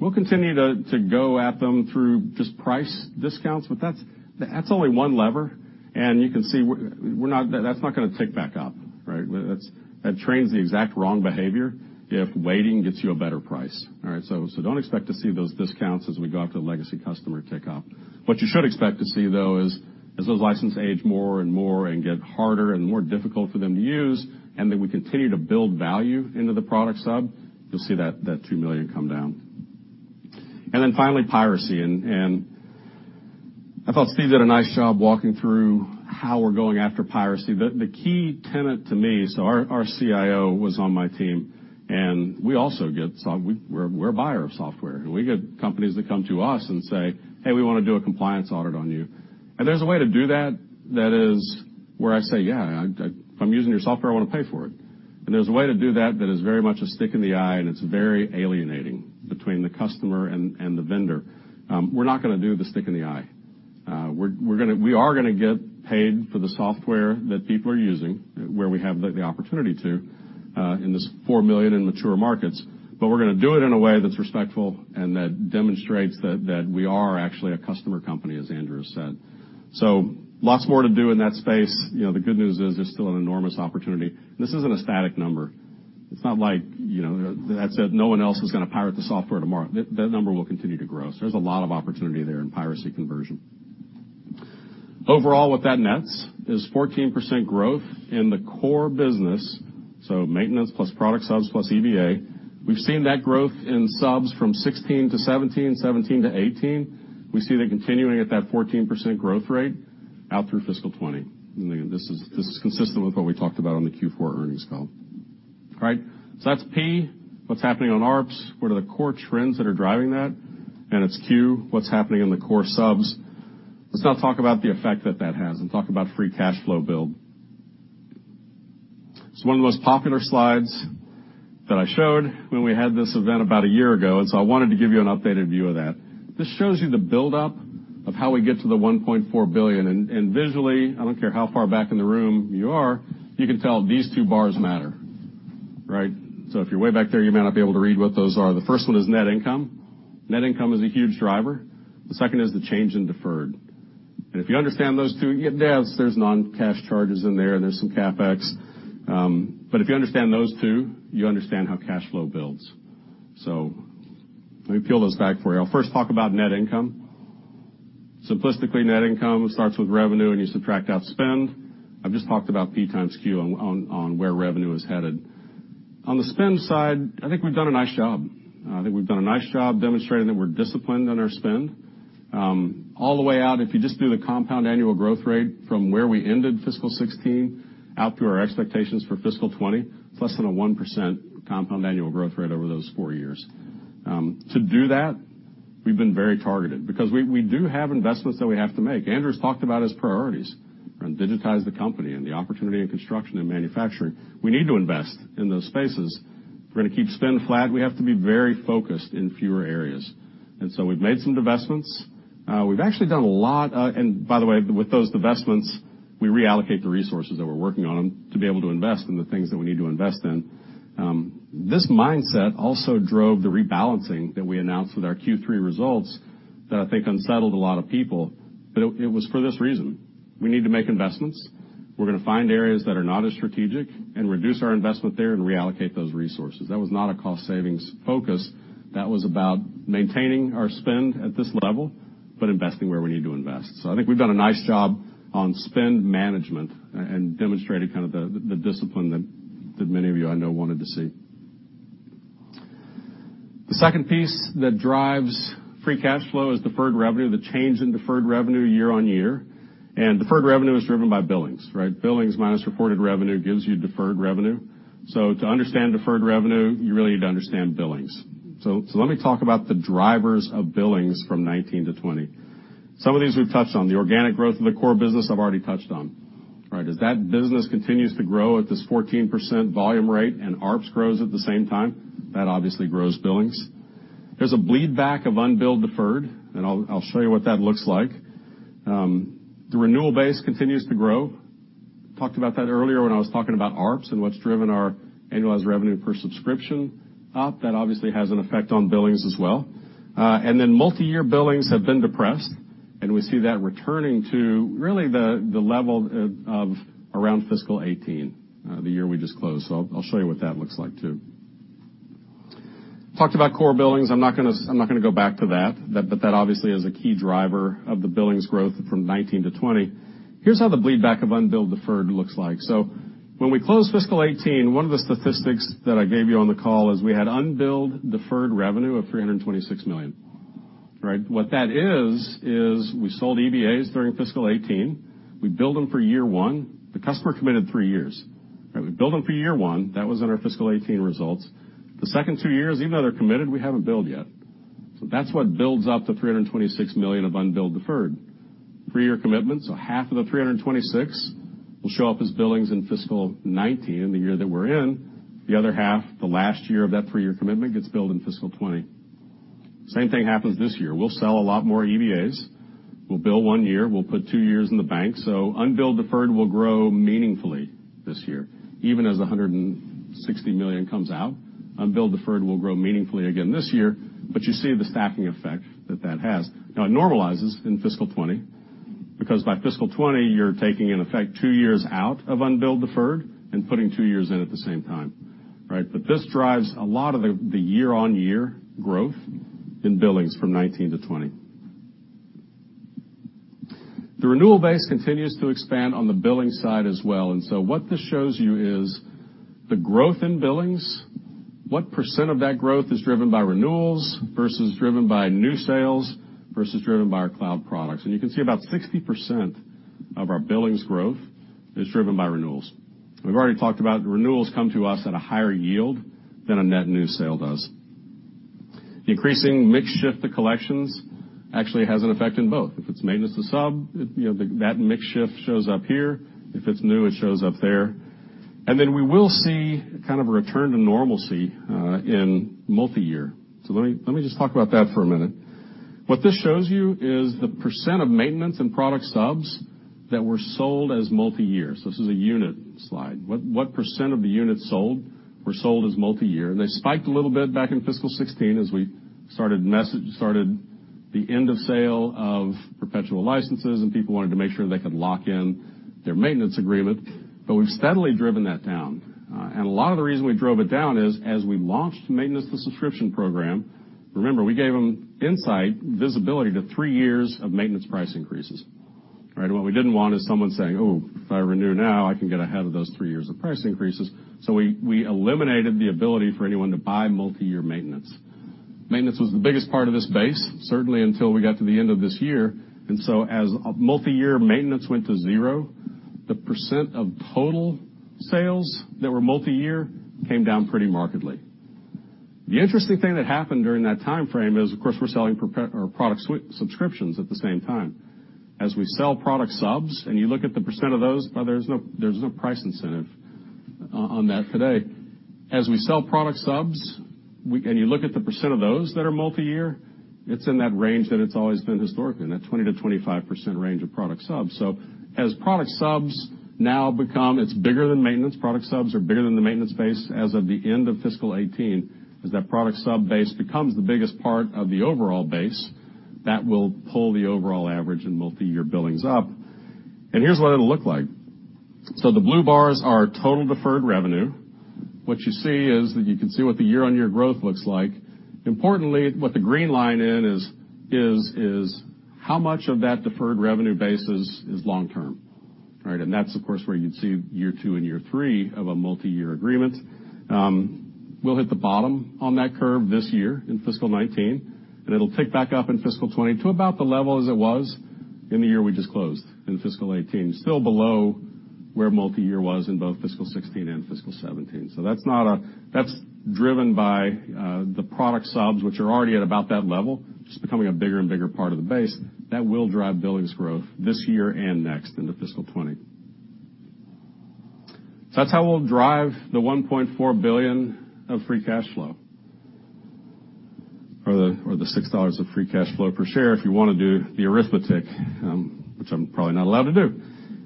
We'll continue to go at them through just price discounts, but that's only one lever. You can see that's not going to tick back up, right? That trains the exact wrong behavior if waiting gets you a better price. All right, don't expect to see those discounts as we go after the legacy customer tick up. What you should expect to see, though, is as those license age more and more and get harder and more difficult for them to use and that we continue to build value into the product sub, you'll see that $2 million come down. Finally, piracy. I thought Steve did a nice job walking through how we're going after piracy. The key tenet to me. Our CIO was on my team, we're a buyer of software, and we get companies that come to us and say, "Hey, we want to do a compliance audit on you." There's a way to do that that is where I say, "Yeah, if I'm using your software, I want to pay for it." There's a way to do that that is very much a stick in the eye, and it's very alienating between the customer and the vendor. We're not going to do the stick in the eye. We are going to get paid for the software that people are using, where we have the opportunity to in this $4 million in mature markets, but we're going to do it in a way that's respectful and that demonstrates that we are actually a customer company, as Andrew said. Lots more to do in that space. The good news is there's still an enormous opportunity. This isn't a static number. It's not like that's it, no one else is going to pirate the software tomorrow. That number will continue to grow. There's a lot of opportunity there in piracy conversion. Overall, what that nets is 14% growth in the core business. Maintenance plus product subs plus EBA. We've seen that growth in subs from 2016 to 2017 to 2018. We see that continuing at that 14% growth rate out through fiscal 2020. Again, this is consistent with what we talked about on the Q4 earnings call. That's P, what's happening on ARPS, what are the core trends that are driving that? It's Q, what's happening in the core subs. Let's now talk about the effect that that has and talk about free cash flow build. It's one of the most popular slides that I showed when we had this event about a year ago, I wanted to give you an updated view of that. This shows you the buildup of how we get to the $1.4 billion. Visually, I don't care how far back in the room you are, you can tell these two bars matter, right? If you're way back there, you might not be able to read what those are. The first one is net income. Net income is a huge driver. The second is the change in deferred. If you understand those two, there's non-cash charges in there's some CapEx. If you understand those two, you understand how cash flow builds. Let me peel those back for you. I'll first talk about net income. Simplistically, net income starts with revenue and you subtract out spend. I've just talked about P times Q on where revenue is headed. On the spend side, I think we've done a nice job. I think we've done a nice job demonstrating that we're disciplined on our spend. All the way out, if you just do the compound annual growth rate from where we ended fiscal 2016 out through our expectations for fiscal 2020, it's less than a 1% compound annual growth rate over those four years. To do that, we've been very targeted because we do have investments that we have to make. Andrew's talked about his priorities, digitize the company and the opportunity in construction and manufacturing. We need to invest in those spaces. If we're going to keep spend flat, we have to be very focused in fewer areas. We've made some divestments. We've actually done a lot. By the way, with those divestments, we reallocate the resources that we're working on to be able to invest in the things that we need to invest in. This mindset also drove the rebalancing that we announced with our Q3 results that I think unsettled a lot of people, but it was for this reason. We need to make investments. We're going to find areas that are not as strategic and reduce our investment there and reallocate those resources. That was not a cost savings focus. That was about maintaining our spend at this level, but investing where we need to invest. I think we've done a nice job on spend management and demonstrated the discipline that many of you, I know, wanted to see. The second piece that drives free cash flow is deferred revenue, the change in deferred revenue year-over-year. Deferred revenue is driven by billings. Billings minus reported revenue gives you deferred revenue. To understand deferred revenue, you really need to understand billings. Let me talk about the drivers of billings from 2019 to 2020. Some of these we've touched on. The organic growth of the core business I've already touched on. As that business continues to grow at this 14% volume rate and ARPS grows at the same time, that obviously grows billings. There's a bleed back of unbilled deferred, and I'll show you what that looks like. The renewal base continues to grow. Talked about that earlier when I was talking about ARPS and what's driven our annualized revenue per subscription up. That obviously has an effect on billings as well. Multi-year billings have been depressed, and we see that returning to really the level of around fiscal 2018, the year we just closed. I'll show you what that looks like too. Talked about core billings. I'm not going to go back to that, but that obviously is a key driver of the billings growth from 2019 to 2020. Here's how the bleed back of unbilled deferred looks like. When we closed fiscal 2018, one of the statistics that I gave you on the call is we had unbilled deferred revenue of $326 million. What that is we sold EBAs during fiscal 2018. We billed them for year one. The customer committed three years. We billed them for year one. That was in our fiscal 2018 results. The second two years, even though they're committed, we haven't billed yet. That's what builds up the $326 million of unbilled deferred. Three-year commitment, so half of the 326 will show up as billings in fiscal 2019, the year that we're in. The other half, the last year of that three-year commitment, gets billed in fiscal 2020. Same thing happens this year. We'll sell a lot more EBAs. We'll bill one year. We'll put two years in the bank. Unbilled deferred will grow meaningfully this year. Even as $160 million comes out, unbilled deferred will grow meaningfully again this year, but you see the stacking effect that that has. It normalizes in fiscal 2020 because by fiscal 2020, you're taking, in effect, two years out of unbilled deferred and putting two years in at the same time. This drives a lot of the year-over-year growth in billings from 2019 to 2020. The renewal base continues to expand on the billing side as well. What this shows you is the growth in billings, what % of that growth is driven by renewals versus driven by new sales versus driven by our cloud products. You can see about 60% of our billings growth is driven by renewals. We've already talked about renewals come to us at a higher yield than a net new sale does. The increasing mix shift to collections actually has an effect in both. If it's maintenance to sub, that mix shift shows up here. If it's new, it shows up there. We will see a return to normalcy in multi-year. Let me just talk about that for a minute. What this shows you is the % of maintenance and product subs that were sold as multi-year. This is a unit slide. What % of the units sold were sold as multi-year? They spiked a little bit back in fiscal 2016 as we started the end of sale of perpetual licenses and people wanted to make sure they could lock in their maintenance agreement, we've steadily driven that down. A lot of the reason we drove it down is as we launched maintenance to subscription program, remember, we gave them insight, visibility to three years of maintenance price increases. What we didn't want is someone saying, "Oh, if I renew now, I can get ahead of those three years of price increases." We eliminated the ability for anyone to buy multi-year maintenance. Maintenance was the biggest part of this base, certainly until we got to the end of this year. As multi-year maintenance went to zero, the % of total sales that were multi-year came down pretty markedly. The interesting thing that happened during that time frame is, of course, we're selling product subscriptions at the same time. As we sell product subs, and you look at the % of those, there's no price incentive on that today. As we sell product subs, and you look at the % of those that are multi-year, it's in that range that it's always been historically in, that 20%-25% range of product subs. As product subs now become, it's bigger than maintenance. Product subs are bigger than the maintenance base as of the end of fiscal 2018. As that product sub base becomes the biggest part of the overall base, that will pull the overall average and multi-year billings up. Here's what it'll look like. The blue bars are total deferred revenue. What you see is that you can see what the year-on-year growth looks like. Importantly, what the green line is how much of that deferred revenue base is long-term, right? That's, of course, where you'd see year two and year three of a multi-year agreement. We'll hit the bottom on that curve this year in fiscal 2019, and it'll tick back up in fiscal 2020 to about the level as it was in the year we just closed, in fiscal 2018. Still below where multi-year was in both fiscal 2016 and fiscal 2017. That's driven by the product subs, which are already at about that level. Just becoming a bigger and bigger part of the base. That will drive billings growth this year and next into fiscal 2020. That's how we'll drive the $1.4 billion of free cash flow or the $6 of free cash flow per share if you wanna do the arithmetic, which I'm probably not allowed to do.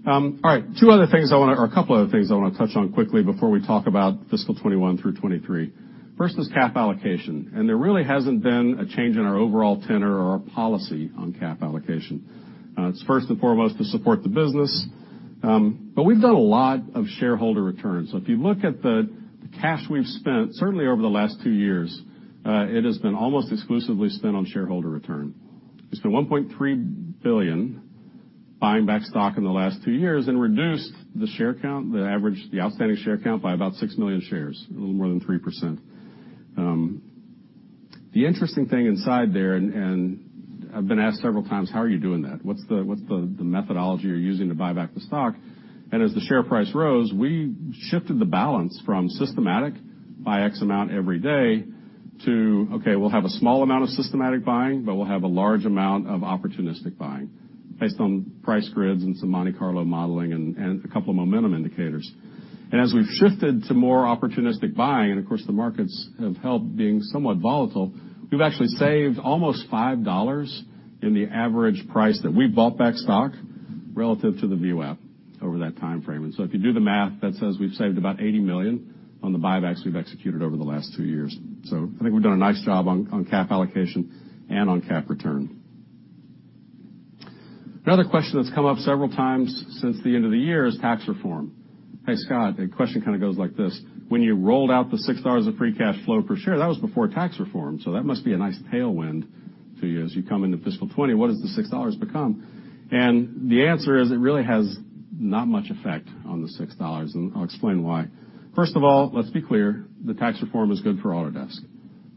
All right. Two other things I want to, or a couple other things I want to touch on quickly before we talk about fiscal 2021 through 2023. First is CapEx allocation, there really hasn't been a change in our overall tenor or our policy on CapEx allocation. It's first and foremost to support the business. We've done a lot of shareholder returns. If you look at the Cash we've spent, certainly over the last two years, it has been almost exclusively spent on shareholder return. We spent $1.3 billion buying back stock in the last two years and reduced the share count, the average, the outstanding share count by about 6 million shares, a little more than 3%. The interesting thing inside there, I've been asked several times, how are you doing that? What's the methodology you're using to buy back the stock? As the share price rose, we shifted the balance from systematic by X amount every day to, okay, we'll have a small amount of systematic buying, we'll have a large amount of opportunistic buying based on price grids and some Monte Carlo modeling and a couple of momentum indicators. As we've shifted to more opportunistic buying, of course, the markets have helped being somewhat volatile, we've actually saved almost $5 in the average price that we've bought back stock relative to the VWAP over that timeframe. If you do the math, that says we've saved about $80 million on the buybacks we've executed over the last two years. I think we've done a nice job on CapEx allocation and on CapEx return. Another question that's come up several times since the end of the year is tax reform. "Hey, Scott," the question kind of goes like this, "When you rolled out the $6 of free cash flow per share, that was before tax reform, that must be a nice tailwind to you as you come into fiscal 2020. What does the $6 become?" The answer is it really has not much effect on the $6, and I'll explain why. First of all, let's be clear, the tax reform is good for Autodesk,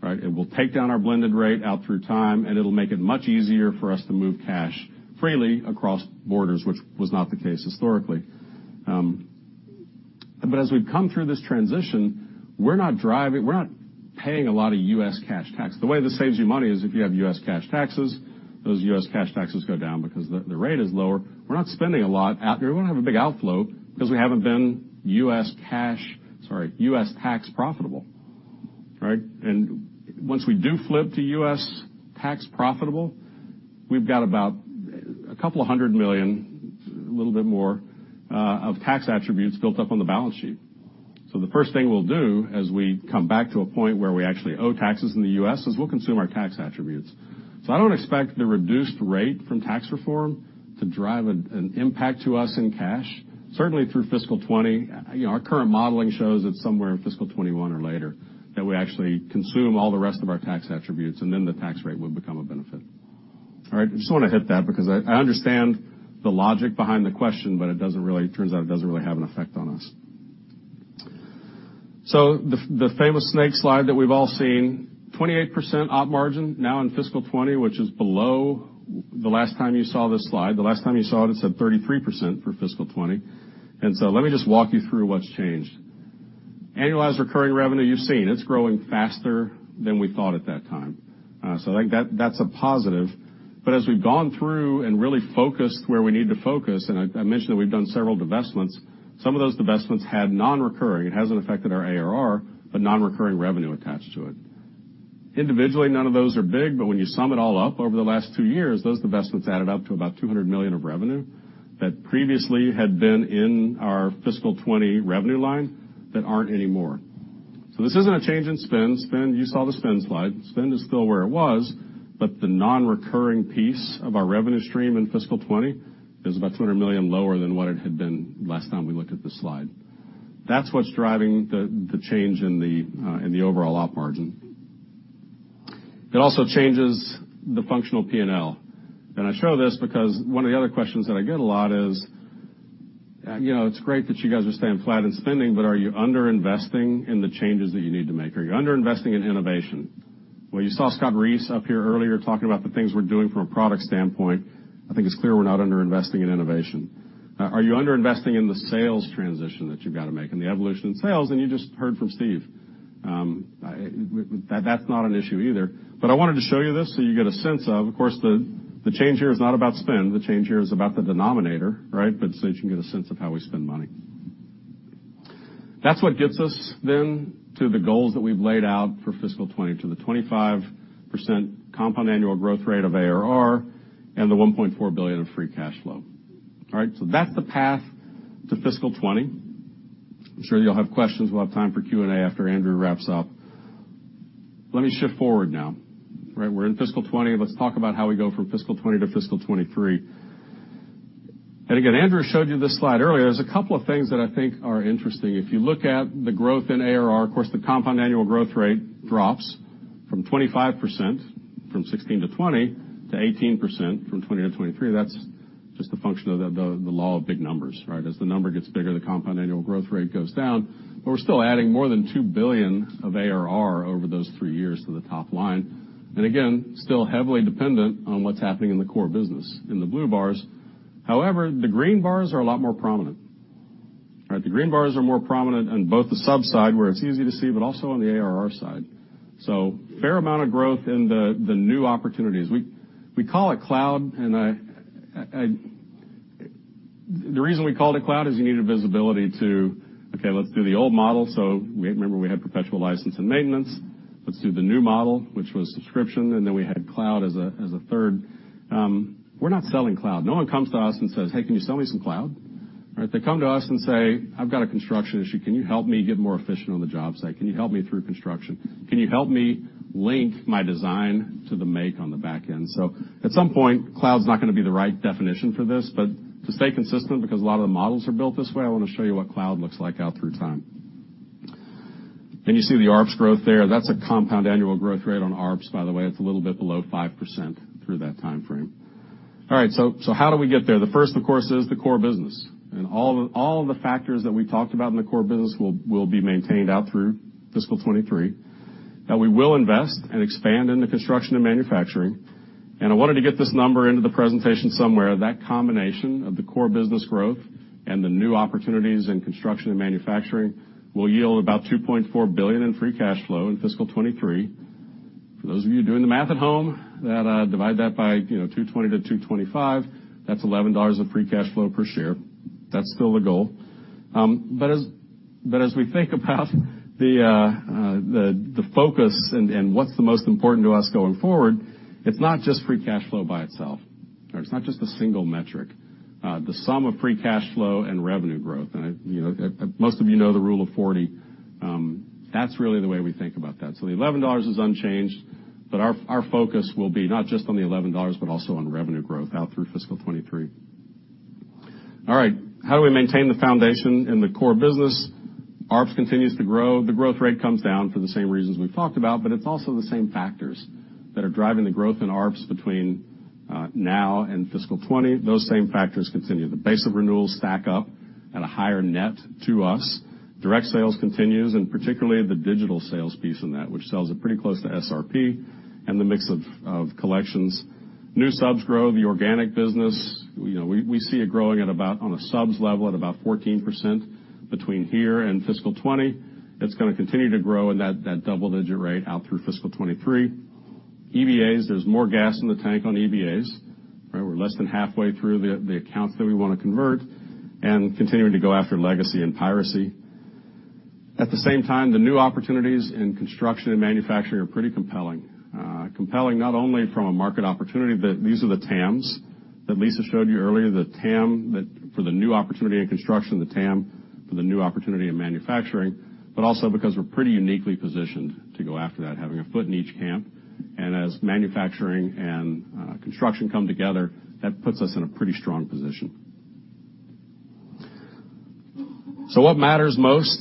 right? It will take down our blended rate out through time, and it'll make it much easier for us to move cash freely across borders, which was not the case historically. As we've come through this transition, we're not paying a lot of U.S. cash tax. The way this saves you money is if you have U.S. cash taxes, those U.S. cash taxes go down because the rate is lower. We're not spending a lot out here. We don't have a big outflow because we haven't been U.S. cash, sorry, U.S. tax profitable. Right. Once we do flip to U.S. tax profitable, we've got about a couple of hundred million, a little bit more, of tax attributes built up on the balance sheet. The first thing we'll do as we come back to a point where we actually owe taxes in the U.S. is we'll consume our tax attributes. I don't expect the reduced rate from tax reform to drive an impact to us in cash, certainly through fiscal 2020. Our current modeling shows it's somewhere in fiscal 2021 or later that we actually consume all the rest of our tax attributes, and then the tax rate would become a benefit. All right. I just want to hit that because I understand the logic behind the question, but it doesn't really, turns out, it doesn't really have an effect on us. The famous snake slide that we've all seen, 28% op margin now in fiscal 2020, which is below the last time you saw this slide. The last time you saw it said 33% for fiscal 2020. Let me just walk you through what's changed. Annualized recurring revenue, you've seen. It's growing faster than we thought at that time. I think that's a positive. As we've gone through and really focused where we need to focus, and I mentioned that we've done several divestments. Some of those divestments had non-recurring. It hasn't affected our ARR, but non-recurring revenue attached to it. Individually, none of those are big, but when you sum it all up over the last two years, those divestments added up to about $200 million of revenue that previously had been in our fiscal 2020 revenue line that aren't anymore. This isn't a change in spend. You saw the spend slide. Spend is still where it was, but the non-recurring piece of our revenue stream in fiscal 2020 is about $200 million lower than what it had been last time we looked at this slide. That's what's driving the change in the overall op margin. It also changes the functional P&L. I show this because one of the other questions that I get a lot is, "It's great that you guys are staying flat in spending, but are you under-investing in the changes that you need to make? Are you under-investing in innovation?" Well, you saw Scott Reese up here earlier talking about the things we're doing from a product standpoint. I think it's clear we're not under-investing in innovation. Are you under-investing in the sales transition that you've got to make and the evolution in sales? You just heard from Steve. That's not an issue either. I wanted to show you this so you get a sense of course, the change here is not about spend, the change here is about the denominator, right? That you can get a sense of how we spend money. That's what gets us then to the goals that we've laid out for fiscal 2020, to the 25% compound annual growth rate of ARR and the $1.4 billion of free cash flow. All right. That's the path to fiscal 2020. I'm sure you'll have questions. We'll have time for Q&A after Andrew wraps up. Let me shift forward now. We're in fiscal 2020. Let's talk about how we go from fiscal 2020 to fiscal 2023. Again, Andrew showed you this slide earlier. There's a couple of things that I think are interesting. If you look at the growth in ARR, of course, the compound annual growth rate drops from 25% from 2016 to 2020 to 18% from 2020 to 2023. That's just a function of the law of big numbers. As the number gets bigger, the compound annual growth rate goes down. We're still adding more than $2 billion of ARR over those three years to the top line. Again, still heavily dependent on what's happening in the core business in the blue bars. However, the green bars are a lot more prominent. The green bars are more prominent on both the sub side, where it's easy to see, but also on the ARR side. Fair amount of growth in the new opportunities. We call it cloud. The reason we called it cloud is you needed visibility to, okay, let's do the old model. Remember, we had perpetual license and maintenance. Let's do the new model, which was subscription. Then we had cloud as a third. We're not selling cloud. No one comes to us and says, "Hey, can you sell me some cloud?" They come to us and say, "I've got a construction issue. Can you help me get more efficient on the job site? Can you help me through construction? Can you help me link my design to the make on the back end?" At some point, cloud's not going to be the right definition for this, but to stay consistent because a lot of the models are built this way, I want to show you what cloud looks like out through time. You see the ARPS growth there. That's a compound annual growth rate on ARPS, by the way. It's a little bit below 5% through that timeframe. How do we get there? The first, of course, is the core business, and all of the factors that we talked about in the core business will be maintained out through fiscal 2023. Now we will invest and expand into construction and manufacturing. I wanted to get this number into the presentation somewhere. That combination of the core business growth and the new opportunities in construction and manufacturing will yield about $2.4 billion in free cash flow in fiscal 2023. For those of you doing the math at home, divide that by 220 to 225, that's $11 of free cash flow per share. That's still the goal. As we think about the focus and what's the most important to us going forward, it's not just free cash flow by itself. It's not just a single metric. The sum of free cash flow and revenue growth, and most of you know the rule of 40, that's really the way we think about that. The $11 is unchanged, but our focus will be not just on the $11, but also on revenue growth out through fiscal 2023. All right. How do we maintain the foundation in the core business? ARPS continues to grow. The growth rate comes down for the same reasons we've talked about, but it's also the same factors that are driving the growth in ARPS between now and fiscal 2020. Those same factors continue. The base of renewals stack up at a higher net to us. Direct sales continues, and particularly the digital sales piece in that, which sells at pretty close to SRP, and the mix of collections. New subs grow the organic business. We see it growing on a subs level at about 14% between here and fiscal 2020. It's going to continue to grow in that double-digit rate out through fiscal 2023. EBAs, there's more gas in the tank on EBAs. We're less than halfway through the accounts that we want to convert and continuing to go after legacy and piracy. At the same time, the new opportunities in construction and manufacturing are pretty compelling. Compelling not only from a market opportunity. These are the TAMs that Lisa showed you earlier, the TAM for the new opportunity in construction, the TAM for the new opportunity in manufacturing, but also because we're pretty uniquely positioned to go after that, having a foot in each camp. As manufacturing and construction come together, that puts us in a pretty strong position. What matters most?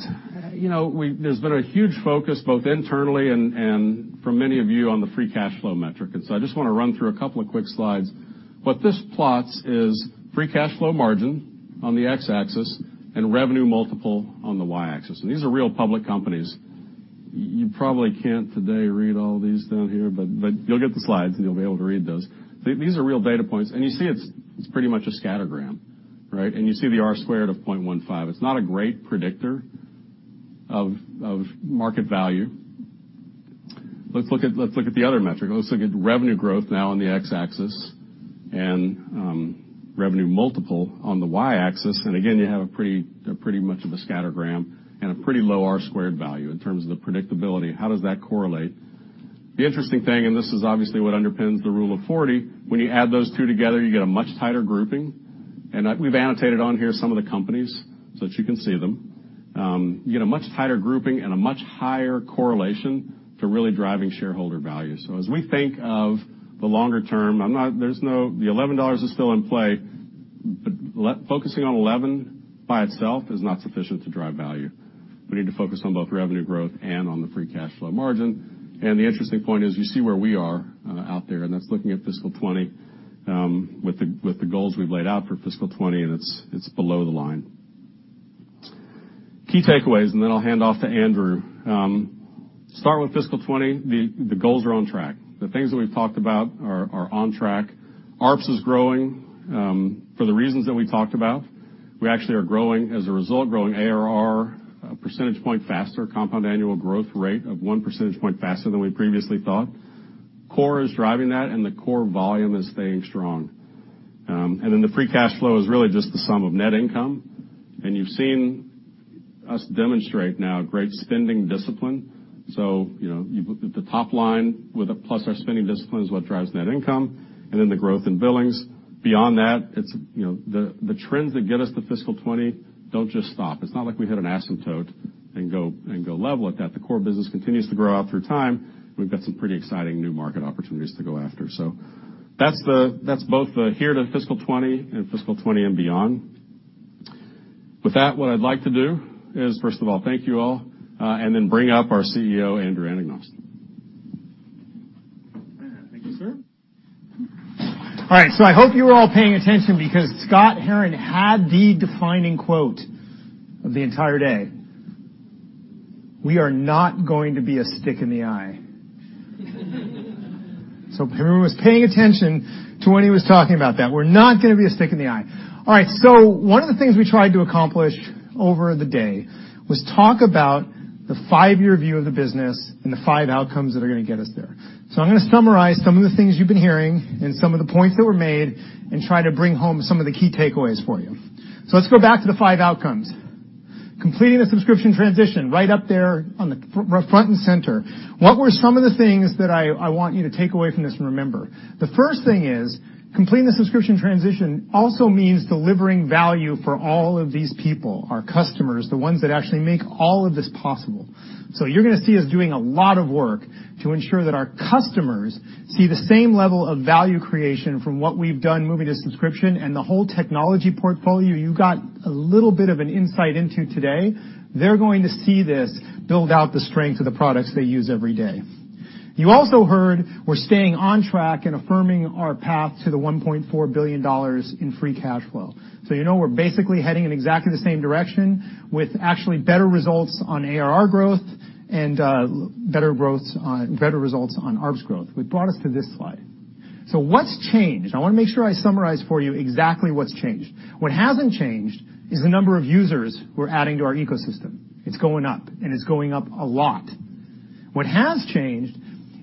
There's been a huge focus both internally and for many of you on the free cash flow metric. I just want to run through a couple of quick slides. What this plots is free cash flow margin on the x-axis and revenue multiple on the y-axis. These are real public companies. You probably can't today read all these down here, but you'll get the slides, and you'll be able to read those. These are real data points. You see it's pretty much a scattergram. You see the R squared of 0.15. It's not a great predictor of market value. Let's look at the other metric. Let's look at revenue growth now on the x-axis and revenue multiple on the y-axis. Again, you have pretty much of a scattergram and a pretty low R squared value in terms of the predictability. How does that correlate? The interesting thing, and this is obviously what underpins the rule of 40, when you add those two together, you get a much tighter grouping. We've annotated on here some of the companies so that you can see them. You get a much tighter grouping and a much higher correlation to really driving shareholder value. As we think of the longer term, the $11 is still in play, but focusing on 11 by itself is not sufficient to drive value. We need to focus on both revenue growth and on the free cash flow margin. The interesting point is you see where we are out there, and that's looking at fiscal 2020 with the goals we've laid out for fiscal 2020. It's below the line. Key takeaways. Then I'll hand off to Andrew. Start with fiscal 2020. The goals are on track. The things that we've talked about are on track. ARPS is growing for the reasons that we talked about. We actually are growing as a result, growing ARR a percentage point faster, compound annual growth rate of one percentage point faster than we previously thought. Core is driving that, the core volume is staying strong. The free cash flow is really just the sum of net income. You've seen us demonstrate now great spending discipline. The top line plus our spending discipline is what drives net income and then the growth in billings. Beyond that, the trends that get us to fiscal 2020 don't just stop. It's not like we hit an asymptote and go level at that. The core business continues to grow out through time, and we've got some pretty exciting new market opportunities to go after. That's both the here to fiscal 2020 and fiscal 2020 and beyond. With that, what I'd like to do is, first of all, thank you all, and then bring up our CEO, Andrew Anagnost. Thank you, sir. I hope you were all paying attention because Scott Herren had the defining quote of the entire day. We are not going to be a stick in the eye. If everyone was paying attention to when he was talking about that, we're not going to be a stick in the eye. One of the things we tried to accomplish over the day was talk about the five-year view of the business and the five outcomes that are going to get us there. I'm going to summarize some of the things you've been hearing and some of the points that were made and try to bring home some of the key takeaways for you. Let's go back to the five outcomes. Completing the subscription transition, right up there on the front and center. What were some of the things that I want you to take away from this and remember? The first thing is completing the subscription transition also means delivering value for all of these people, our customers, the ones that actually make all of this possible. You're going to see us doing a lot of work to ensure that our customers see the same level of value creation from what we've done moving to subscription and the whole technology portfolio you got a little bit of an insight into today. They're going to see this build out the strength of the products they use every day. You also heard we're staying on track and affirming our path to the $1.4 billion in free cash flow. You know we're basically heading in exactly the same direction with actually better results on ARR growth and better results on ARPS growth, which brought us to this slide. What's changed? I want to make sure I summarize for you exactly what's changed. What hasn't changed is the number of users we're adding to our ecosystem. It's going up, and it's going up a lot. What has changed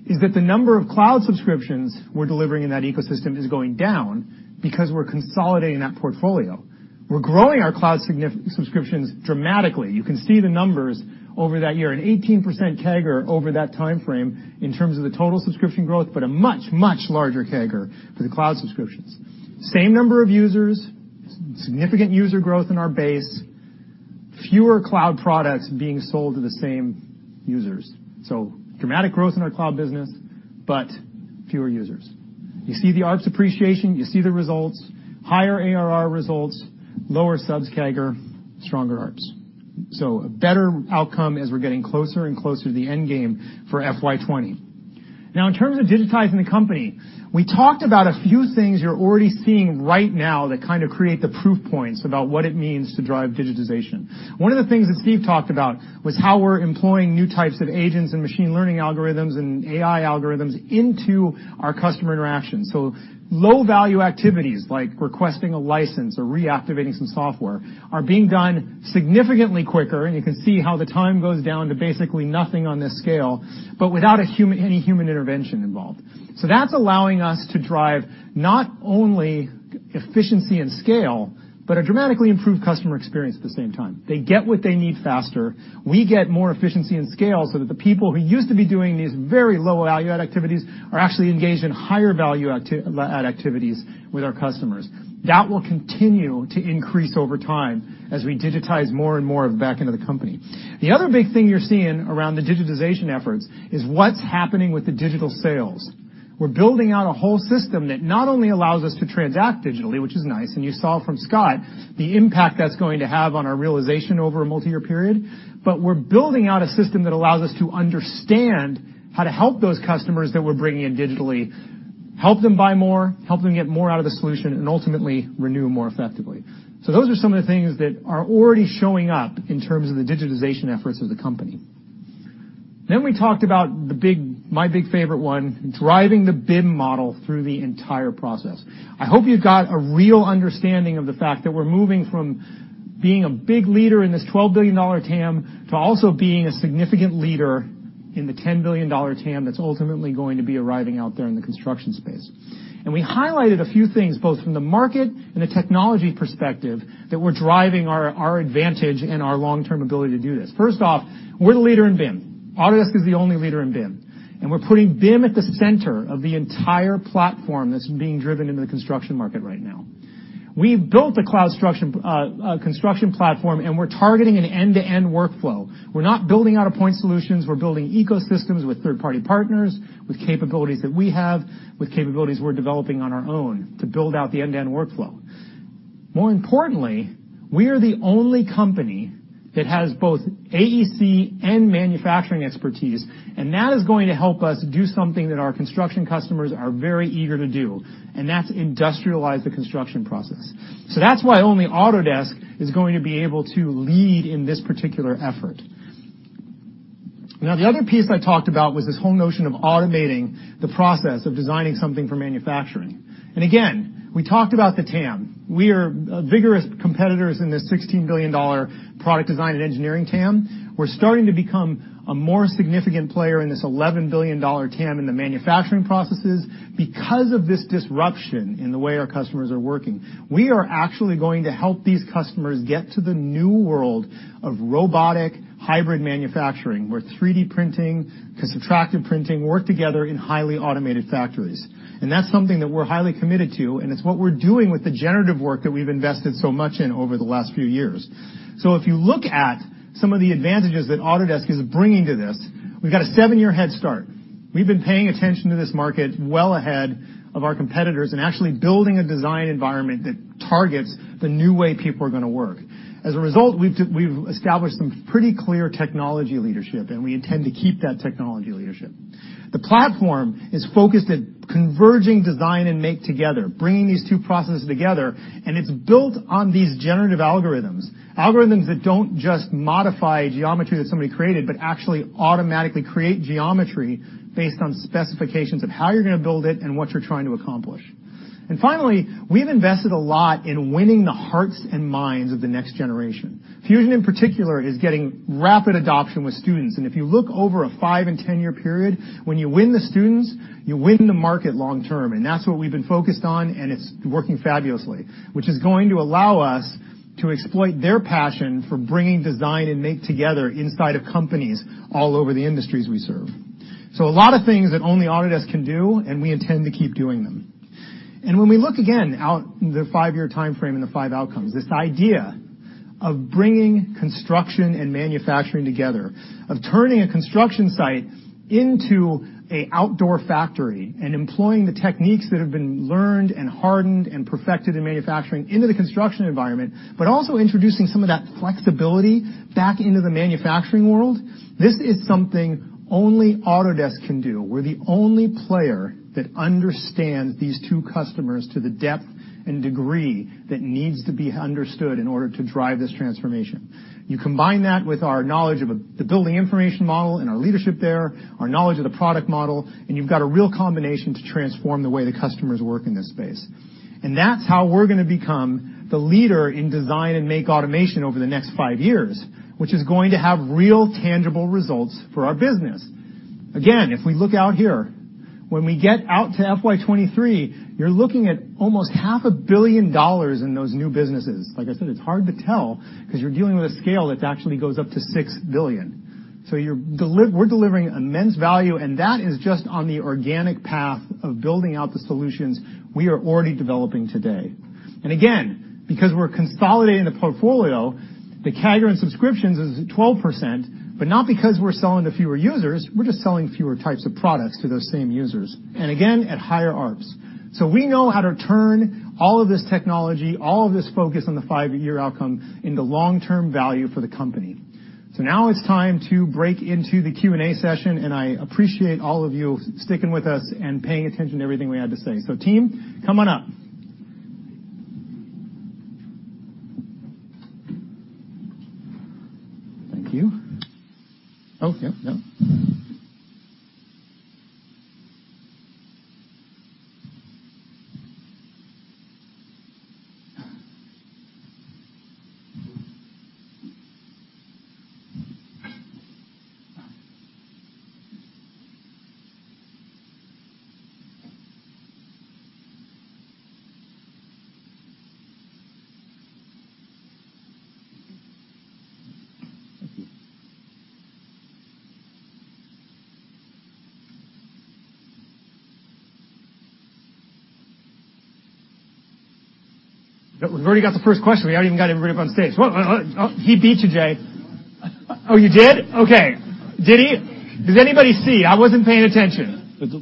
is that the number of cloud subscriptions we're delivering in that ecosystem is going down because we're consolidating that portfolio. We're growing our cloud subscriptions dramatically. You can see the numbers over that year. An 18% CAGR over that timeframe in terms of the total subscription growth, but a much, much larger CAGR for the cloud subscriptions. Same number of users, significant user growth in our base, fewer cloud products being sold to the same users. Dramatic growth in our cloud business, but fewer users. You see the ARPS appreciation, you see the results, higher ARR results, lower subs CAGR, stronger ARPS. A better outcome as we're getting closer and closer to the end game for FY 2020. Now, in terms of digitizing the company, we talked about a few things you're already seeing right now that create the proof points about what it means to drive digitization. One of the things that Steve talked about was how we're employing new types of agents and machine learning algorithms and AI algorithms into our customer interactions. Low-value activities like requesting a license or reactivating some software are being done significantly quicker, and you can see how the time goes down to basically nothing on this scale, but without any human intervention involved. That's allowing us to drive not only efficiency and scale, but a dramatically improved customer experience at the same time. They get what they need faster. We get more efficiency and scale so that the people who used to be doing these very low-value-add activities are actually engaged in higher value-add activities with our customers. That will continue to increase over time as we digitize more and more of back into the company. The other big thing you're seeing around the digitization efforts is what's happening with the digital sales. We're building out a whole system that not only allows us to transact digitally, which is nice, and you saw from Scott the impact that's going to have on our realization over a multi-year period. We're building out a system that allows us to understand how to help those customers that we're bringing in digitally, help them buy more, help them get more out of the solution, and ultimately renew more effectively. Those are some of the things that are already showing up in terms of the digitization efforts of the company. We talked about my big favorite one, driving the BIM model through the entire process. I hope you got a real understanding of the fact that we're moving from being a big leader in this $12 billion TAM to also being a significant leader in the $10 billion TAM that's ultimately going to be arriving out there in the construction space. We highlighted a few things, both from the market and the technology perspective, that we're driving our advantage and our long-term ability to do this. First off, we're the leader in BIM. Autodesk is the only leader in BIM. We're putting BIM at the center of the entire platform that's being driven into the construction market right now. We've built a cloud construction platform, and we're targeting an end-to-end workflow. We're not building out a point solutions. We're building ecosystems with third-party partners, with capabilities that we have, with capabilities we're developing on our own to build out the end-to-end workflow. More importantly, we are the only company that has both AEC and manufacturing expertise, and that is going to help us do something that our construction customers are very eager to do, and that's industrialize the construction process. That's why only Autodesk is going to be able to lead in this particular effort. Now, the other piece I talked about was this whole notion of automating the process of designing something for manufacturing. Again, we talked about the TAM. We are vigorous competitors in this $16 billion product design and engineering TAM. We're starting to become a more significant player in this $11 billion TAM in the manufacturing processes because of this disruption in the way our customers are working. We are actually going to help these customers get to the new world of robotic hybrid manufacturing, where 3D printing to subtractive printing work together in highly automated factories. That's something that we're highly committed to, and it's what we're doing with the generative work that we've invested so much in over the last few years. If you look at some of the advantages that Autodesk is bringing to this, we've got a seven-year head start. We've been paying attention to this market well ahead of our competitors and actually building a design environment that targets the new way people are going to work. As a result, we've established some pretty clear technology leadership, and we intend to keep that technology leadership. The platform is focused at converging design and make together, bringing these two processes together, and it's built on these generative algorithms that don't just modify geometry that somebody created but actually automatically create geometry based on specifications of how you're going to build it and what you're trying to accomplish. Finally, we've invested a lot in winning the hearts and minds of the next generation. Fusion, in particular, is getting rapid adoption with students. If you look over a five- and 10-year period, when you win the students, you win the market long term. That's what we've been focused on, and it's working fabulously. Which is going to allow us to exploit their passion for bringing design and make together inside of companies all over the industries we serve. A lot of things that only Autodesk can do, and we intend to keep doing them. When we look again out the five-year timeframe and the five outcomes, this idea of bringing construction and manufacturing together, of turning a construction site into an outdoor factory and employing the techniques that have been learned and hardened and perfected in manufacturing into the construction environment, but also introducing some of that flexibility back into the manufacturing world. This is something only Autodesk can do. We're the only player that understands these two customers to the depth and degree that needs to be understood in order to drive this transformation. You combine that with our knowledge of the Building Information Model and our leadership there, our knowledge of the product model, and you've got a real combination to transform the way the customers work in this space. That's how we're going to become the leader in design and make automation over the next five years, which is going to have real tangible results for our business. Again, if we look out here, when we get out to FY 2023, you're looking at almost half a billion dollars in those new businesses. Like I said, it's hard to tell because you're dealing with a scale that actually goes up to $6 billion. We're delivering immense value, and that is just on the organic path of building out the solutions we are already developing today. Again, because we're consolidating the portfolio, the CAGR in subscriptions is at 12%, but not because we're selling to fewer users. We're just selling fewer types of products to those same users. Again, at higher ARPS. We know how to turn all of this technology, all of this focus on the five-year outcome into long-term value for the company. Now it's time to break into the Q&A session, and I appreciate all of you sticking with us and paying attention to everything we had to say. Team, come on up. Thank you. Oh, yeah, no. Thank you. We've already got the first question. We haven't even got everybody up on stage. He beat you, Jay. Oh, you did? Okay. Did he? Does anybody see? I wasn't paying attention. The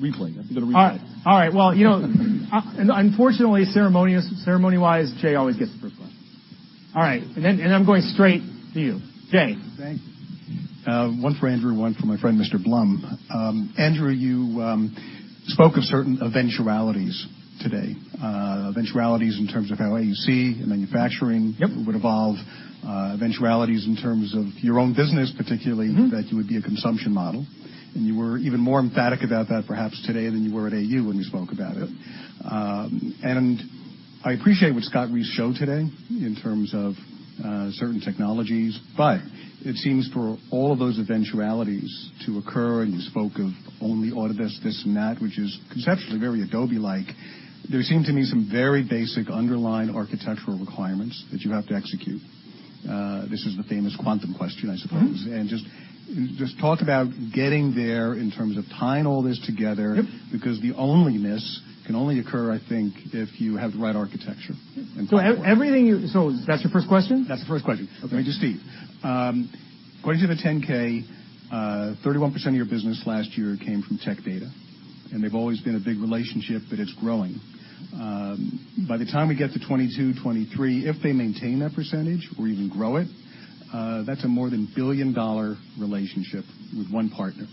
replay. I have to go to replay. All right. Well, unfortunately, ceremony-wise, Jay always gets the first one. All right. I'm going straight to you. Jay. Thank you. One for Andrew, one for my friend, Mr. Blum. Andrew, you spoke of certain eventualities today. Eventualities in terms of how AEC and manufacturing- Yep would evolve. Eventualities in terms of your own business, particularly that you would be a consumption model, and you were even more emphatic about that perhaps today than you were at AU when you spoke about it. I appreciate what Scott Reese showed today in terms of certain technologies. It seems for all of those eventualities to occur, and you spoke of only Autodesk this and that, which is conceptually very Adobe-like. There seem to me some very basic underlying architectural requirements that you have to execute. This is the famous Quantum question, I suppose. Just talk about getting there in terms of tying all this together- Yep Because the onlyness can only occur, I think, if you have the right architecture and platform. That's your first question? That's the first question. Okay. Let me just see. According to the 10-K, 31% of your business last year came from Tech Data, and they've always been a big relationship, but it's growing. By the time we get to 2022, 2023, if they maintain that percentage or even grow it, that's a more than billion-dollar relationship with one partner.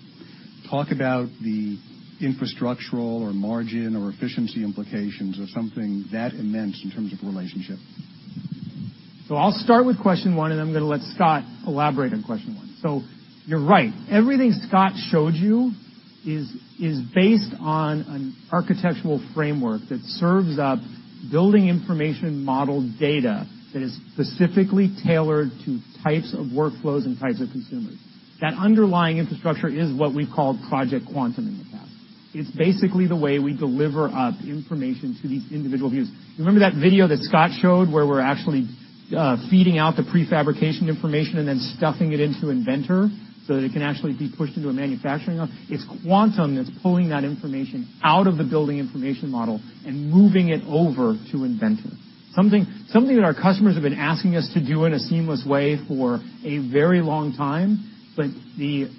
Talk about the infrastructural or margin or efficiency implications of something that immense in terms of the relationship. I'll start with question one, and then I'm going to let Scott elaborate on question one. You're right. Everything Scott showed you is based on an architectural framework that serves up building information model data that is specifically tailored to types of workflows and types of consumers. That underlying infrastructure is what we've called Project Quantum in the past. It's basically the way we deliver up information to these individual views. You remember that video that Scott showed where we're actually- Feeding out the pre-fabrication information and then stuffing it into Inventor so that it can actually be pushed into a manufacturing hub. It's Quantum that's pulling that information out of the building information model and moving it over to Inventor. Something that our customers have been asking us to do in a seamless way for a very long time. The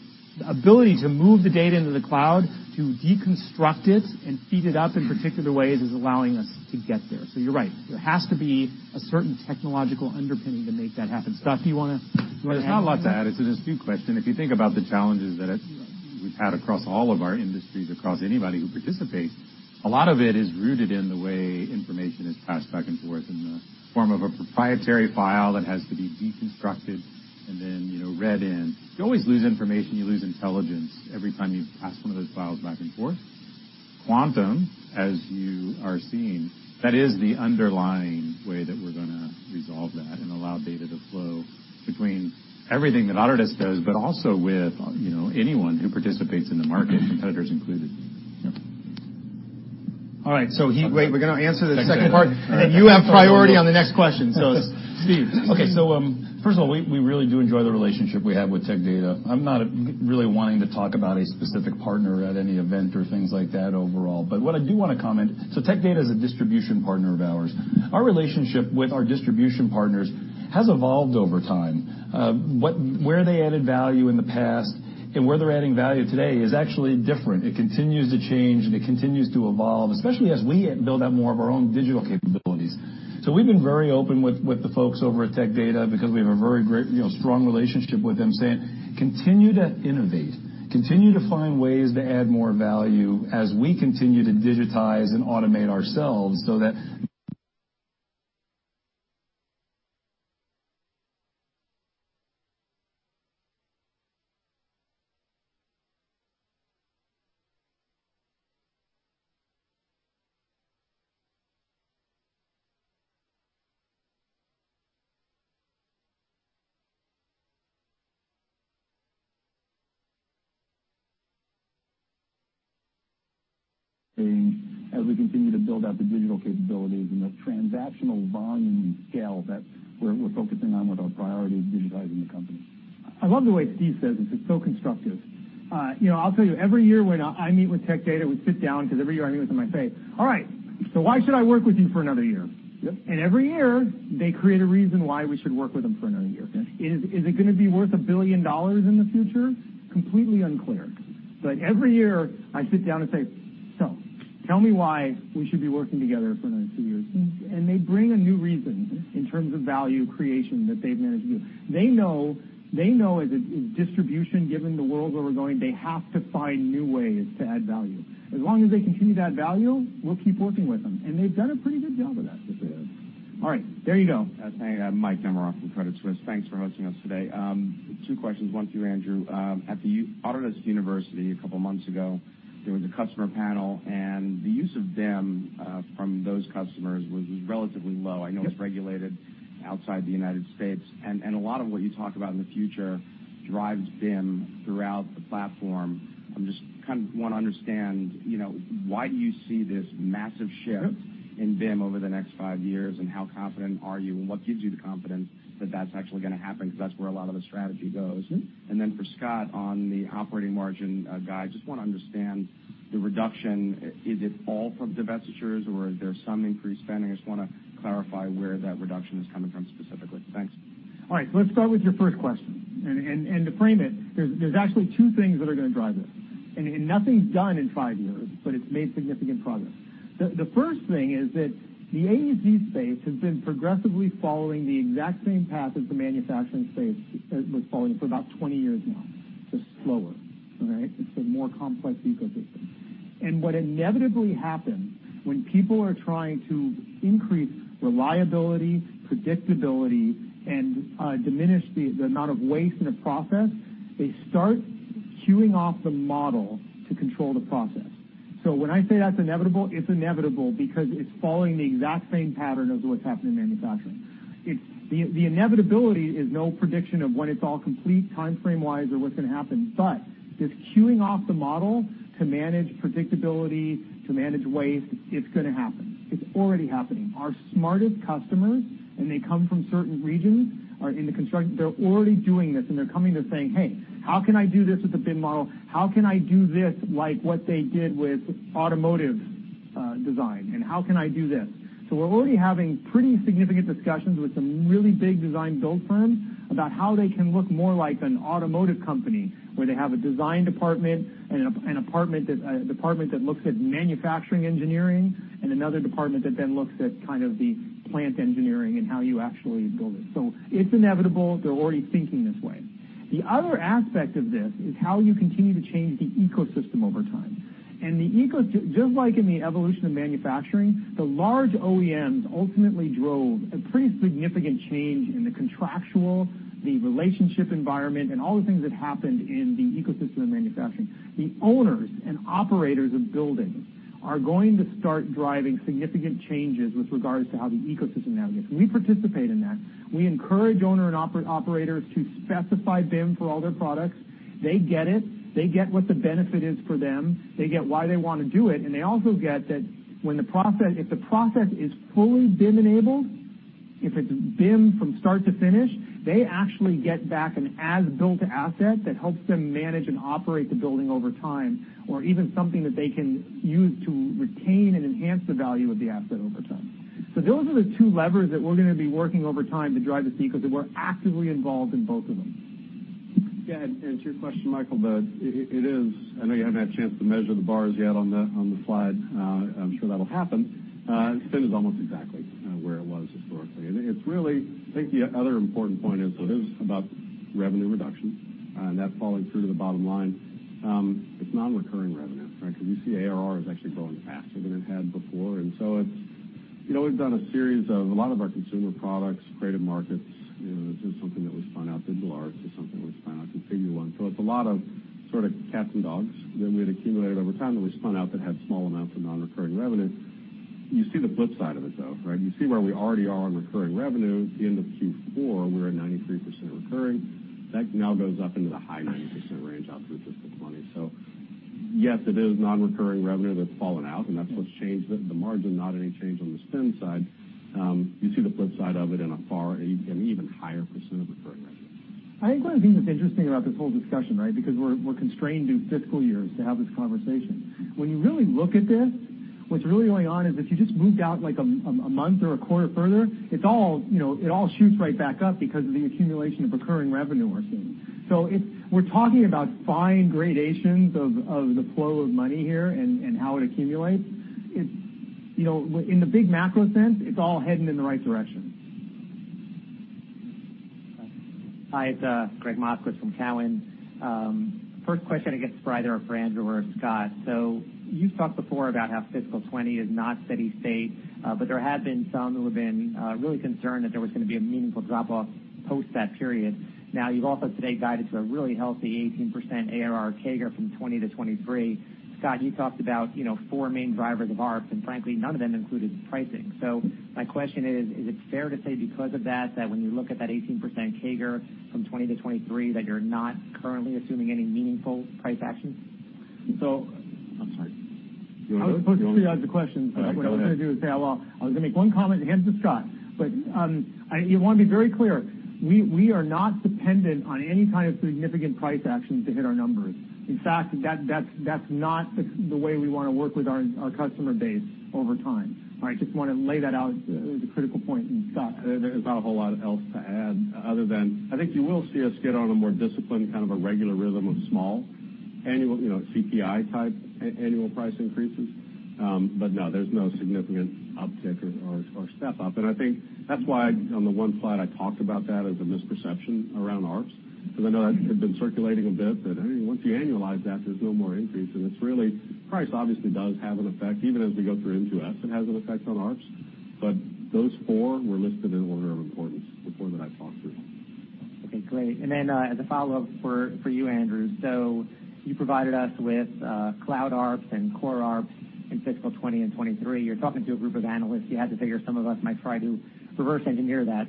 ability to move the data into the cloud, to deconstruct it and feed it up in particular ways is allowing us to get there. You're right. There has to be a certain technological underpinning to make that happen. Scott, do you want to add anything? There's not a lot to add. It's an interesting question. If you think about the challenges that we've had across all of our industries, across anybody who participates, a lot of it is rooted in the way information is passed back and forth in the form of a proprietary file that has to be deconstructed, and then read in. You always lose information, you lose intelligence every time you pass one of those files back and forth. Quantum, as you are seeing, that is the underlying way that we're going to resolve that and allow data to flow between everything that Autodesk does, but also with anyone who participates in the market, competitors included. Yeah. All right. Wait, we're going to answer the second part, and then you have priority on the next question. Steve. Okay. First of all, we really do enjoy the relationship we have with Tech Data. I'm not really wanting to talk about a specific partner at any event or things like that overall. What I do want to comment, so Tech Data is a distribution partner of ours. Our relationship with our distribution partners has evolved over time. Where they added value in the past and where they're adding value today is actually different. It continues to change, and it continues to evolve, especially as we build out more of our own digital capabilities. We've been very open with the folks over at Tech Data because we have a very strong relationship with them, saying, "Continue to innovate, continue to find ways to add more value as we continue to digitize and automate ourselves so that as we continue to build out the digital capabilities and the transactional volume and scale that we're focusing on with our priority of digitizing the company. I love the way Steve says this. It's so constructive. I'll tell you, every year when I meet with Tech Data, we sit down because every year I meet with them, I say, "All right, why should I work with you for another year? Yep. Every year, they create a reason why we should work with them for another year. Yeah. Is it going to be worth $1 billion in the future? Completely unclear. Every year, I sit down and say, "Tell me why we should be working together for the next two years." They bring a new reason in terms of value creation that they've managed to do. They know as a distribution, given the world where we're going, they have to find new ways to add value. As long as they continue to add value, we'll keep working with them, and they've done a pretty good job of that. Yes, they have. All right. There you go. Hey, Mike Nemeroff from Credit Suisse. Thanks for hosting us today. Two questions, one to you, Andrew. At the Autodesk University a couple of months ago, there was a customer panel, and the use of BIM from those customers was relatively low. I know it's- Yep regulated outside the United States. A lot of what you talk about in the future drives BIM throughout the platform. I just want to understand, why do you see this massive shift- Yep in BIM over the next five years, How confident are you and what gives you the confidence that that's actually going to happen? That's where a lot of the strategy goes. Yep. For Scott, on the operating margin guide, just want to understand the reduction. Is it all from divestitures, or is there some increased spending? I just want to clarify where that reduction is coming from specifically. Thanks. All right. Let's start with your first question. To frame it, there's actually two things that are going to drive this. Nothing's done in five years, but it's made significant progress. The first thing is that the AEC space has been progressively following the exact same path as the manufacturing space was following for about 20 years now, just slower. All right? It's a more complex ecosystem. What inevitably happens when people are trying to increase reliability, predictability, and diminish the amount of waste in a process, they start queuing off the model to control the process. When I say that's inevitable, it's inevitable because it's following the exact same pattern of what's happened in manufacturing. The inevitability is no prediction of when it's all complete timeframe-wise or what's going to happen. This queuing off the model to manage predictability, to manage waste, it's going to happen. It's already happening. Our smartest customers, and they come from certain regions, are in the construction. They're already doing this, and they're coming to saying, "Hey, how can I do this with a BIM model? How can I do this like what they did with automotive design? How can I do this?" We're already having pretty significant discussions with some really big design build firms about how they can look more like an automotive company, where they have a design department and a department that looks at manufacturing engineering and another department that then looks at kind of the plant engineering and how you actually build it. It's inevitable. They're already thinking this way. The other aspect of this is how you continue to change the ecosystem over time. Just like in the evolution of manufacturing, the large OEMs ultimately drove a pretty significant change in the contractual, the relationship environment, and all the things that happened in the ecosystem of manufacturing. The owners and operators of buildings are going to start driving significant changes with regards to how the ecosystem now gets. We participate in that. We encourage owner and operators to specify BIM for all their products. They get it. They get what the benefit is for them. They get why they want to do it, and they also get that if the process is fully BIM-enabled. If it's BIM from start to finish, they actually get back an as-built asset that helps them manage and operate the building over time, or even something that they can use to retain and enhance the value of the asset over time. those are the two levers that we're going to be working over time to drive the sequel, that we're actively involved in both of them. to your question, Michael, I know you haven't had a chance to measure the bars yet on the slide. I'm sure that'll happen. Spin is almost exactly where it was historically. I think the other important point is, it is about revenue reduction and that falling through to the bottom line. It's non-recurring revenue. You see ARR is actually growing faster than it had before. We've done a series of a lot of our consumer products, Creative Market. This is something that we spun out. Digital Arts is something we spun out, Continua. It's a lot of sort of cats and dogs that we had accumulated over time that we spun out that had small amounts of non-recurring revenue. You see the flip side of it, though. You see where we already are in recurring revenue. The end of Q4, we're at 93% recurring. That now goes up into the high 90% range out through fiscal 2020. Yes, it is non-recurring revenue that's fallen out, and that's what's changed the margin, not any change on the spend side. You see the flip side of it in an even higher % of recurring revenue. I think what I think is interesting about this whole discussion, we're constrained to fiscal years to have this conversation. When you really look at this, what's really going on is if you just moved out like a month or a quarter further, it all shoots right back up because of the accumulation of recurring revenue we're seeing. We're talking about fine gradations of the flow of money here and how it accumulates. In the big macro sense, it's all heading in the right direction. Hi, it's Gregg Moskowitz from Cowen. First question, I guess, is for either Andrew or Scott. You've talked before about how fiscal 2020 is not steady state, but there have been some who have been really concerned that there was going to be a meaningful drop-off post that period. You've also today guided to a really healthy 18% ARR CAGR from 2020 to 2023. Scott, you talked about four main drivers of ARPS, and frankly, none of them included pricing. My question is it fair to say because of that when you look at that 18% CAGR from 2020 to 2023, that you're not currently assuming any meaningful price action? I'm sorry. Do you want to do it? I was supposed to tee up the question. All right, go ahead. What I was going to do is say, well, I was going to make one comment and hand it to Scott. I want to be very clear. We are not dependent on any kind of significant price action to hit our numbers. In fact, that's not the way we want to work with our customer base over time. I just want to lay that out as a critical point. Scott, there's not a whole lot else to add other than- I think you will see us get on a more disciplined, kind of a regular rhythm of small annual CPI-type annual price increases. No, there's no significant uptick or step-up. I think that's why on the one slide I talked about that as a misperception around ARPS, because I know that had been circulating a bit that, hey, once you annualize that, there's no more increase, and it's really, price obviously does have an effect. Even as we go through Intuos, it has an effect on ARPS. Those four were listed in order of importance before that I talked through. Okay, great. As a follow-up for you, Andrew. You provided us with cloud ARPS and core ARPS in fiscal 2020 and 2023. You're talking to a group of analysts. You had to figure some of us might try to reverse engineer that.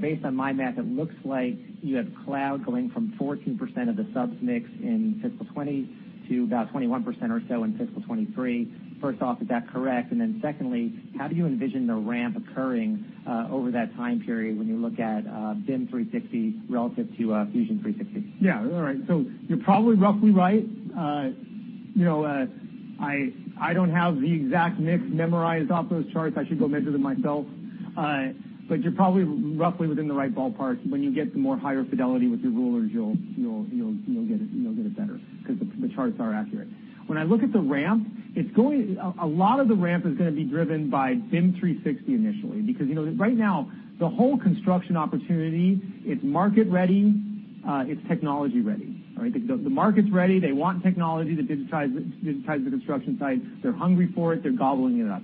Based on my math, it looks like you had cloud going from 14% of the subs mix in fiscal 2020 to about 21% or so in fiscal 2023. First off, is that correct? Secondly, how do you envision the ramp occurring over that time period when you look at BIM 360 relative to Fusion 360? Yeah. All right. You're probably roughly right. I don't have the exact mix memorized off those charts. I should go measure them myself. You're probably roughly within the right ballpark. When you get to more higher fidelity with your rulers, you'll get it better because the charts are accurate. When I look at the ramp, a lot of the ramp is going to be driven by BIM 360 initially, because right now the whole construction opportunity, it's market ready. It's technology ready. The market's ready. They want technology to digitize the construction site. They're hungry for it. They're gobbling it up.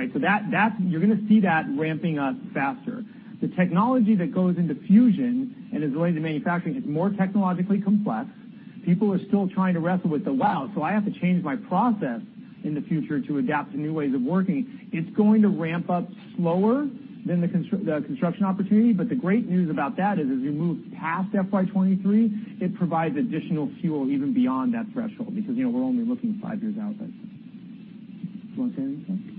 You're going to see that ramping up faster. The technology that goes into Fusion and is related to manufacturing is more technologically complex. People are still trying to wrestle with the, "Wow, so I have to change my process in the future to adapt to new ways of working." It's going to ramp up slower than the construction opportunity. The great news about that is as you move past FY 2023, it provides additional fuel even beyond that threshold, because we're only looking five years out. Do you want to say anything?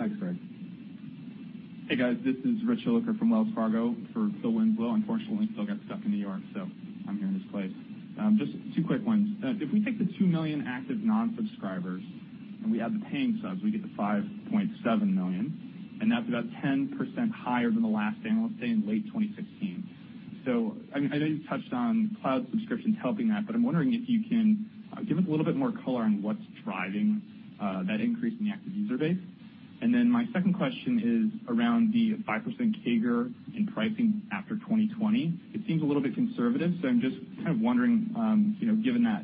No, that's good. Thanks, Greg. Hey, guys, this is Rich Hilliker from Wells Fargo for Phil Winslow. Unfortunately, Phil got stuck in N.Y., so I'm here in his place. Just two quick ones. If we take the 2 million active non-subscribers and we add the paying subs, we get to 5.7 million, and that's about 10% higher than the last analyst day in late 2016. I know you touched on cloud subscriptions helping that, but I'm wondering if you can give us a little bit more color on what's driving that increase in the active user base. My second question is around the 5% CAGR in pricing after 2020. It seems a little bit conservative, so I'm just kind of wondering, given that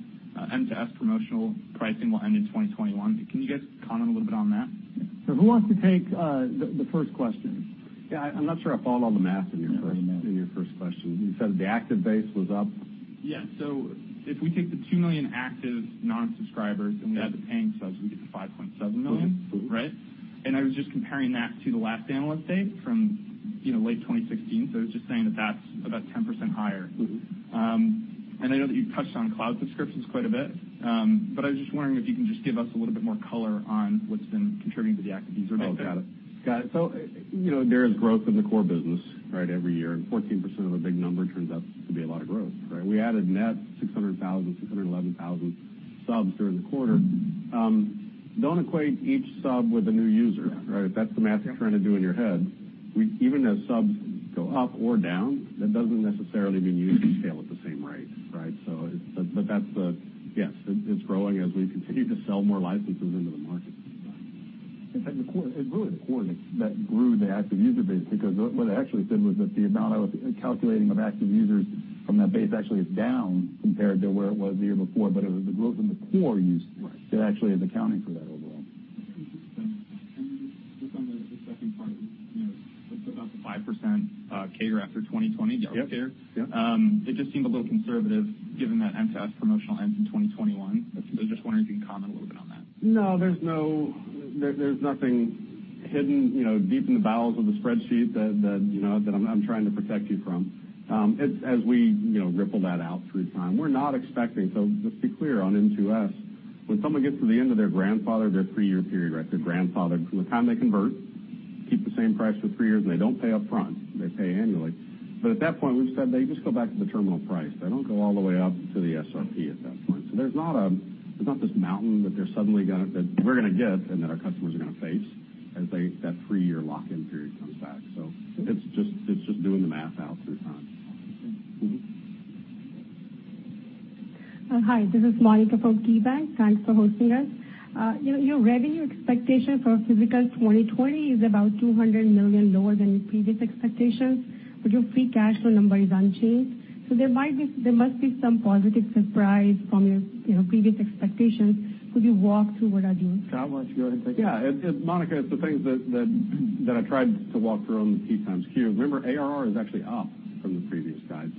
end-to-end promotional pricing will end in 2021, can you guys comment a little bit on that? Who wants to take the first question? Yeah, I'm not sure I followed all the math in your first question. You said the active base was up Yeah. If we take the 2 million active nonsubscribers and we add the paying subs, we get to 5.7 million. Right? I was just comparing that to the last Analyst Day from late 2016. I was just saying that that's about 10% higher. I know that you've touched on cloud subscriptions quite a bit. I was just wondering if you can just give us a little bit more color on what's been contributing to the active user base. Oh, got it. There is growth in the core business every year, 14% of a big number turns out to be a lot of growth, right? We added net 600,000, 611,000 subs during the quarter. Don't equate each sub with a new user. Yeah. If that's the math you're trying to do in your head. Even as subs go up or down, that doesn't necessarily mean users scale at the same rate, right? Yes, it's growing as we continue to sell more licenses into the market. It's really the core that grew the active user base because what I actually said was that the amount I was calculating of active users from that base actually is down compared to where it was the year before, but it was the growth in the core users. Right, that actually is accounting for that overall. Just on the second part, about the 5% CAGR after 2020 down here. Yep. It just seemed a little conservative given that M2S promotional ends in 2021. Just wondering if you can comment a little bit on that. No, there's nothing hidden deep in the bowels of the spreadsheet that I'm trying to protect you from. As we ripple that out through time, we're not expecting. Just be clear on M2S. When someone gets to the end of their grandfather, their 3-year period, their grandfather from the time they convert, keep the same price for 3 years, and they don't pay up front, they pay annually. At that point, we've said they just go back to the terminal price. They don't go all the way up to the SRP at that point. There's not this mountain that we're going to get and that our customers are going to face as that 3-year lock-in period comes back. It's just doing the math out through time. Okay. Hi, this is Monika from KeyBanc. Thanks for hosting us. Your revenue expectations for fiscal 2020 is about $200 million lower than your previous expectations, but your free cash flow number is unchanged. There must be some positive surprise from your previous expectations. Could you walk through what are the? Scott, why don't you take it? Yeah. Monika, it's the things that I tried to walk through on the few times queue. Remember, ARR is actually up from the previous guide.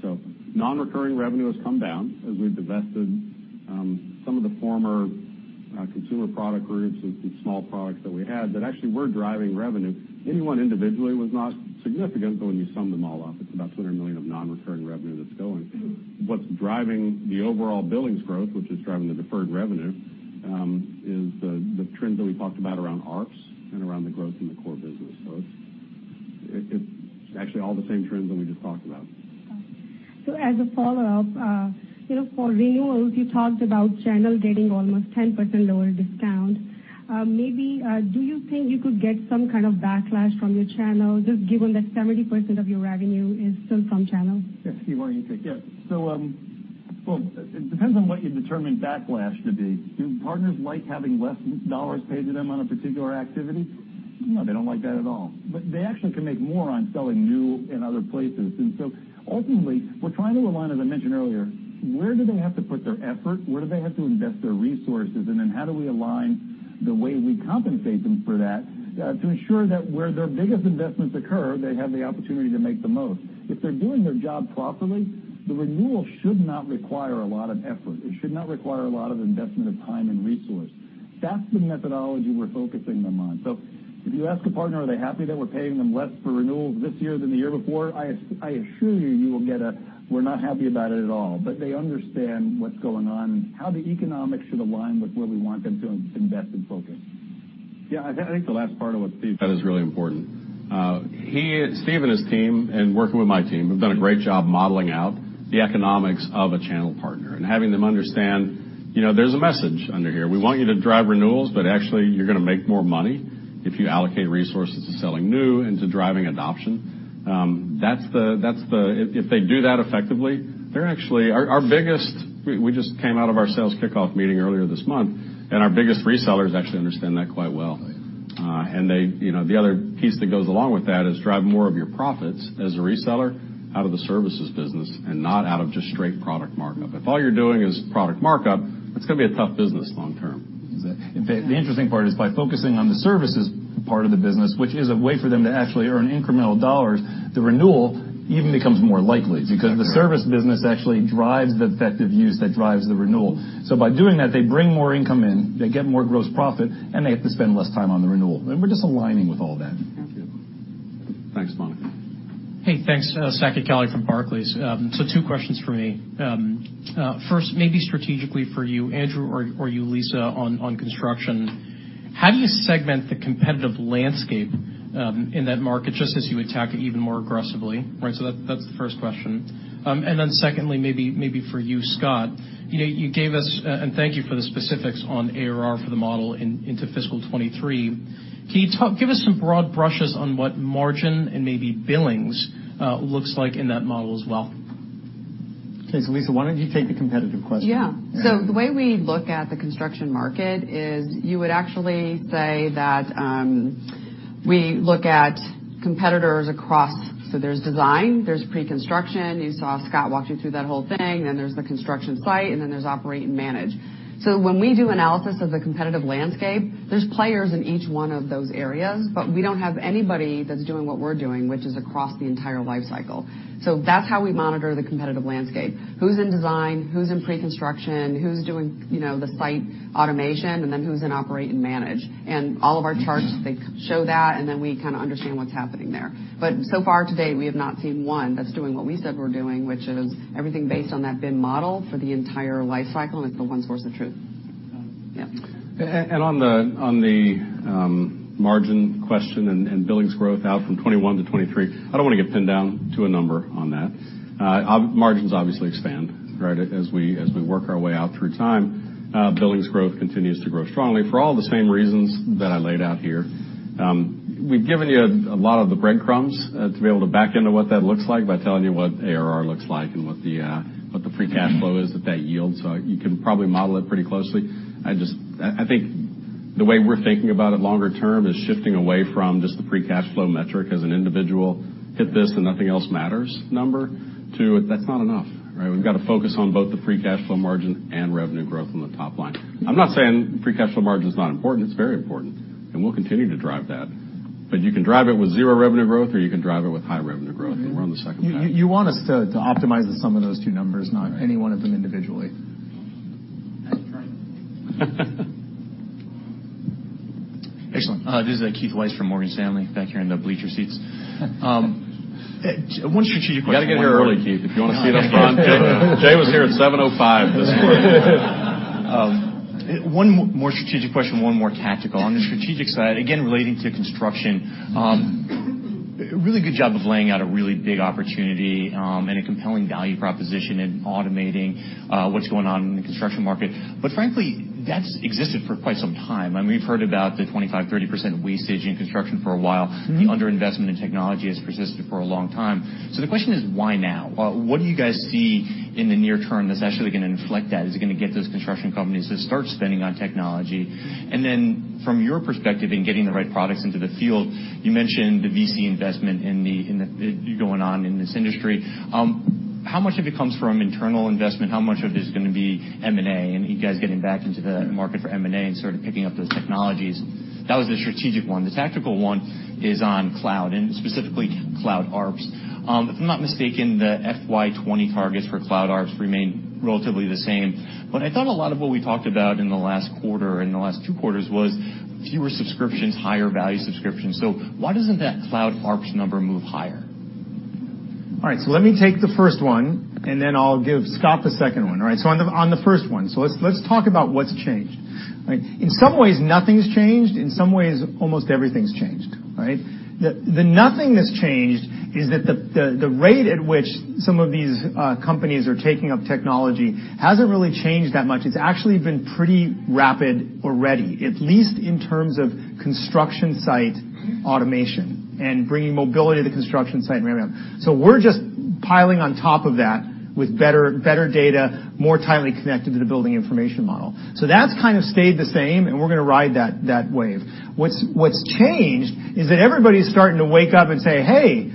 Nonrecurring revenue has come down as we've divested some of the former consumer product groups and small products that we had that actually were driving revenue. Any one individually was not significant, but when you sum them all up, it's about $200 million of nonrecurring revenue that's going. What's driving the overall billings growth, which is driving the deferred revenue, is the trends that we talked about around ARPS and around the growth in the core business. It's actually all the same trends that we just talked about. As a follow-up, for renewals, you talked about channel getting almost 10% lower discount. Maybe, do you think you could get some kind of backlash from your channel, just given that 70% of your revenue is still from channel? Yes. Steve, why don't you take it? Yeah. Well, it depends on what you determine backlash to be. Do partners like having less dollars paid to them on a particular activity? No, they don't like that at all. They actually can make more on selling new in other places. Ultimately, we're trying to align, as I mentioned earlier, where do they have to put their effort? Where do they have to invest their resources? How do we align the way we compensate them for that, to ensure that where their biggest investments occur, they have the opportunity to make the most. If they're doing their job properly, the renewal should not require a lot of effort. It should not require a lot of investment of time and resource. That's the methodology we're focusing them on. If you ask a partner, are they happy that we're paying them less for renewals this year than the year before, I assure you will get a, "We're not happy about it at all." They understand what's going on, how the economics should align with where we want them to invest and focus. Yeah. I think the last part of what Steve said is really important. Steve and his team, and working with my team, have done a great job modeling out the economics of a channel partner and having them understand there's a message under here. We want you to drive renewals, but actually, you're going to make more money if you allocate resources to selling new and to driving adoption. If they do that effectively, they're actually our biggest. We just came out of our sales kickoff meeting earlier this month, and our biggest resellers actually understand that quite well. Right. The other piece that goes along with that is drive more of your profits as a reseller out of the services business and not out of just straight product markup. If all you're doing is product markup, it's going to be a tough business long term. The interesting part is by focusing on the services part of the business, which is a way for them to actually earn incremental dollars, the renewal even becomes more likely. Exactly because the service business actually drives the effective use that drives the renewal. By doing that, they bring more income in, they get more gross profit, and they have to spend less time on the renewal. We're just aligning with all that. Thank you. Thanks, Monika. Thanks. Saket Kalia from Barclays. Two questions for me. First, maybe strategically for you, Andrew, or you, Lisa, on construction. How do you segment the competitive landscape in that market just as you attack it even more aggressively? That's the first question. Secondly, maybe for you, Scott. You gave us, and thank you for the specifics on ARR for the model into FY 2023. Can you give us some broad brushes on what margin and maybe billings looks like in that model as well? Lisa, why don't you take the competitive question? The way we look at the construction market is you would actually say, we look at competitors across. There's design, there's pre-construction. You saw Scott walk you through that whole thing. There's the construction site, there's operate and manage. When we do analysis of the competitive landscape, there's players in each one of those areas, but we don't have anybody that's doing what we're doing, which is across the entire life cycle. That's how we monitor the competitive landscape. Who's in design, who's in pre-construction, who's doing the site automation, who's in operate and manage. All of our charts, they show that, we understand what's happening there. So far today, we have not seen one that's doing what we said we're doing, which is everything based on that BIM model for the entire life cycle, and it's the one source of truth. On the margin question and billings growth out from 2021 to 2023, I don't want to get pinned down to a number on that. Margins obviously expand, right, as we work our way out through time. Billings growth continues to grow strongly for all the same reasons that I laid out here. We've given you a lot of the breadcrumbs to be able to back into what that looks like by telling you what ARR looks like and what the free cash flow is that that yields. You can probably model it pretty closely. I think the way we're thinking about it longer term is shifting away from just the free cash flow metric as an individual hit this and nothing else matters number, to that's not enough, right? We've got to focus on both the free cash flow margin and revenue growth on the top line. I'm not saying free cash flow margin is not important. It's very important, and we'll continue to drive that. You can drive it with zero revenue growth, or you can drive it with high revenue growth, and we're on the second path. You want us to optimize the sum of those two numbers, not any one of them individually. That's right. Excellent. This is Keith Weiss from Morgan Stanley, back here in the bleacher seats. One strategic question. You got to get here early, Keith, if you want to see us, Ron. Jay was here at 7:05 A.M. this morning. One more strategic question, one more tactical. On the strategic side, again, relating to construction. Really good job of laying out a really big opportunity, and a compelling value proposition in automating what's going on in the construction market. Frankly, that's existed for quite some time. We've heard about the 25%, 30% wastage in construction for a while. The under-investment in technology has persisted for a long time. The question is, why now? What do you guys see in the near term that's actually going to inflect that? Is it going to get those construction companies to start spending on technology? From your perspective in getting the right products into the field, you mentioned the VC investment going on in this industry. How much of it comes from internal investment? How much of it is going to be M&A, and you guys getting back into the market for M&A and sort of picking up those technologies? That was the strategic one. The tactical one is on cloud, and specifically cloud ARPS. If I'm not mistaken, the FY 2020 targets for cloud ARPS remain relatively the same. I thought a lot of what we talked about in the last quarter, in the last two quarters was fewer subscriptions, higher value subscriptions. Why doesn't that cloud ARPS number move higher? All right, let me take the first one, I'll give Scott the second one. All right, on the first one. Let's talk about what's changed, right? In some ways, nothing's changed. In some ways, almost everything's changed, right? The nothing that's changed is that the rate at which some of these companies are taking up technology hasn't really changed that much. It's actually been pretty rapid already, at least in terms of construction site automation and bringing mobility to the construction site and everything else. We're just piling on top of that with better data, more tightly connected to the building information model. That's kind of stayed the same, and we're going to ride that wave. What's changed is that everybody's starting to wake up and say, "Hey,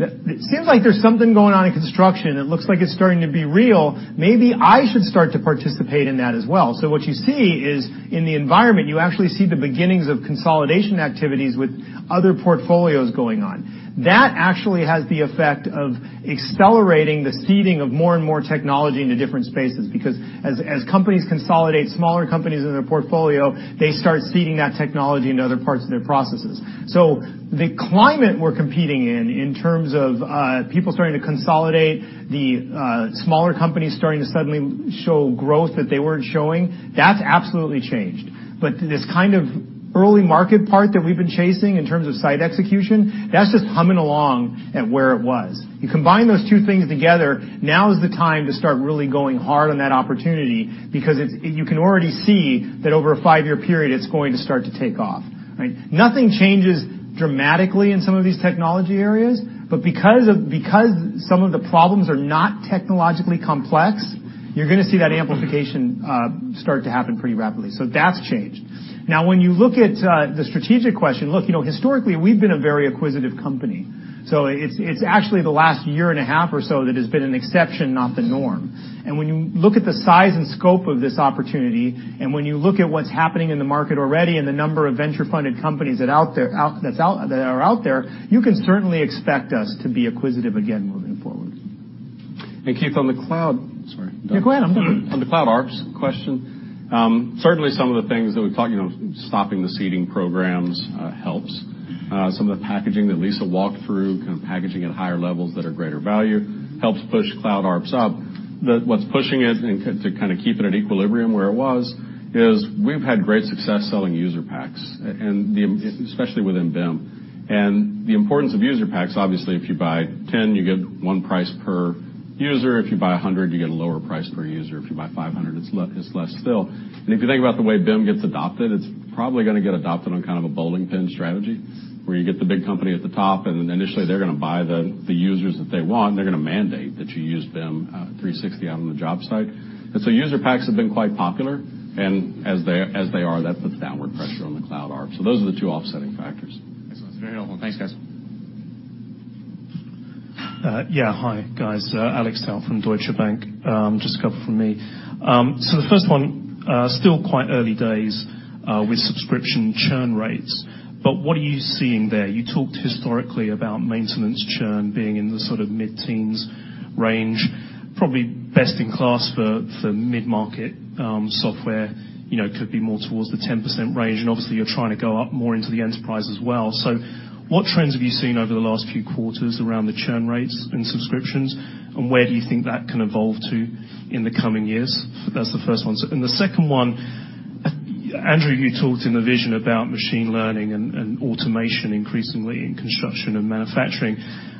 it seems like there's something going on in construction. It looks like it's starting to be real. Maybe I should start to participate in that as well." What you see is in the environment, you actually see the beginnings of consolidation activities with other portfolios going on. That actually has the effect of accelerating the seeding of more and more technology into different spaces, because as companies consolidate smaller companies in their portfolio, they start seeding that technology into other parts of their processes. The climate we're competing in terms of people starting to consolidate, the smaller companies starting to suddenly show growth that they weren't showing, that's absolutely changed. This kind of early market part that we've been chasing in terms of site execution, that's just humming along at where it was. You combine those two things together, now is the time to start really going hard on that opportunity because you can already see that over a 5-year period, it's going to start to take off, right? Nothing changes dramatically in some of these technology areas, but because some of the problems are not technologically complex, you're going to see that amplification start to happen pretty rapidly. That's changed. When you look at the strategic question, look, historically, we've been a very acquisitive company. It's actually the last year and a half or so that has been an exception, not the norm. When you look at the size and scope of this opportunity, and when you look at what's happening in the market already and the number of venture-funded companies that are out there, you can certainly expect us to be acquisitive again moving forward. Keith, on the cloud. Sorry. No, go ahead. On the cloud ARPS question, certainly some of the things that we've talked, stopping the seeding programs helps. Some of the packaging that Lisa walked through, kind of packaging at higher levels that are greater value helps push cloud ARPS up. What's pushing it and to kind of keep it at equilibrium where it was is we've had great success selling user packs, and especially within BIM. The importance of user packs, obviously, if you buy 10, you get one price per user. If you buy 100, you get a lower price per user. If you buy 500, it's less still. If you think about the way BIM gets adopted, it's probably going to get adopted on kind of a bowling pin strategy, where you get the big company at the top, and initially they're going to buy the users that they want, and they're going to mandate that you use BIM 360 out on the job site. User packs have been quite popular, and as they are, that puts downward pressure on the cloud ARPS. Those are the two offsetting factors. Excellent. It's very helpful. Thanks, guys. Yeah. Hi, guys. Alex Dow from Deutsche Bank. Just a couple from me. The first one, still quite early days with subscription churn rates, but what are you seeing there? You talked historically about maintenance churn being in the sort of mid-teens range, probably best in class for mid-market software. Could be more towards the 10% range, and obviously, you're trying to go up more into the enterprise as well. What trends have you seen over the last few quarters around the churn rates and subscriptions, and where do you think that can evolve to in the coming years? That's the first one. The second one, Andrew, you talked in the vision about machine learning and automation increasingly in construction and manufacturing.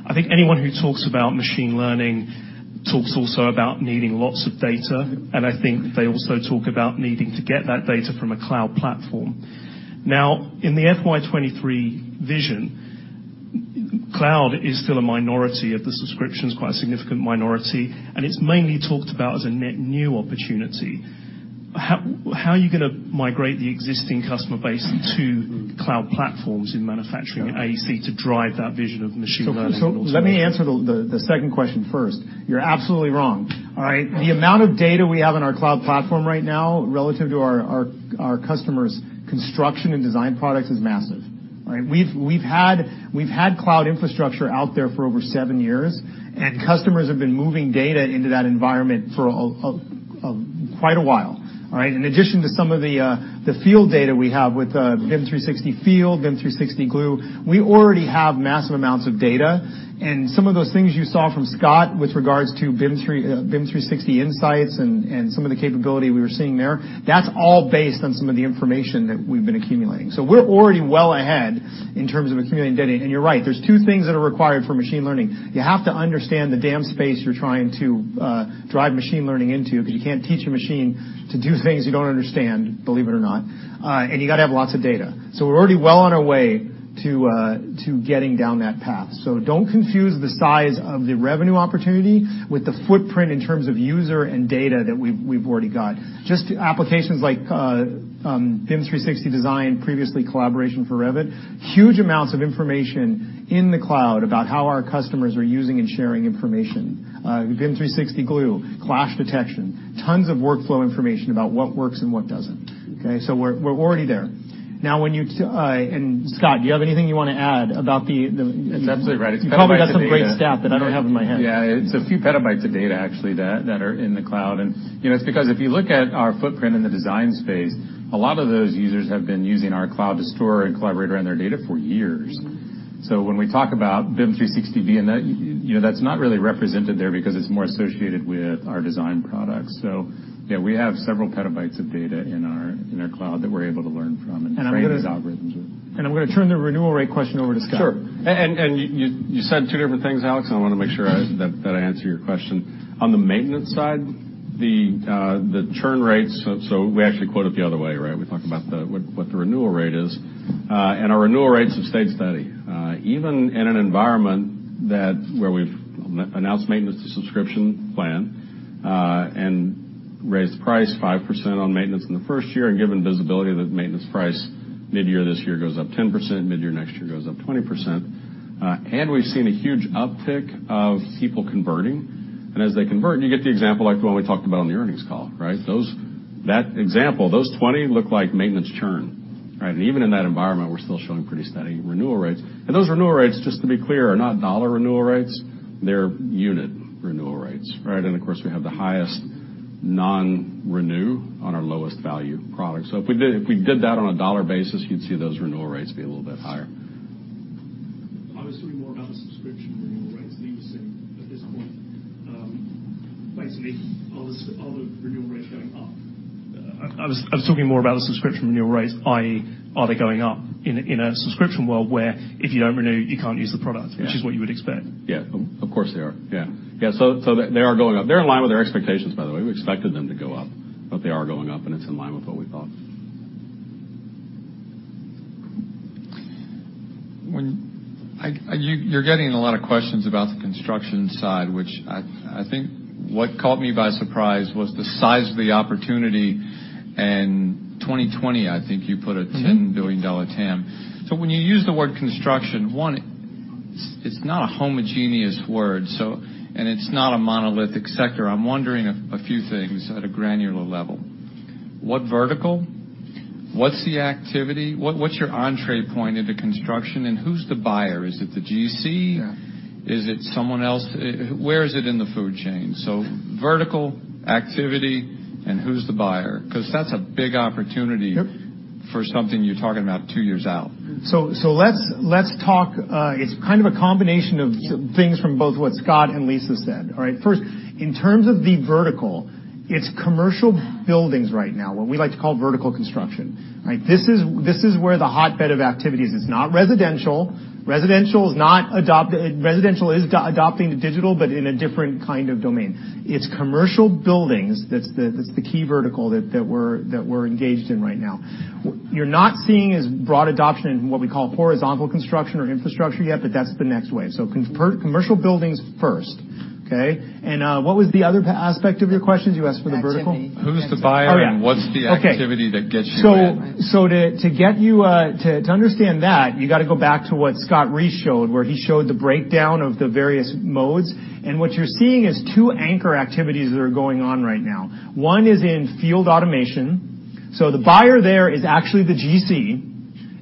I think anyone who talks about machine learning talks also about needing lots of data, and I think they also talk about needing to get that data from a cloud platform. Now, in the FY 2023 vision, cloud is still a minority of the subscriptions, quite a significant minority, and it's mainly talked about as a net new opportunity. How are you going to migrate the existing customer base to cloud platforms in manufacturing AEC to drive that vision of machine learning and also- Let me answer the second question first. You're absolutely wrong. All right. The amount of data we have on our cloud platform right now relative to our customers' construction and design products is massive. Right. We've had cloud infrastructure out there for over seven years, and customers have been moving data into that environment for quite a while. All right. In addition to some of the field data we have with BIM 360 Field, BIM 360 Glue, we already have massive amounts of data. Some of those things you saw from Scott with regards to BIM 360 Insight and some of the capability we were seeing there, that's all based on some of the information that we've been accumulating. We're already well ahead in terms of accumulating data. You're right, there's two things that are required for machine learning. You have to understand the damn space you're trying to drive machine learning into, because you can't teach a machine to do things you don't understand, believe it or not. You got to have lots of data. We're already well on our way to getting down that path. Don't confuse the size of the revenue opportunity with the footprint in terms of user and data that we've already got. Just applications like BIM 360 Design, previously Collaboration for Revit, huge amounts of information in the cloud about how our customers are using and sharing information. BIM 360 Glue, clash detection, tons of workflow information about what works and what doesn't. Okay. Scott, do you have anything you want to add about the- That's absolutely right. It's petabytes of data. You probably got some great stat that I don't have in my head. Yeah. It's a few petabytes of data, actually, that are in the cloud. It's because if you look at our footprint in the design space, a lot of those users have been using our cloud to store and collaborate around their data for years. When we talk about BIM 360 and that's not really represented there because it's more associated with our design products. Yeah, we have several petabytes of data in our cloud that we're able to learn from and train these algorithms with. I'm going to turn the renewal rate question over to Scott. Sure. You said two different things, Alex, and I want to make sure that I answer your question. On the maintenance side, the churn rates, we actually quote it the other way, right? We talk about what the renewal rate is. Our renewal rates have stayed steady. Even in an environment where we've announced maintenance to subscription plan, raised the price 5% on maintenance in the first year, given visibility that maintenance price mid-year this year goes up 10%, mid-year next year goes up 20%. We've seen a huge uptick of people converting. As they convert, you get the example like the one we talked about on the earnings call. Right? That example, those 20 look like maintenance churn. Right? Even in that environment, we're still showing pretty steady renewal rates. Those renewal rates, just to be clear, are not dollar renewal rates. They're unit renewal rates, right? Of course, we have the highest non-renew on our lowest value product. If we did that on a dollar basis, you'd see those renewal rates be a little bit higher. I was talking more about the subscription renewal rates that you were seeing at this point. Basically, are the renewal rates going up? I was talking more about the subscription renewal rates, i.e., are they going up in a subscription world where if you don't renew, you can't use the product. Yeah which is what you would expect. Yeah. Of course, they are. Yeah. They are going up. They're in line with our expectations, by the way. We expected them to go up, but they are going up, and it's in line with what we thought. You're getting a lot of questions about the construction side, which I think what caught me by surprise was the size of the opportunity. 2020, I think you put a $10 billion TAM. When you use the word construction, one, it's not a homogeneous word, and it's not a monolithic sector. I'm wondering a few things at a granular level. What vertical? What's the activity? What's your entry point into construction, and who's the buyer? Is it the GC? Yeah. Is it someone else? Where is it in the food chain? Vertical, activity, and who's the buyer? Because that's a big opportunity. Yep for something you're talking about two years out. Let's talk, it's kind of a combination of things from both what Scott and Lisa said. All right? First, in terms of the vertical, it's commercial buildings right now, what we like to call vertical construction. Right? This is where the hotbed of activity is. It's not residential. Residential is adopting to digital, but in a different kind of domain. It's commercial buildings that's the key vertical that we're engaged in right now. You're not seeing as broad adoption in what we call horizontal construction or infrastructure yet, but that's the next wave. Commercial buildings first. Okay. What was the other aspect of your question? You asked for the vertical. Yeah, Tim. Who's the buyer? Oh, yeah. What's the activity that gets you in? To understand that, you got to go back to what Scott Reese showed, where he showed the breakdown of the various modes. What you're seeing is two anchor activities that are going on right now. One is in field automation. The buyer there is actually the GC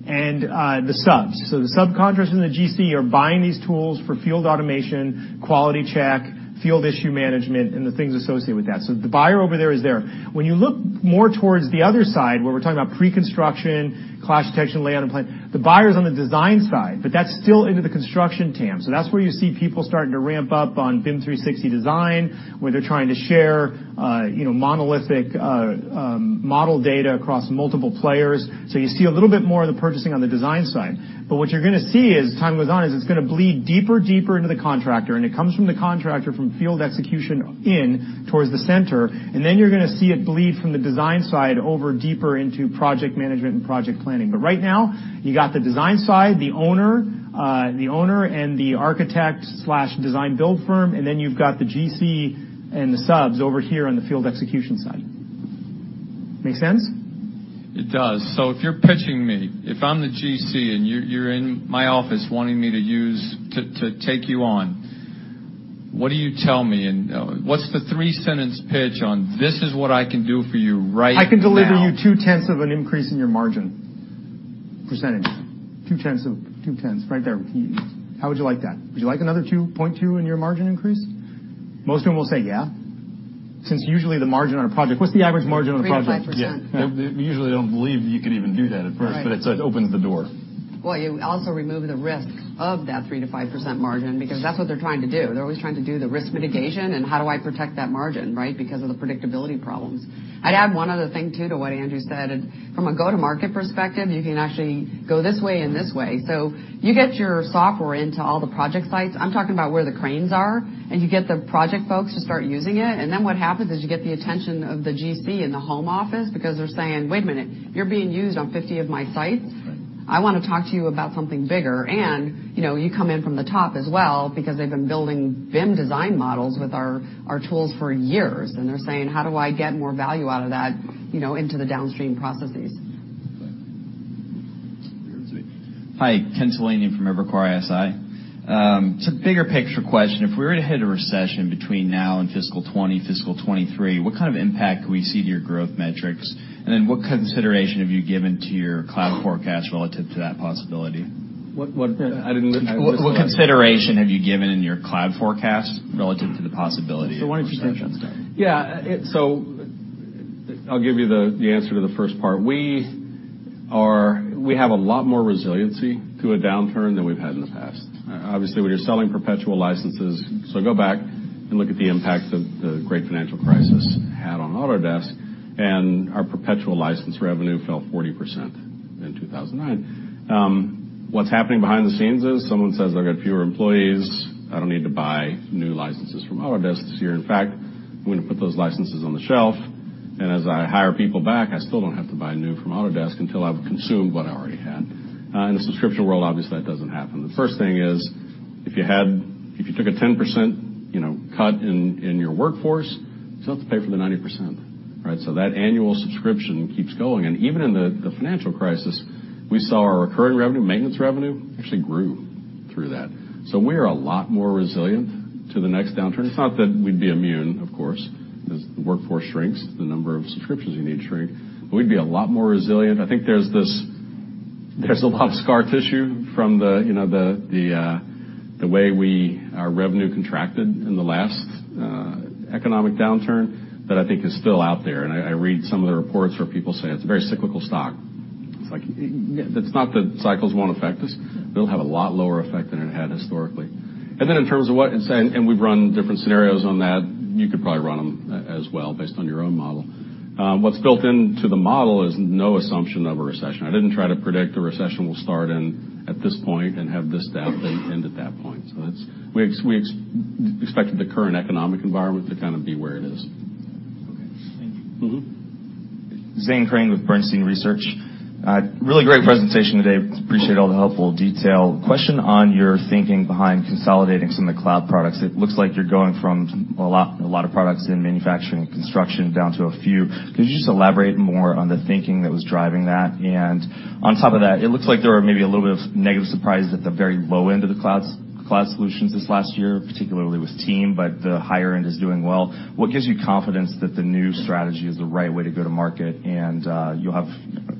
and the subs. The subcontractors and the GC are buying these tools for field automation, quality check, field issue management, and the things associated with that. The buyer over there is there. When you look more towards the other side, where we're talking about pre-construction, clash detection, layout, and plan, the buyer's on the design side, but that's still into the construction TAM. That's where you see people starting to ramp up on BIM 360 Design, where they're trying to share monolithic model data across multiple players. You see a little bit more of the purchasing on the design side. What you're going to see as time goes on is it's going to bleed deeper into the contractor. It comes from the contractor from field execution in towards the center, and then you're going to see it bleed from the design side over deeper into project management and project planning. Right now, you got the design side, the owner, and the architect/design build firm, and then you've got the GC and the subs over here on the field execution side. Make sense? It does. If you're pitching me, if I'm the GC and you're in my office wanting me to take you on, what do you tell me? What's the three-sentence pitch on, "This is what I can do for you right now? I can deliver you two-tenths of an increase in your margin %. Two-tenths. Right there. How would you like that? Would you like another 2.2 in your margin increase? Most of them will say yeah, since usually the margin on a project. What's the average margin on a project? 3%-5%. Yeah. They usually don't believe that you could even do that at first. Right. It opens the door. Well, you also remove the risk of that 3%-5% margin because that's what they're trying to do. They're always trying to do the risk mitigation, and how do I protect that margin, right? Because of the predictability problems. I'd add one other thing, too, to what Andrew said. From a go-to-market perspective, you can actually go this way and this way. You get your software into all the project sites. I'm talking about where the cranes are. You get the project folks to start using it, and then what happens is you get the attention of the GC in the home office because they're saying, "Wait a minute, you're being used on 50 of my sites? Right. I want to talk to you about something bigger." You come in from the top as well because they've been building BIM design models with our tools for years. They're saying, "How do I get more value out of that into the downstream processes? Right. Hi, Ken Talanian from Evercore ISI. It's a bigger picture question. If we were to hit a recession between now and fiscal 2020, fiscal 2023, what kind of impact could we see to your growth metrics? What consideration have you given to your cloud forecast relative to that possibility? What? I didn't-- What consideration have you given in your cloud forecast relative to the possibility of a recession? One question. Yeah. I'll give you the answer to the first part. We have a lot more resiliency to a downturn than we've had in the past. Obviously, when you're selling perpetual licenses. Go back and look at the impact the great financial crisis had on Autodesk, and our perpetual license revenue fell 40% in 2009. What's happening behind the scenes is someone says, "I've got fewer employees. I don't need to buy new licenses from Autodesk this year. In fact, I'm going to put those licenses on the shelf. As I hire people back, I still don't have to buy new from Autodesk until I've consumed what I already had." In a subscription world, obviously, that doesn't happen. The first thing is, if you took a 10% cut in your workforce, you still have to pay for the 90%. Right? That annual subscription keeps going. Even in the financial crisis, we saw our recurring revenue, maintenance revenue, actually grew through that. We are a lot more resilient to the next downturn. It's not that we'd be immune, of course. As the workforce shrinks, the number of subscriptions you need shrink. We'd be a lot more resilient. I think there's a lot of scar tissue from the way our revenue contracted in the last economic downturn that I think is still out there. I read some of the reports where people say it's a very cyclical stock. It's like, it's not that cycles won't affect us, but it'll have a lot lower effect than it had historically. In terms of, we've run different scenarios on that. You could probably run them as well based on your own model. What's built into the model is no assumption of a recession. I didn't try to predict a recession will start at this point and have this, that, and end at that point. We expected the current economic environment to be where it is. Okay. Thank you. Zane Chrane with Bernstein Research. Really great presentation today. Appreciate all the helpful detail. Question on your thinking behind consolidating some of the cloud products. It looks like you're going from a lot of products in manufacturing and construction down to a few. Could you just elaborate more on the thinking that was driving that? On top of that, it looks like there are maybe a little bit of negative surprise at the very low end of the cloud solutions this last year, particularly with Team, but the higher end is doing well. What gives you confidence that the new strategy is the right way to go to market, and you'll have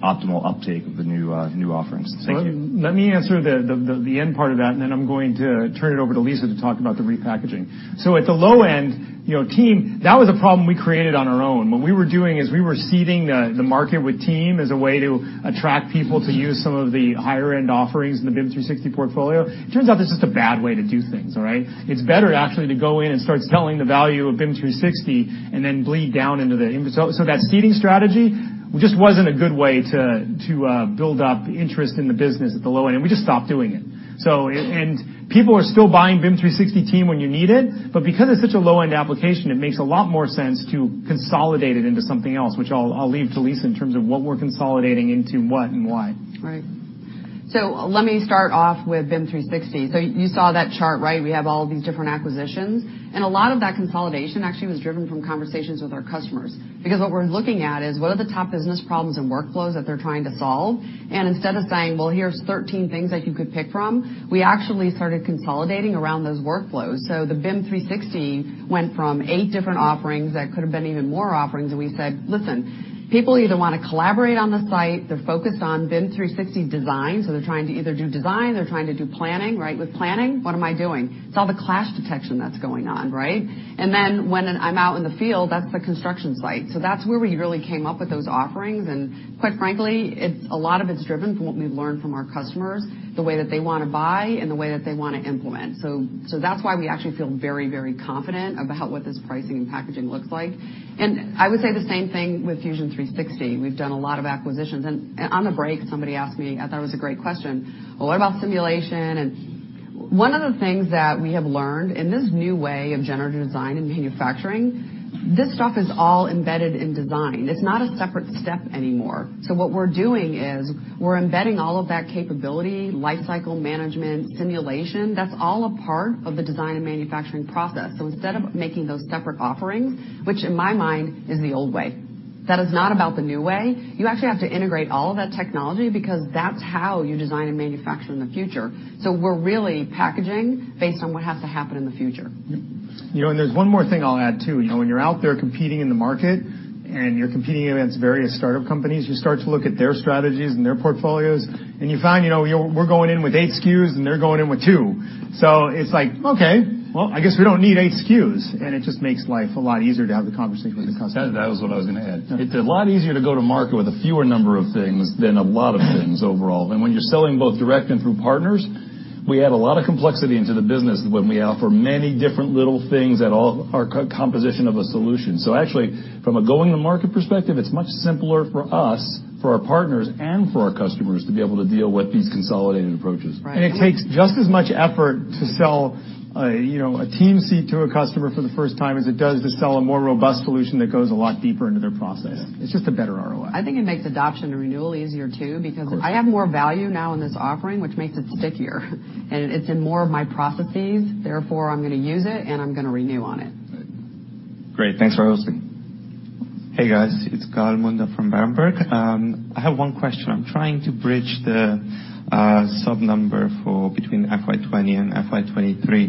optimal uptake of the new offerings? Thank you. Let me answer the end part of that, then I'm going to turn it over to Lisa to talk about the repackaging. At the low end, Team, that was a problem we created on our own. What we were doing is we were seeding the market with Team as a way to attract people to use some of the higher-end offerings in the BIM 360 portfolio. It turns out that's just a bad way to do things, all right? It's better actually to go in and start selling the value of BIM 360. That seeding strategy just wasn't a good way to build up interest in the business at the low end. We just stopped doing it. People are still buying BIM 360 Team when you need it, but because it's such a low-end application, it makes a lot more sense to consolidate it into something else, which I'll leave to Lisa in terms of what we're consolidating into what and why. Right. Let me start off with BIM 360. You saw that chart, right? We have all these different acquisitions, a lot of that consolidation actually was driven from conversations with our customers. What we're looking at is what are the top business problems and workflows that they're trying to solve. Instead of saying, "Well, here's 13 things that you could pick from," we actually started consolidating around those workflows. The BIM 360 went from eight different offerings, that could have been even more offerings, we said, "Listen, people either want to collaborate on the site, they're focused on BIM 360 Design, they're trying to either do design, they're trying to do planning," right? With planning, what am I doing? It's all the clash detection that's going on, right? Then when I'm out in the field, that's the construction site. That's where we really came up with those offerings. Quite frankly, a lot of it's driven from what we've learned from our customers, the way that they want to buy and the way that they want to implement. That's why we actually feel very confident about what this pricing and packaging looks like. I would say the same thing with Fusion 360. We've done a lot of acquisitions. On the break, somebody asked me, I thought it was a great question, "Well, what about simulation and" One of the things that we have learned in this new way of generative design and manufacturing, this stuff is all embedded in design. It's not a separate step anymore. What we're doing is we're embedding all of that capability, life cycle management, simulation, that's all a part of the design and manufacturing process. Instead of making those separate offerings, which in my mind is the old way, that is not about the new way. You actually have to integrate all of that technology because that's how you design and manufacture in the future. We're really packaging based on what has to happen in the future. Yep. There's one more thing I'll add, too. When you're out there competing in the market and you're competing against various startup companies, you start to look at their strategies and their portfolios, and you find, we're going in with eight SKUs and they're going in with two. It's like, okay, well, I guess we don't need eight SKUs. It just makes life a lot easier to have the conversation with the customer. That was what I was going to add. It's a lot easier to go to market with a fewer number of things than a lot of things overall. When you're selling both direct and through partners, we add a lot of complexity into the business when we offer many different little things that all are composition of a solution. Actually, from a go in the market perspective, it's much simpler for us, for our partners, and for our customers to be able to deal with these consolidated approaches. Right. It takes just as much effort to sell a Team seat to a customer for the first time as it does to sell a more robust solution that goes a lot deeper into their process. Yeah. It's just a better ROI. I think it makes adoption and renewal easier, too, because I have more value now in this offering, which makes it stickier. It's in more of my processes, therefore, I'm going to use it and I'm going to renew on it. Right. Great. Thanks for hosting. Hey, guys. It's Gal Munda from Berenberg. I have one question. I'm trying to bridge the sub-number between FY 2020 and FY 2023,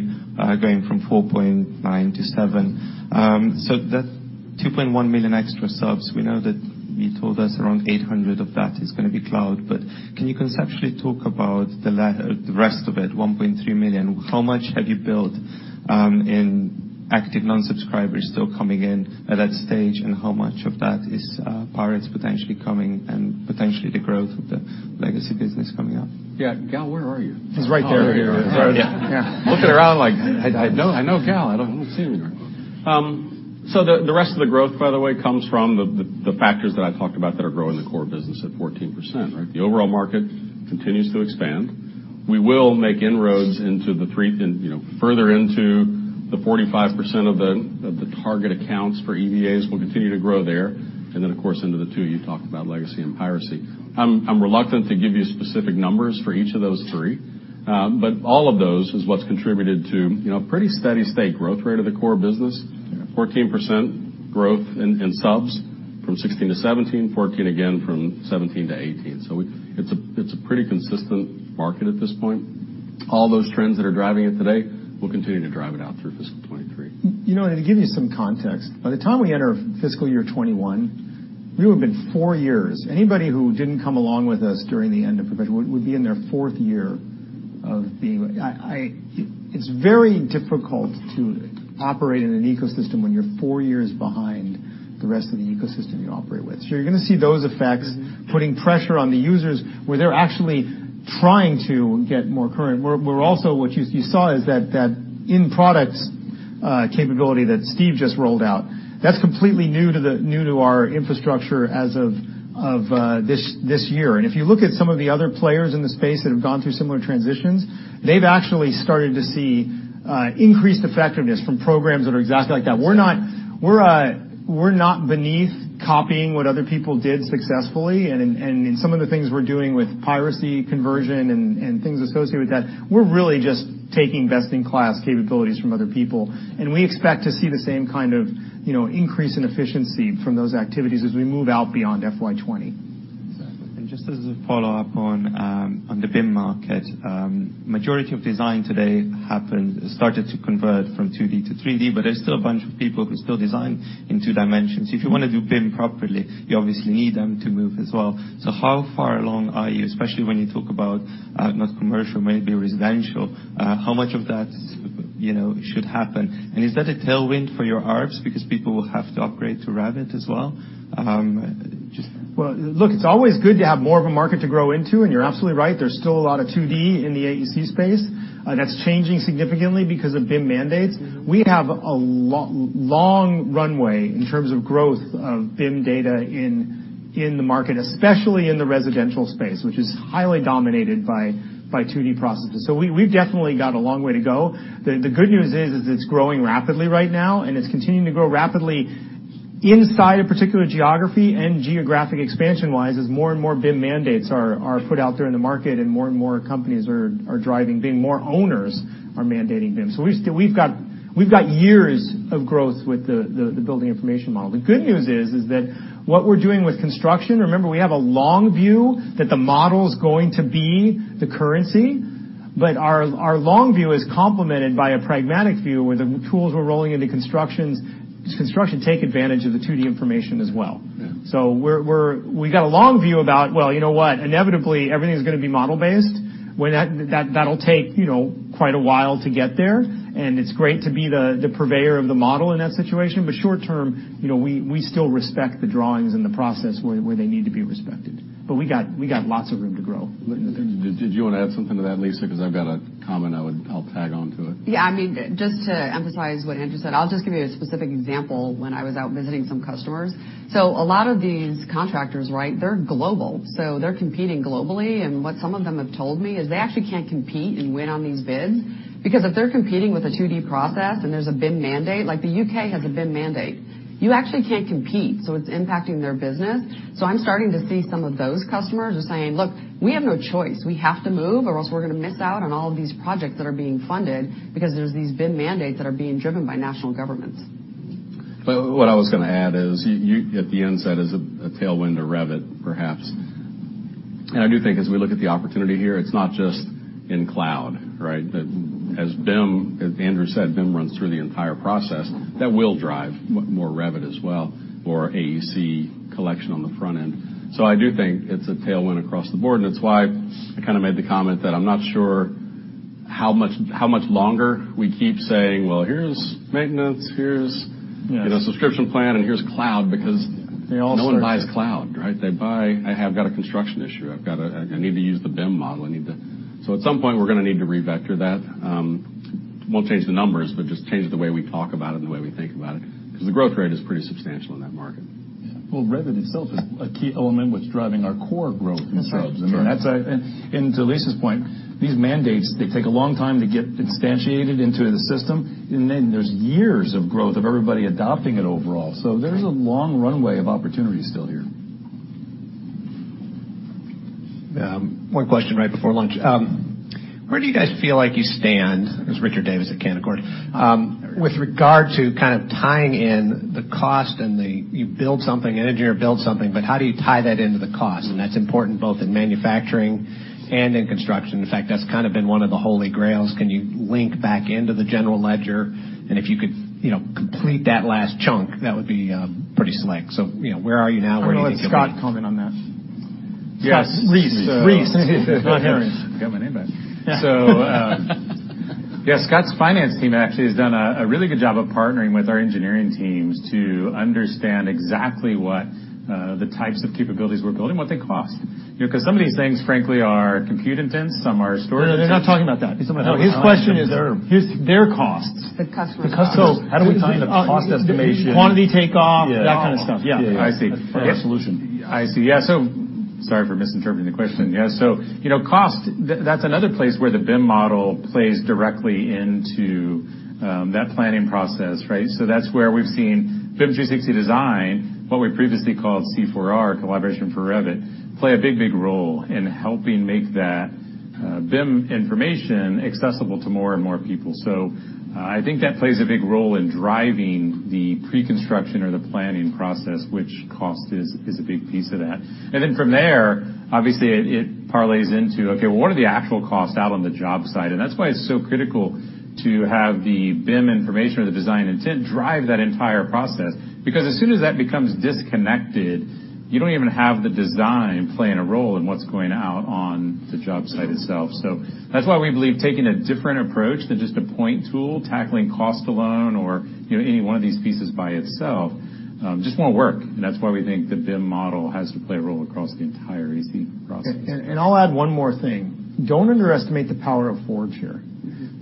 going from 4.9 to 7. That 2.1 million extra subs, we know that you told us around 800 of that is going to be cloud, but can you conceptually talk about the rest of it, 1.3 million? How much have you built in active non-subscribers still coming in at that stage, and how much of that is pirates potentially coming and potentially the growth of the legacy business coming up? Yeah. Gal, where are you? He's right there. Oh, you're here. Yeah. Looking around like, I know Gal. I don't see him. The rest of the growth, by the way, comes from the factors that I talked about that are growing the core business at 14%, right? The overall market continues to expand. We will make inroads further into the 45% of the target accounts for EVAs. We'll continue to grow there. Of course, into the two you talked about, legacy and piracy. I'm reluctant to give you specific numbers for each of those three. All of those is what's contributed to a pretty steady state growth rate of the core business. 14% growth in subs from 2016 to 2017, 14% again from 2017 to 2018. It's a pretty consistent market at this point. All those trends that are driving it today will continue to drive it out through fiscal 2023. To give you some context, by the time we enter fiscal year 2021, we would've been 4 years. Anybody who didn't come along with us during the end of professional would be in their fourth year of being. It's very difficult to operate in an ecosystem when you're 4 years behind the rest of the ecosystem you operate with. You're going to see those effects putting pressure on the users, where they're actually trying to get more current. We're also, what you saw is that in products capability that Steve just rolled out, that's completely new to our infrastructure as of this year. If you look at some of the other players in the space that have gone through similar transitions, they've actually started to see increased effectiveness from programs that are exactly like that. We're not beneath copying what other people did successfully, and in some of the things we're doing with piracy conversion and things associated with that, we're really just taking best-in-class capabilities from other people. We expect to see the same kind of increase in efficiency from those activities as we move out beyond FY 2020. Exactly. Just as a follow-up on the BIM market. Majority of design today started to convert from 2D to 3D, but there's still a bunch of people who still design in two dimensions. If you want to do BIM properly, you obviously need them to move as well. How far along are you, especially when you talk about not commercial, maybe residential, how much of that should happen? Is that a tailwind for your ARPS because people will have to upgrade to Revit as well? Well, look, it's always good to have more of a market to grow into, and you're absolutely right, there's still a lot of 2D in the AEC space. That's changing significantly because of BIM mandates. We have a long runway in terms of growth of BIM data in the market, especially in the residential space, which is highly dominated by 2D processes. We've definitely got a long way to go. The good news is it's growing rapidly right now, and it's continuing to grow rapidly inside a particular geography and geographic expansion-wise, as more and more BIM mandates are put out there in the market and more and more companies are driving, more owners are mandating BIM. We've got years of growth with the Building Information Model. The good news is that what we're doing with construction, remember, we have a long view that the model's going to be the currency. Our long view is complemented by a pragmatic view, where the tools we're rolling into construction take advantage of the 2D information as well. Yeah. We've got a long view about, well, you know what? Inevitably, everything's going to be model-based. That'll take quite a while to get there. It's great to be the purveyor of the model in that situation. Short-term, we still respect the drawings and the process where they need to be respected. We got lots of room to grow. Did you want to add something to that, Lisa? I've got a comment. I'll tag onto it. Yeah. Just to emphasize what Andrew said, I'll just give you a specific example when I was out visiting some customers. A lot of these contractors, they're global, they're competing globally. What some of them have told me is they actually can't compete and win on these bids because if they're competing with a 2D process and there's a BIM mandate, like the U.K. has a BIM mandate, you actually can't compete. It's impacting their business. I'm starting to see some of those customers are saying, "Look, we have no choice. We have to move, or else we're going to miss out on all of these projects that are being funded because there's these BIM mandates that are being driven by national governments. What I was going to add is, at the end, set as a tailwind to Revit, perhaps. I do think as we look at the opportunity here, it's not just in cloud, right? As Andrew said, BIM runs through the entire process. That will drive more Revit as well, or AEC collection on the front end. I do think it's a tailwind across the board, and it's why I kind of made the comment that I'm not sure how much longer we keep saying, "Well, here's maintenance. Here's subscription plan, and here's cloud," because no one buys cloud, right? They buy, "I have got a construction issue. I need to use the BIM model." At some point, we're going to need to re-vector that. Won't change the numbers, but just change the way we talk about it and the way we think about it, because the growth rate is pretty substantial in that market. Well, Revit itself is a key element what's driving our core growth in sales. That's right. To Lisa's point, these mandates, they take a long time to get instantiated into the system. Then there's years of growth of everybody adopting it overall. There's a long runway of opportunity still here. One question right before lunch. Where do you guys feel like you stand, this is Richard Davis at Canaccord, with regard to kind of tying in the cost and you build something, an engineer builds something, but how do you tie that into the cost? That's important both in manufacturing and in construction. In fact, that's kind of been one of the holy grails. Can you link back into the general ledger? If you could complete that last chunk, that would be pretty slick. Where are you now? Where do you think you'll be? I'm going to let Scott comment on that. Yes. Reese. Reese. Got my name right. yeah, Scott's finance team actually has done a really good job of partnering with our engineering teams to understand exactly what the types of capabilities we're building, what they cost. Some of these things, frankly, are compute intense, some are storage intense. No, they're not talking about that. No, his question is their costs. The customer's costs. how do we tie the cost estimation? Quantity takeoff, that kind of stuff. Yeah. I see. Resolution. I see. Yeah. Sorry for misinterpreting the question. Yeah. Cost, that's another place where the BIM model plays directly into that planning process, right? That's where we've seen BIM 360 Design, what we previously called C4R, Collaboration for Revit, play a big, big role in helping make that BIM information accessible to more and more people. I think that plays a big role in driving the pre-construction or the planning process, which cost is a big piece of that. From there, obviously, it parlays into, okay, well, what are the actual costs out on the job site? That's why it's so critical to have the BIM information or the design intent drive that entire process. Because as soon as that becomes disconnected, you don't even have the design playing a role in what's going out on the job site itself. That's why we believe taking a different approach than just a point tool, tackling cost alone, or any one of these pieces by itself, just won't work. That's why we think the BIM model has to play a role across the entire AEC process. I'll add one more thing. Don't underestimate the power of Forge here.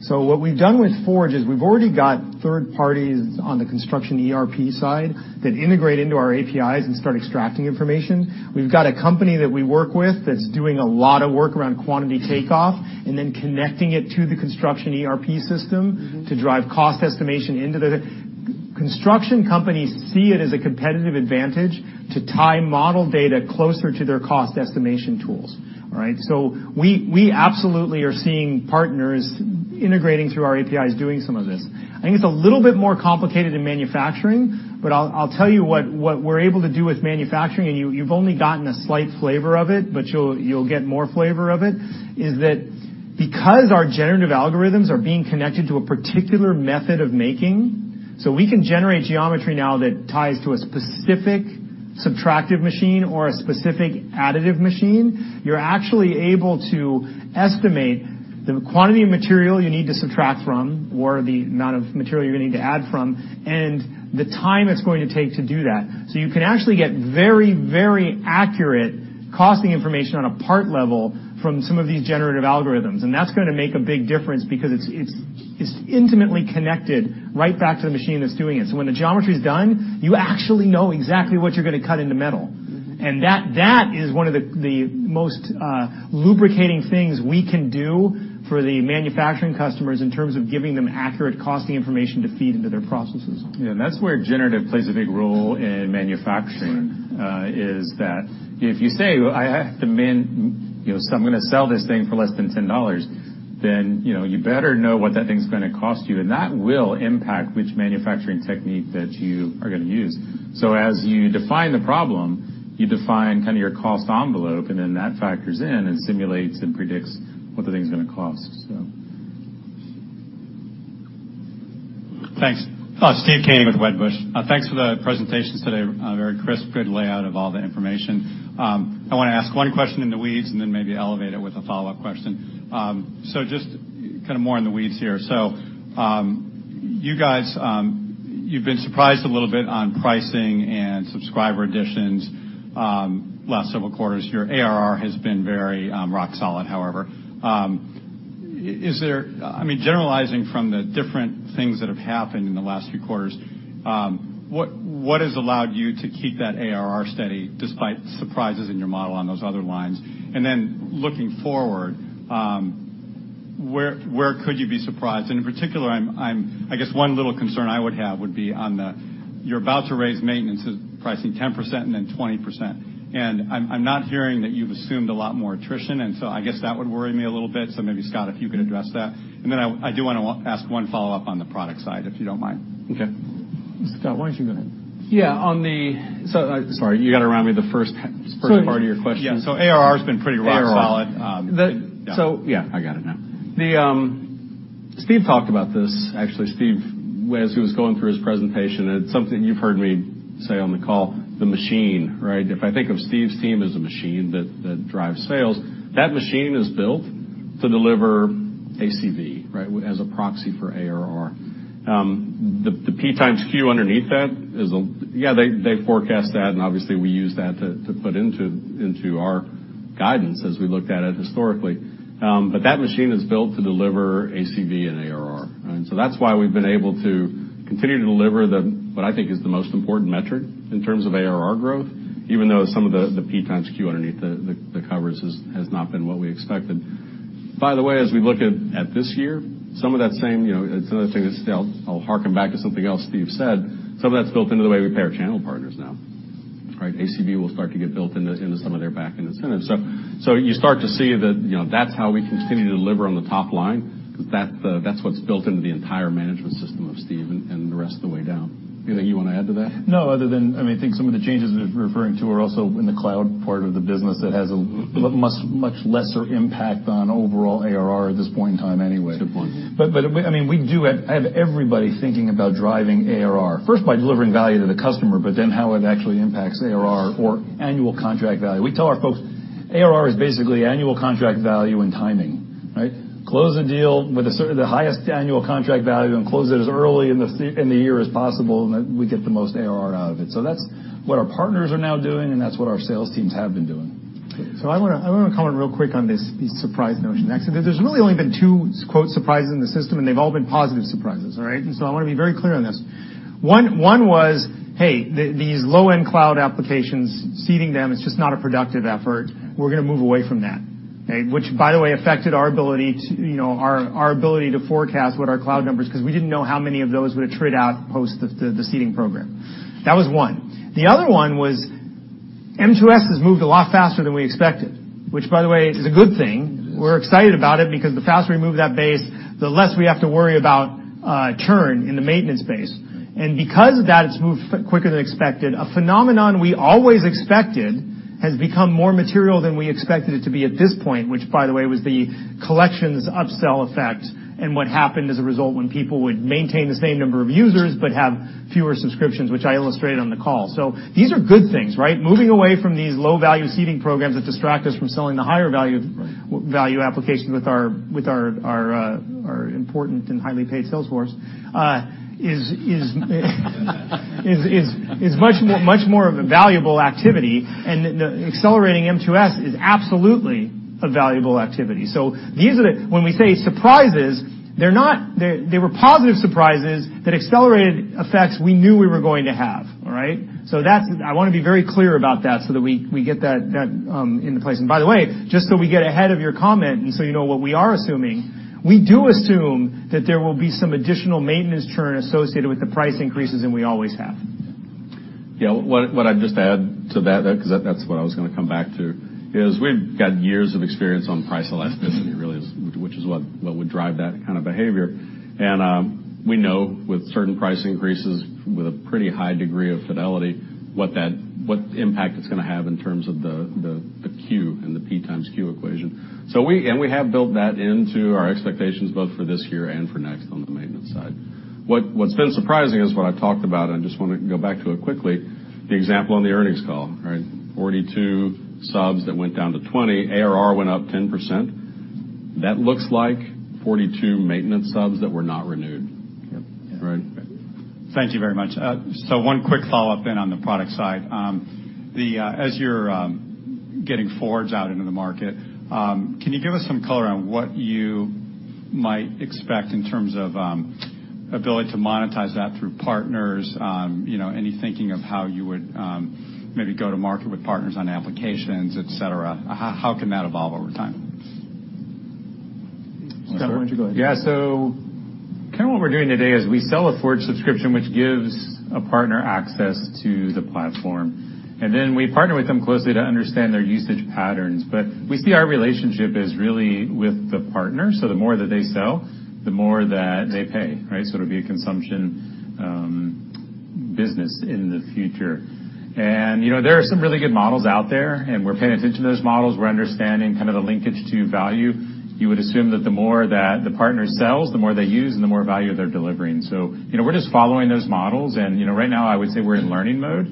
What we've done with Forge is we've already got third parties on the construction ERP side that integrate into our APIs and start extracting information. We've got a company that we work with that's doing a lot of work around quantity takeoff, and then connecting it to the construction ERP system to drive cost estimation into the construction companies see it as a competitive advantage to tie model data closer to their cost estimation tools. All right. We absolutely are seeing partners integrating through our APIs, doing some of this. I think it's a little bit more complicated in manufacturing, but I'll tell you what we're able to do with manufacturing, and you've only gotten a slight flavor of it, but you'll get more flavor of it, is that because our generative algorithms are being connected to a particular method of making, we can generate geometry now that ties to a specific subtractive machine or a specific additive machine. You're actually able to estimate the quantity of material you need to subtract from or the amount of material you're going to add from, and the time it's going to take to do that. You can actually get very accurate costing information on a part level from some of these generative algorithms. That's going to make a big difference because it's intimately connected right back to the machine that's doing it. When the geometry's done, you actually know exactly what you're going to cut into metal. That is one of the most lubricating things we can do for the manufacturing customers in terms of giving them accurate costing information to feed into their processes. Yeah, that's where generative plays a big role in manufacturing- Sure Is that if you say, "I'm going to sell this thing for less than $10," then you better know what that thing's going to cost you. That will impact which manufacturing technique that you are going to use. As you define the problem, you define your cost envelope, then that factors in and simulates and predicts what the thing's going to cost. Thanks. Steve Koenig with Wedbush. Thanks for the presentations today. Very crisp, good layout of all the information. I want to ask one question in the weeds and then maybe elevate it with a follow-up question. Just more in the weeds here. You guys, you've been surprised a little bit on pricing and subscriber additions last several quarters. Your ARR has been very rock solid, however. Generalizing from the different things that have happened in the last few quarters, what has allowed you to keep that ARR steady despite surprises in your model on those other lines? Then looking forward, where could you be surprised? And in particular, I guess one little concern I would have would be on the, you're about to raise maintenance pricing 10% and then 20%. I'm not hearing that you've assumed a lot more attrition, I guess that would worry me a little bit. Maybe, Scott, if you could address that. Then I do want to ask one follow-up on the product side, if you don't mind. Okay. Scott, why don't you go ahead? Yeah. Sorry, you got to remind me of the first part of your question. Yeah. ARR has been pretty rock solid. ARR. Yeah, I got it now. Steve talked about this, actually, Steve, as he was going through his presentation, and it's something you've heard me say on the call, the machine, right? If I think of Steve's team as a machine that drives sales, that machine is built to deliver ACV as a proxy for ARR. The P times Q underneath that, yeah, they forecast that, and obviously, we use that to put into our guidance as we looked at it historically. That machine is built to deliver ACV and ARR. That's why we've been able to continue to deliver what I think is the most important metric in terms of ARR growth, even though some of the P times Q underneath the covers has not been what we expected. By the way, as we look at this year, it's another thing that I'll hearken back to something else Steve said. Some of that's built into the way we pay our channel partners now. ACV will start to get built into some of their back-end incentive. You start to see that that's how we continue to deliver on the top line because that's what's built into the entire management system of Steve and the rest of the way down. Anything you want to add to that? No, other than, I think some of the changes that you're referring to are also in the cloud part of the business that has a much lesser impact on overall ARR at this point in time anyway. Good point. We do have everybody thinking about driving ARR, first by delivering value to the customer, but then how it actually impacts ARR or annual contract value. We tell our folks, ARR is basically annual contract value and timing. Close the deal with the highest annual contract value and close it as early in the year as possible, and we get the most ARR out of it. That's what our partners are now doing, and that's what our sales teams have been doing. I want to comment real quick on this surprise notion. There's really only been two, quote, "surprises" in the system, and they've all been positive surprises. I want to be very clear on this. One was, hey, these low-end cloud applications, seeding them, it's just not a productive effort. We're going to move away from that. Which, by the way, affected our ability to forecast what our cloud numbers, because we didn't know how many of those would attrit out post the seeding program. That was one. The other one was M2S has moved a lot faster than we expected, which, by the way, is a good thing. We're excited about it because the faster we move that base, the less we have to worry about churn in the maintenance base. Because of that, it's moved quicker than expected. A phenomenon we always expected has become more material than we expected it to be at this point, which, by the way, was the collections upsell effect and what happened as a result when people would maintain the same number of users but have fewer subscriptions, which I illustrated on the call. These are good things. Moving away from these low-value seeding programs that distract us from selling the higher-value applications with our important and highly paid sales force is much more of a valuable activity, and accelerating M2S is absolutely a valuable activity. When we say surprises, they were positive surprises that accelerated effects we knew we were going to have. I want to be very clear about that so that we get that into place. By the way, just so we get ahead of your comment and so you know what we are assuming, we do assume that there will be some additional maintenance churn associated with the price increases than we always have. Yeah. What I'd just add to that, because that's what I was going to come back to, is we've got years of experience on price elasticity, really, which is what would drive that kind of behavior. We know with certain price increases, with a pretty high degree of fidelity, what impact it's going to have in terms of the Q and the P times Q equation. We have built that into our expectations both for this year and for next on the maintenance side. What's been surprising is what I've talked about, and I just want to go back to it quickly, the example on the earnings call. 42 subs that went down to 20, ARR went up 10%. That looks like 42 maintenance subs that were not renewed. Yep. Right? Yep. Thank you very much. One quick follow-up then on the product side. As you're Getting Forge out into the market. Can you give us some color on what you might expect in terms of ability to monetize that through partners? Any thinking of how you would maybe go to market with partners on applications, et cetera? How can that evolve over time? Scott, why don't you go ahead? Yeah. Currently what we're doing today is we sell a Forge subscription, which gives a partner access to the platform, and then we partner with them closely to understand their usage patterns. But we see our relationship is really with the partner, the more that they sell, the more that they pay, right? It'll be a consumption business in the future. There are some really good models out there, and we're paying attention to those models. We're understanding the linkage to value. You would assume that the more that the partner sells, the more they use, and the more value they're delivering. We're just following those models, and right now, I would say we're in learning mode,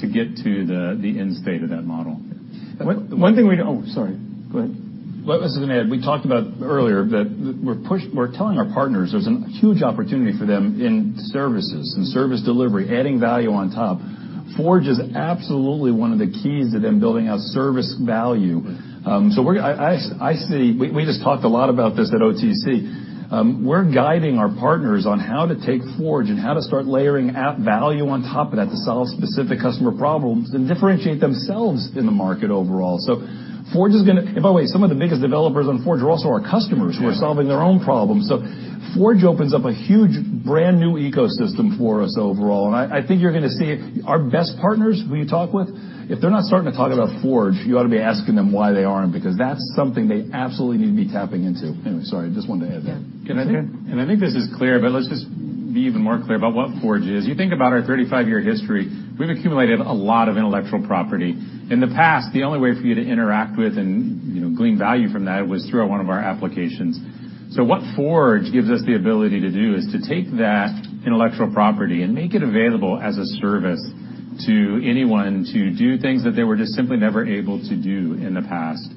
to get to the end state of that model. One thing. Oh, sorry. Go ahead. Let us add, we talked about earlier that we're telling our partners there's a huge opportunity for them in services, in service delivery, adding value on top. Forge is absolutely one of the keys to them building out service value. We just talked a lot about this at OTC. We're guiding our partners on how to take Forge and how to start layering app value on top of that to solve specific customer problems and differentiate themselves in the market overall. By the way, some of the biggest developers on Forge are also our customers who are solving their own problems. Forge opens up a huge brand-new ecosystem for us overall. I think you're going to see our best partners who you talk with, if they're not starting to talk about Forge, you ought to be asking them why they aren't, because that's something they absolutely need to be tapping into. Anyway, sorry, just wanted to add that. Go ahead, Kent. I think this is clear, but let's just be even more clear about what Forge is. You think about our 35-year history, we've accumulated a lot of intellectual property. In the past, the only way for you to interact with and glean value from that was through one of our applications. What Forge gives us the ability to do is to take that intellectual property and make it available as a service to anyone to do things that they were just simply never able to do in the past.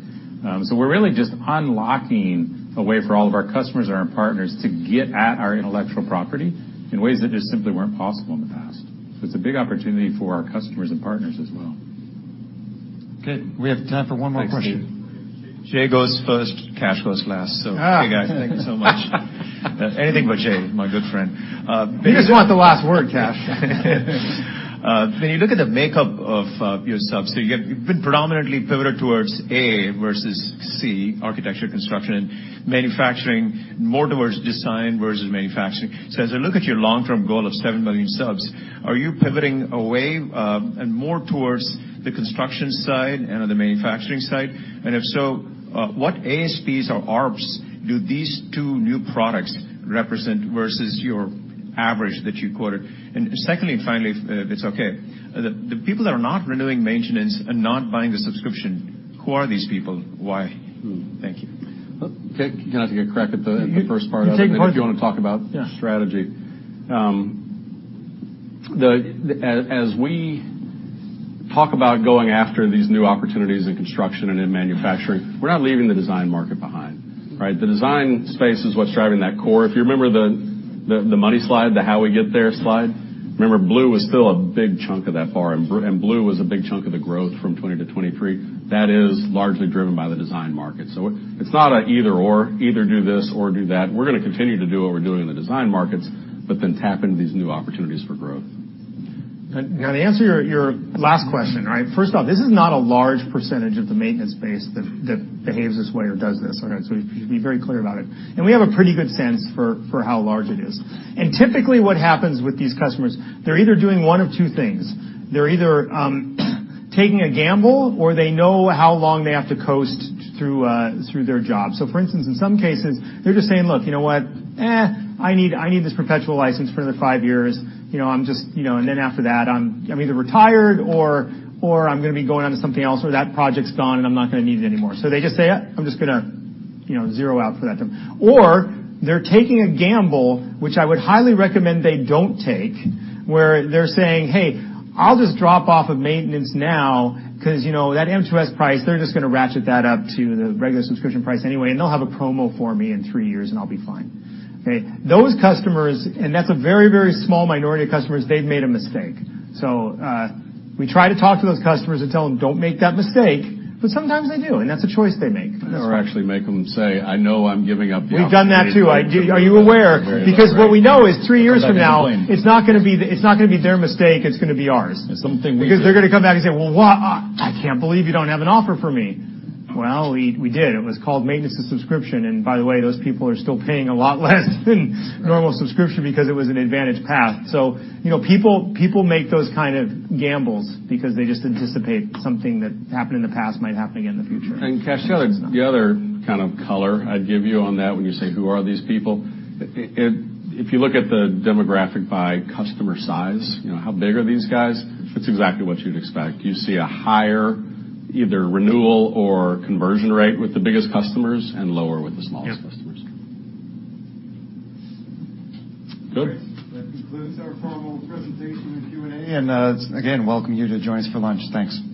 We're really just unlocking a way for all of our customers and our partners to get at our intellectual property in ways that just simply weren't possible in the past. It's a big opportunity for our customers and partners as well. Good. We have time for one more question. Jay goes first, Cash goes last. Hey, guys, thank you so much. Anything but Jay, my good friend. You just want the last word, Cash. When you look at the makeup of your subs, you've been predominantly pivoted towards A versus C, architecture, construction, and manufacturing, more towards design versus manufacturing. As I look at your long-term goal of 7 million subs, are you pivoting away and more towards the construction side and the manufacturing side? If so, what ASPs or ARPS do these two new products represent versus your average that you quoted? Secondly, and finally, if it's okay, the people that are not renewing maintenance and not buying the subscription, who are these people? Why? Thank you. Kent, you want to take a crack at the first part of it, and then if you want to talk about strategy. As we talk about going after these new opportunities in construction and in manufacturing, we're not leaving the design market behind, right? The design space is what's driving that core. If you remember the money slide, the how we get there slide, remember, blue was still a big chunk of that bar, and blue was a big chunk of the growth from 20 to 23. That is largely driven by the design market. It's not an either/or, either do this or do that. We're going to continue to do what we're doing in the design markets, but then tap into these new opportunities for growth. Now to answer your last question, right? First off, this is not a large percentage of the maintenance base that behaves this way or does this. Okay? To be very clear about it. We have a pretty good sense for how large it is. Typically what happens with these customers, they're either doing one of two things. They're either taking a gamble or they know how long they have to coast through their job. For instance, in some cases, they're just saying, "Look, you know what? Eh, I need this perpetual license for another five years. After that I'm either retired or I'm going to be going on to something else, or that project's gone, and I'm not going to need it anymore." They just say, "Eh, I'm just going to zero out for that time." Or they're taking a gamble, which I would highly recommend they don't take, where they're saying, "Hey, I'll just drop off of maintenance now, because you know, that M2S price, they're just going to ratchet that up to the regular subscription price anyway, and they'll have a promo for me in three years and I'll be fine." Okay? Those customers, and that's a very small minority of customers, they've made a mistake. We try to talk to those customers and tell them, "Don't make that mistake," but sometimes they do, and that's a choice they make. Actually make them say, "I know I'm giving up the opportunity. We've done that, too. Are you aware? What we know is three years from now, it's not going to be their mistake, it's going to be ours. It's something we did. Because they're going to come back and say, "Well, I can't believe you don't have an offer for me." Well, we did. It was called Maintenance to Subscription. By the way, those people are still paying a lot less than normal subscription because it was an advantage path. People make those kind of gambles because they just anticipate something that happened in the past might happen again in the future. Cash, the other kind of color I'd give you on that when you say, "Who are these people?" If you look at the demographic by customer size, how big are these guys, it's exactly what you'd expect. You see a higher either renewal or conversion rate with the biggest customers and lower with the smallest customers. Good. That concludes our formal presentation and Q&A. Again, welcome you to join us for lunch. Thanks.